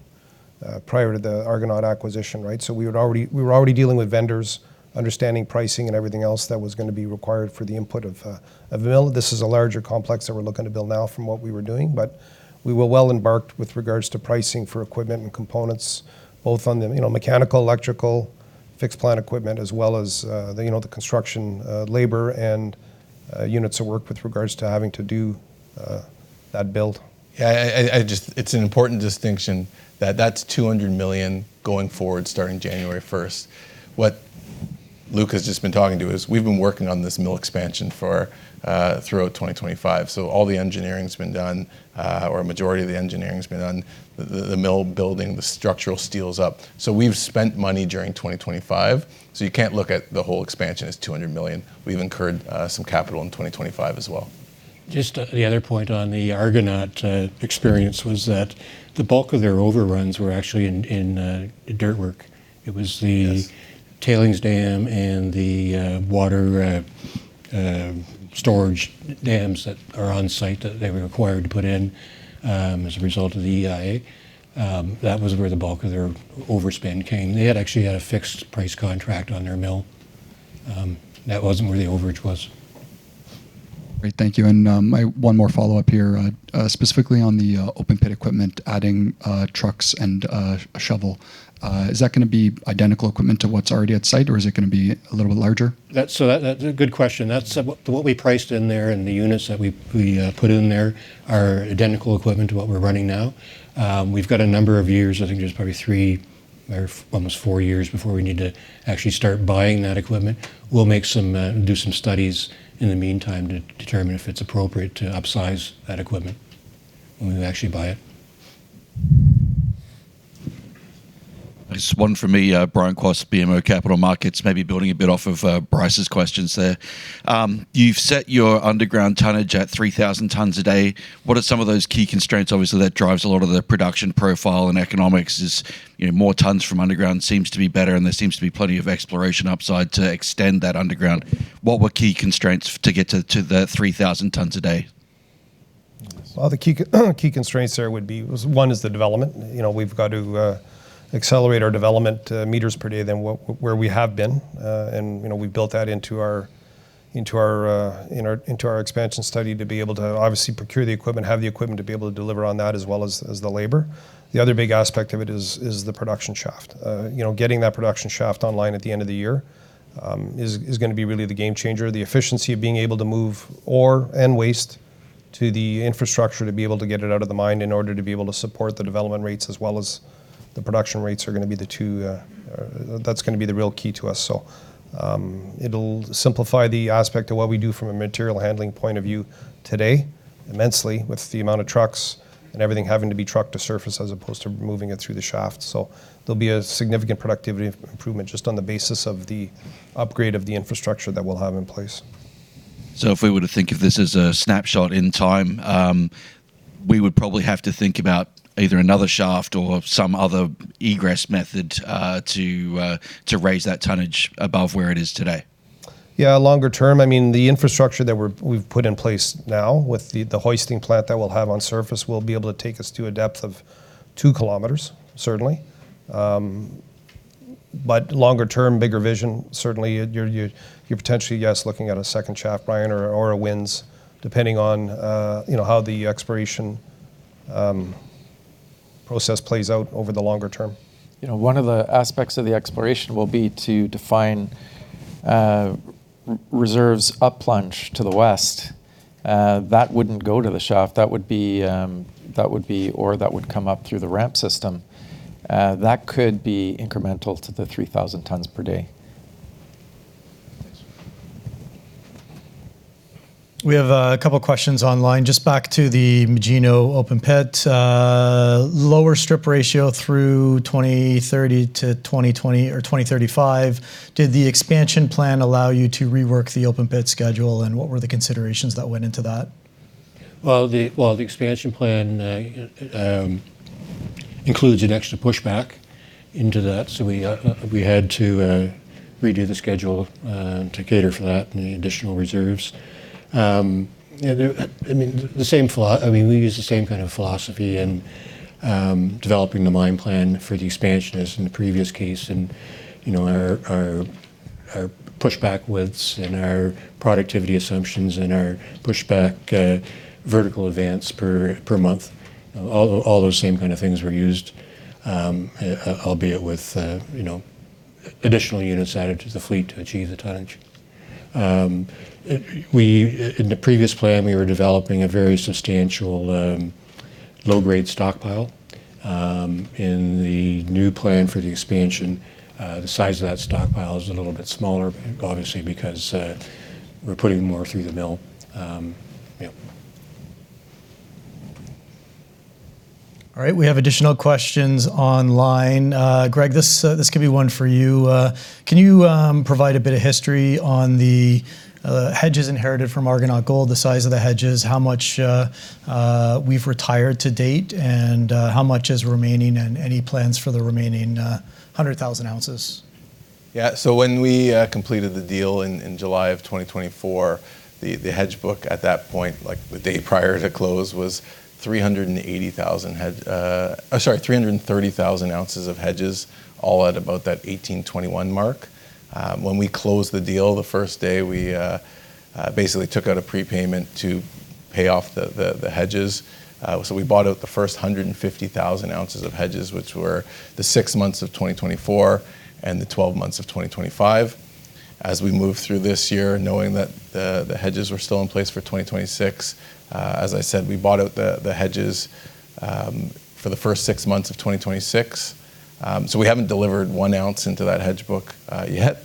prior to the Argonaut acquisition, right? So we were already dealing with vendors, understanding pricing, and everything else that was gonna be required for the input of a mill. This is a larger complex that we're looking to build now from what we were doing, but we were well embarked with regards to pricing for equipment and components, both on the, you know, mechanical, electrical, fixed plant equipment, as well as, the, you know, the construction, labor and, units of work with regards to having to do, that build. Yeah, I just... It's an important distinction that that's $200 million going forward, starting January 1st. What Luc has just been talking to is, we've been working on this mill expansion for, throughout 2025, so all the engineering's been done, or a majority of the engineering's been done. The, the mill building, the structural steel's up. So we've spent money during 2025, so you can't look at the whole expansion as $200 million. We've incurred some capital in 2025 as well. Just, the other point on the Argonaut experience was that the bulk of their overruns were actually in dirt work. Yes. It was the tailings dam and the water storage dams that are on site that they were required to put in as a result of the EIA. That was where the bulk of their overspend came. They had actually had a fixed price contract on their mill.... that wasn't where the overage was. Great, thank you. I have one more follow-up here. Specifically on the open pit equipment, adding trucks and a shovel. Is that gonna be identical equipment to what's already at site, or is it gonna be a little bit larger? That's a good question. What we priced in there and the units that we put in there are identical equipment to what we're running now. We've got a number of years, I think there's probably three or almost four years before we need to actually start buying that equipment. We'll do some studies in the meantime, to determine if it's appropriate to upsize that equipment when we actually buy it. Just one from me, Brian Quast, BMO Capital Markets, maybe building a bit off of Bryce's questions there. You've set your underground tonnage at 3,000 tonnes a day. What are some of those key constraints? Obviously, that drives a lot of the production profile and economics is, you know, more tonnes from underground seems to be better, and there seems to be plenty of exploration upside to extend that underground. What were key constraints to get to the 3,000 tonnes a day? Well, the key, key constraints there would be, was, one, is the development. You know, we've got to accelerate our development, meters per day than where we have been. You know, we built that into our, into our, into our, into our expansion study to be able to obviously procure the equipment, have the equipment to be able to deliver on that, as well as, as the labor. The other big aspect of it is, is the production shaft. You know, getting that production shaft online at the end of the year is gonna be really the game changer. The efficiency of being able to move ore and waste to the infrastructure, to be able to get it out of the mine in order to be able to support the development rates, as well as the production rates, are gonna be the two. That's gonna be the real key to us. So, it'll simplify the aspect of what we do from a material handling point of view today, immensely, with the amount of trucks and everything having to be trucked to surface as opposed to moving it through the shaft. So there'll be a significant productivity improvement just on the basis of the upgrade of the infrastructure that we'll have in place. So if we were to think of this as a snapshot in time, we would probably have to think about either another shaft or some other egress method, to raise that tonnage above where it is today. Yeah, longer term, I mean, the infrastructure that we've put in place now, with the hoisting plant that we'll have on surface, will be able to take us to a depth of 2 km, certainly. But longer term, bigger vision, certainly, you're potentially, yes, looking at a second shaft, Brian, or a winze, depending on, you know, how the exploration process plays out over the longer term. You know, one of the aspects of the exploration will be to define reserves up plunge to the west. That wouldn't go to the shaft, that would be, that would be or that would come up through the ramp system. That could be incremental to the 3,000 tonnes per day. Thanks. We have a couple questions online. Just back to the Magino open pit, lower strip ratio through 2030 to 2020 or 2035. Did the expansion plan allow you to rework the open pit schedule, and what were the considerations that went into that? Well, the expansion plan includes an extra pushback into that, so we had to redo the schedule to cater for that and the additional reserves. Yeah, I mean, we used the same kind of philosophy in developing the mine plan for the expansion as in the previous case. You know, our pushback widths and our productivity assumptions and our pushback vertical advance per month, all those same kind of things were used, albeit with, you know, additional units added to the fleet to achieve the tonnage. In the previous plan, we were developing a very substantial low-grade stockpile. In the new plan for the expansion, the size of that stockpile is a little bit smaller, obviously, because we're putting more through the mill. Yeah. All right, we have additional questions online. Greg, this could be one for you. Can you provide a bit of history on the hedges inherited from Argonaut Gold, the size of the hedges, how much we've retired to date, and how much is remaining, and any plans for the remaining 100,000 ounces? Yeah. So when we completed the deal in July 2024, the hedge book at that point, like the day prior to close, was 330,000 ounces of hedges, all at about that $1,821 mark. When we closed the deal, the first day, we basically took out a prepayment to pay off the hedges. So we bought out the first 150,000 ounces of hedges, which were the six months of 2024 and the 12 months of 2025. As we moved through this year, knowing that the hedges were still in place for 2026, as I said, we bought out the hedges for the first six months of 2026. So we haven't delivered 1 ounce into that hedge book yet.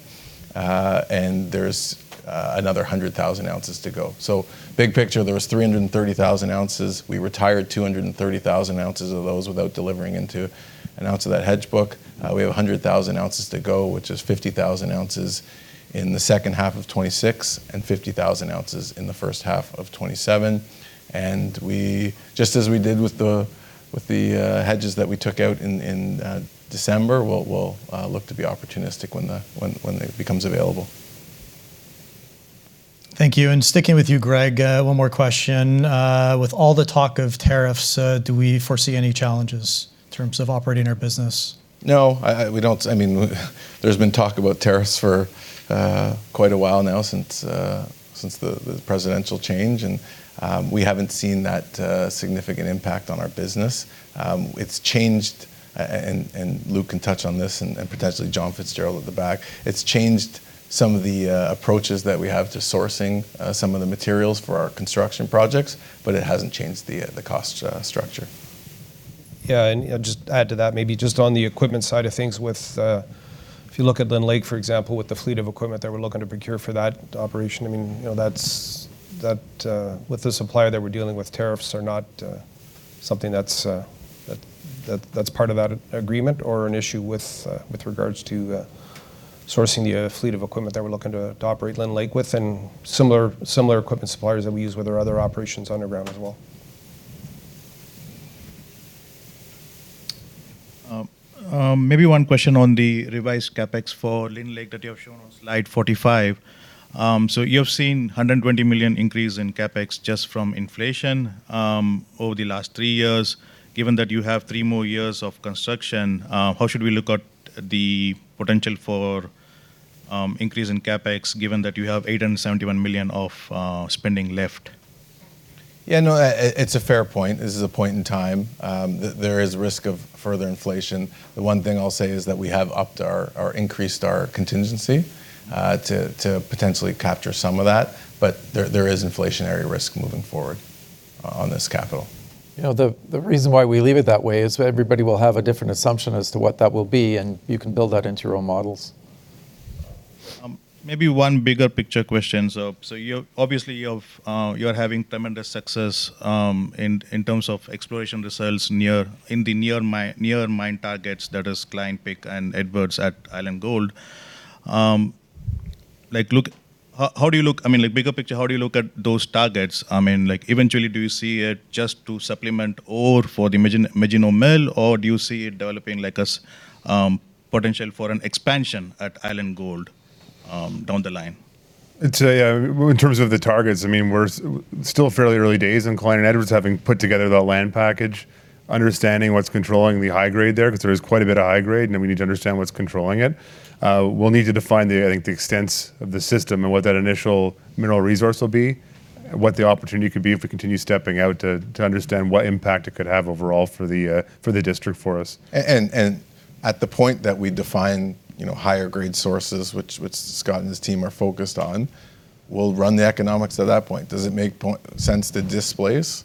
And there's another 100,000 ounces to go. So big picture, there was 330,000 ounces. We retired 230,000 ounces of those without delivering into an ounce of that hedge book. We have a 100,000 ounces to go, which is 50,000 ounces in the second half of 2026 and 50,000 ounces in the first half of 2027. Just as we did with the hedges that we took out in December, we'll look to be opportunistic when it becomes available.... Thank you, and sticking with you, Greg, one more question. With all the talk of tariffs, do we foresee any challenges in terms of operating our business? No, I, we don't. I mean, there's been talk about tariffs for quite a while now since the presidential change, and we haven't seen that significant impact on our business. It's changed, and Luc can touch on this, and potentially John Fitzgerald at the back, it's changed some of the approaches that we have to sourcing some of the materials for our construction projects, but it hasn't changed the cost structure. Yeah, and just add to that, maybe just on the equipment side of things with, if you look at Lynn Lake, for example, with the fleet of equipment that we're looking to procure for that operation, I mean, you know, that's with the supplier that we're dealing with, tariffs are not something that's part of that agreement or an issue with regards to sourcing the fleet of equipment that we're looking to operate Lynn Lake with, and similar equipment suppliers that we use with our other operations underground as well. Maybe one question on the revised CapEx for Lynn Lake that you have shown on slide 45. So you have seen 120 million increase in CapEx just from inflation over the last 3 years. Given that you have 3 more years of construction, how should we look at the potential for increase in CapEx, given that you have $871 million of spending left? Yeah, no, it's a fair point. This is a point in time, there is risk of further inflation. The one thing I'll say is that we have upped our, or increased our contingency, to potentially capture some of that, but there is inflationary risk moving forward on this capital. You know, the reason why we leave it that way is everybody will have a different assumption as to what that will be, and you can build that into your own models. Maybe one bigger picture question. So, so you're obviously you've you're having tremendous success in terms of exploration results near, in the near-mine targets, that is, Cline-Pick and Edwards at Island Gold. Like, how do you look, I mean, like, bigger picture, how do you look at those targets? I mean, like, eventually, do you see it just to supplement ore for the Magino mill, or do you see it developing like a potential for an expansion at Island Gold down the line? It's in terms of the targets, I mean, we're still fairly early days in Cline and Edwards having put together the land package, understanding what's controlling the high grade there, 'cause there is quite a bit of high grade, and we need to understand what's controlling it. We'll need to define the, I think, the extents of the system and what that initial mineral resource will be, what the opportunity could be if we continue stepping out, to understand what impact it could have overall for the district, for us. At the point that we define, you know, higher grade sources, which Scott and his team are focused on, we'll run the economics at that point. Does it make sense to displace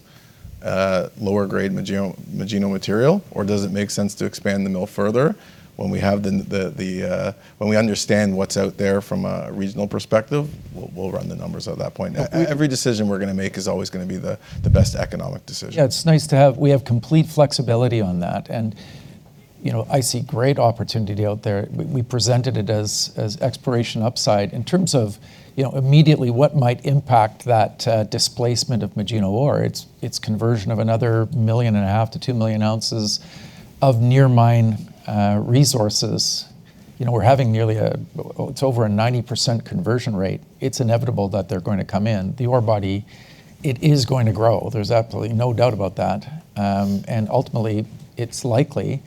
lower grade Magino material, or does it make sense to expand the mill further? When we understand what's out there from a regional perspective, we'll run the numbers at that point. Every decision we're gonna make is always gonna be the best economic decision. Yeah, it's nice to have... We have complete flexibility on that, and, you know, I see great opportunity out there. We presented it as exploration upside. In terms of, you know, immediately what might impact that, displacement of Magino ore, it's conversion of another 1.5 million-2 million ounces of near mine resources. You know, we're having nearly a, it's over a 90% conversion rate. It's inevitable that they're going to come in. The ore body, it is going to grow. There's absolutely no doubt about that. And ultimately, it's likely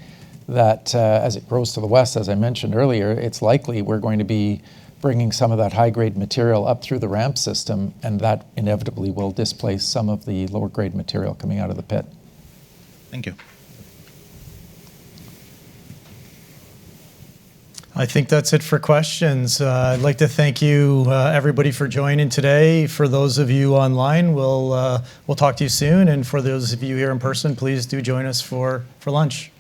that, as it grows to the west, as I mentioned earlier, it's likely we're going to be bringing some of that high-grade material up through the ramp system, and that inevitably will displace some of the lower grade material coming out of the pit. Thank you. I think that's it for questions. I'd like to thank you, everybody, for joining today. For those of you online, we'll talk to you soon, and for those of you here in person, please do join us for lunch.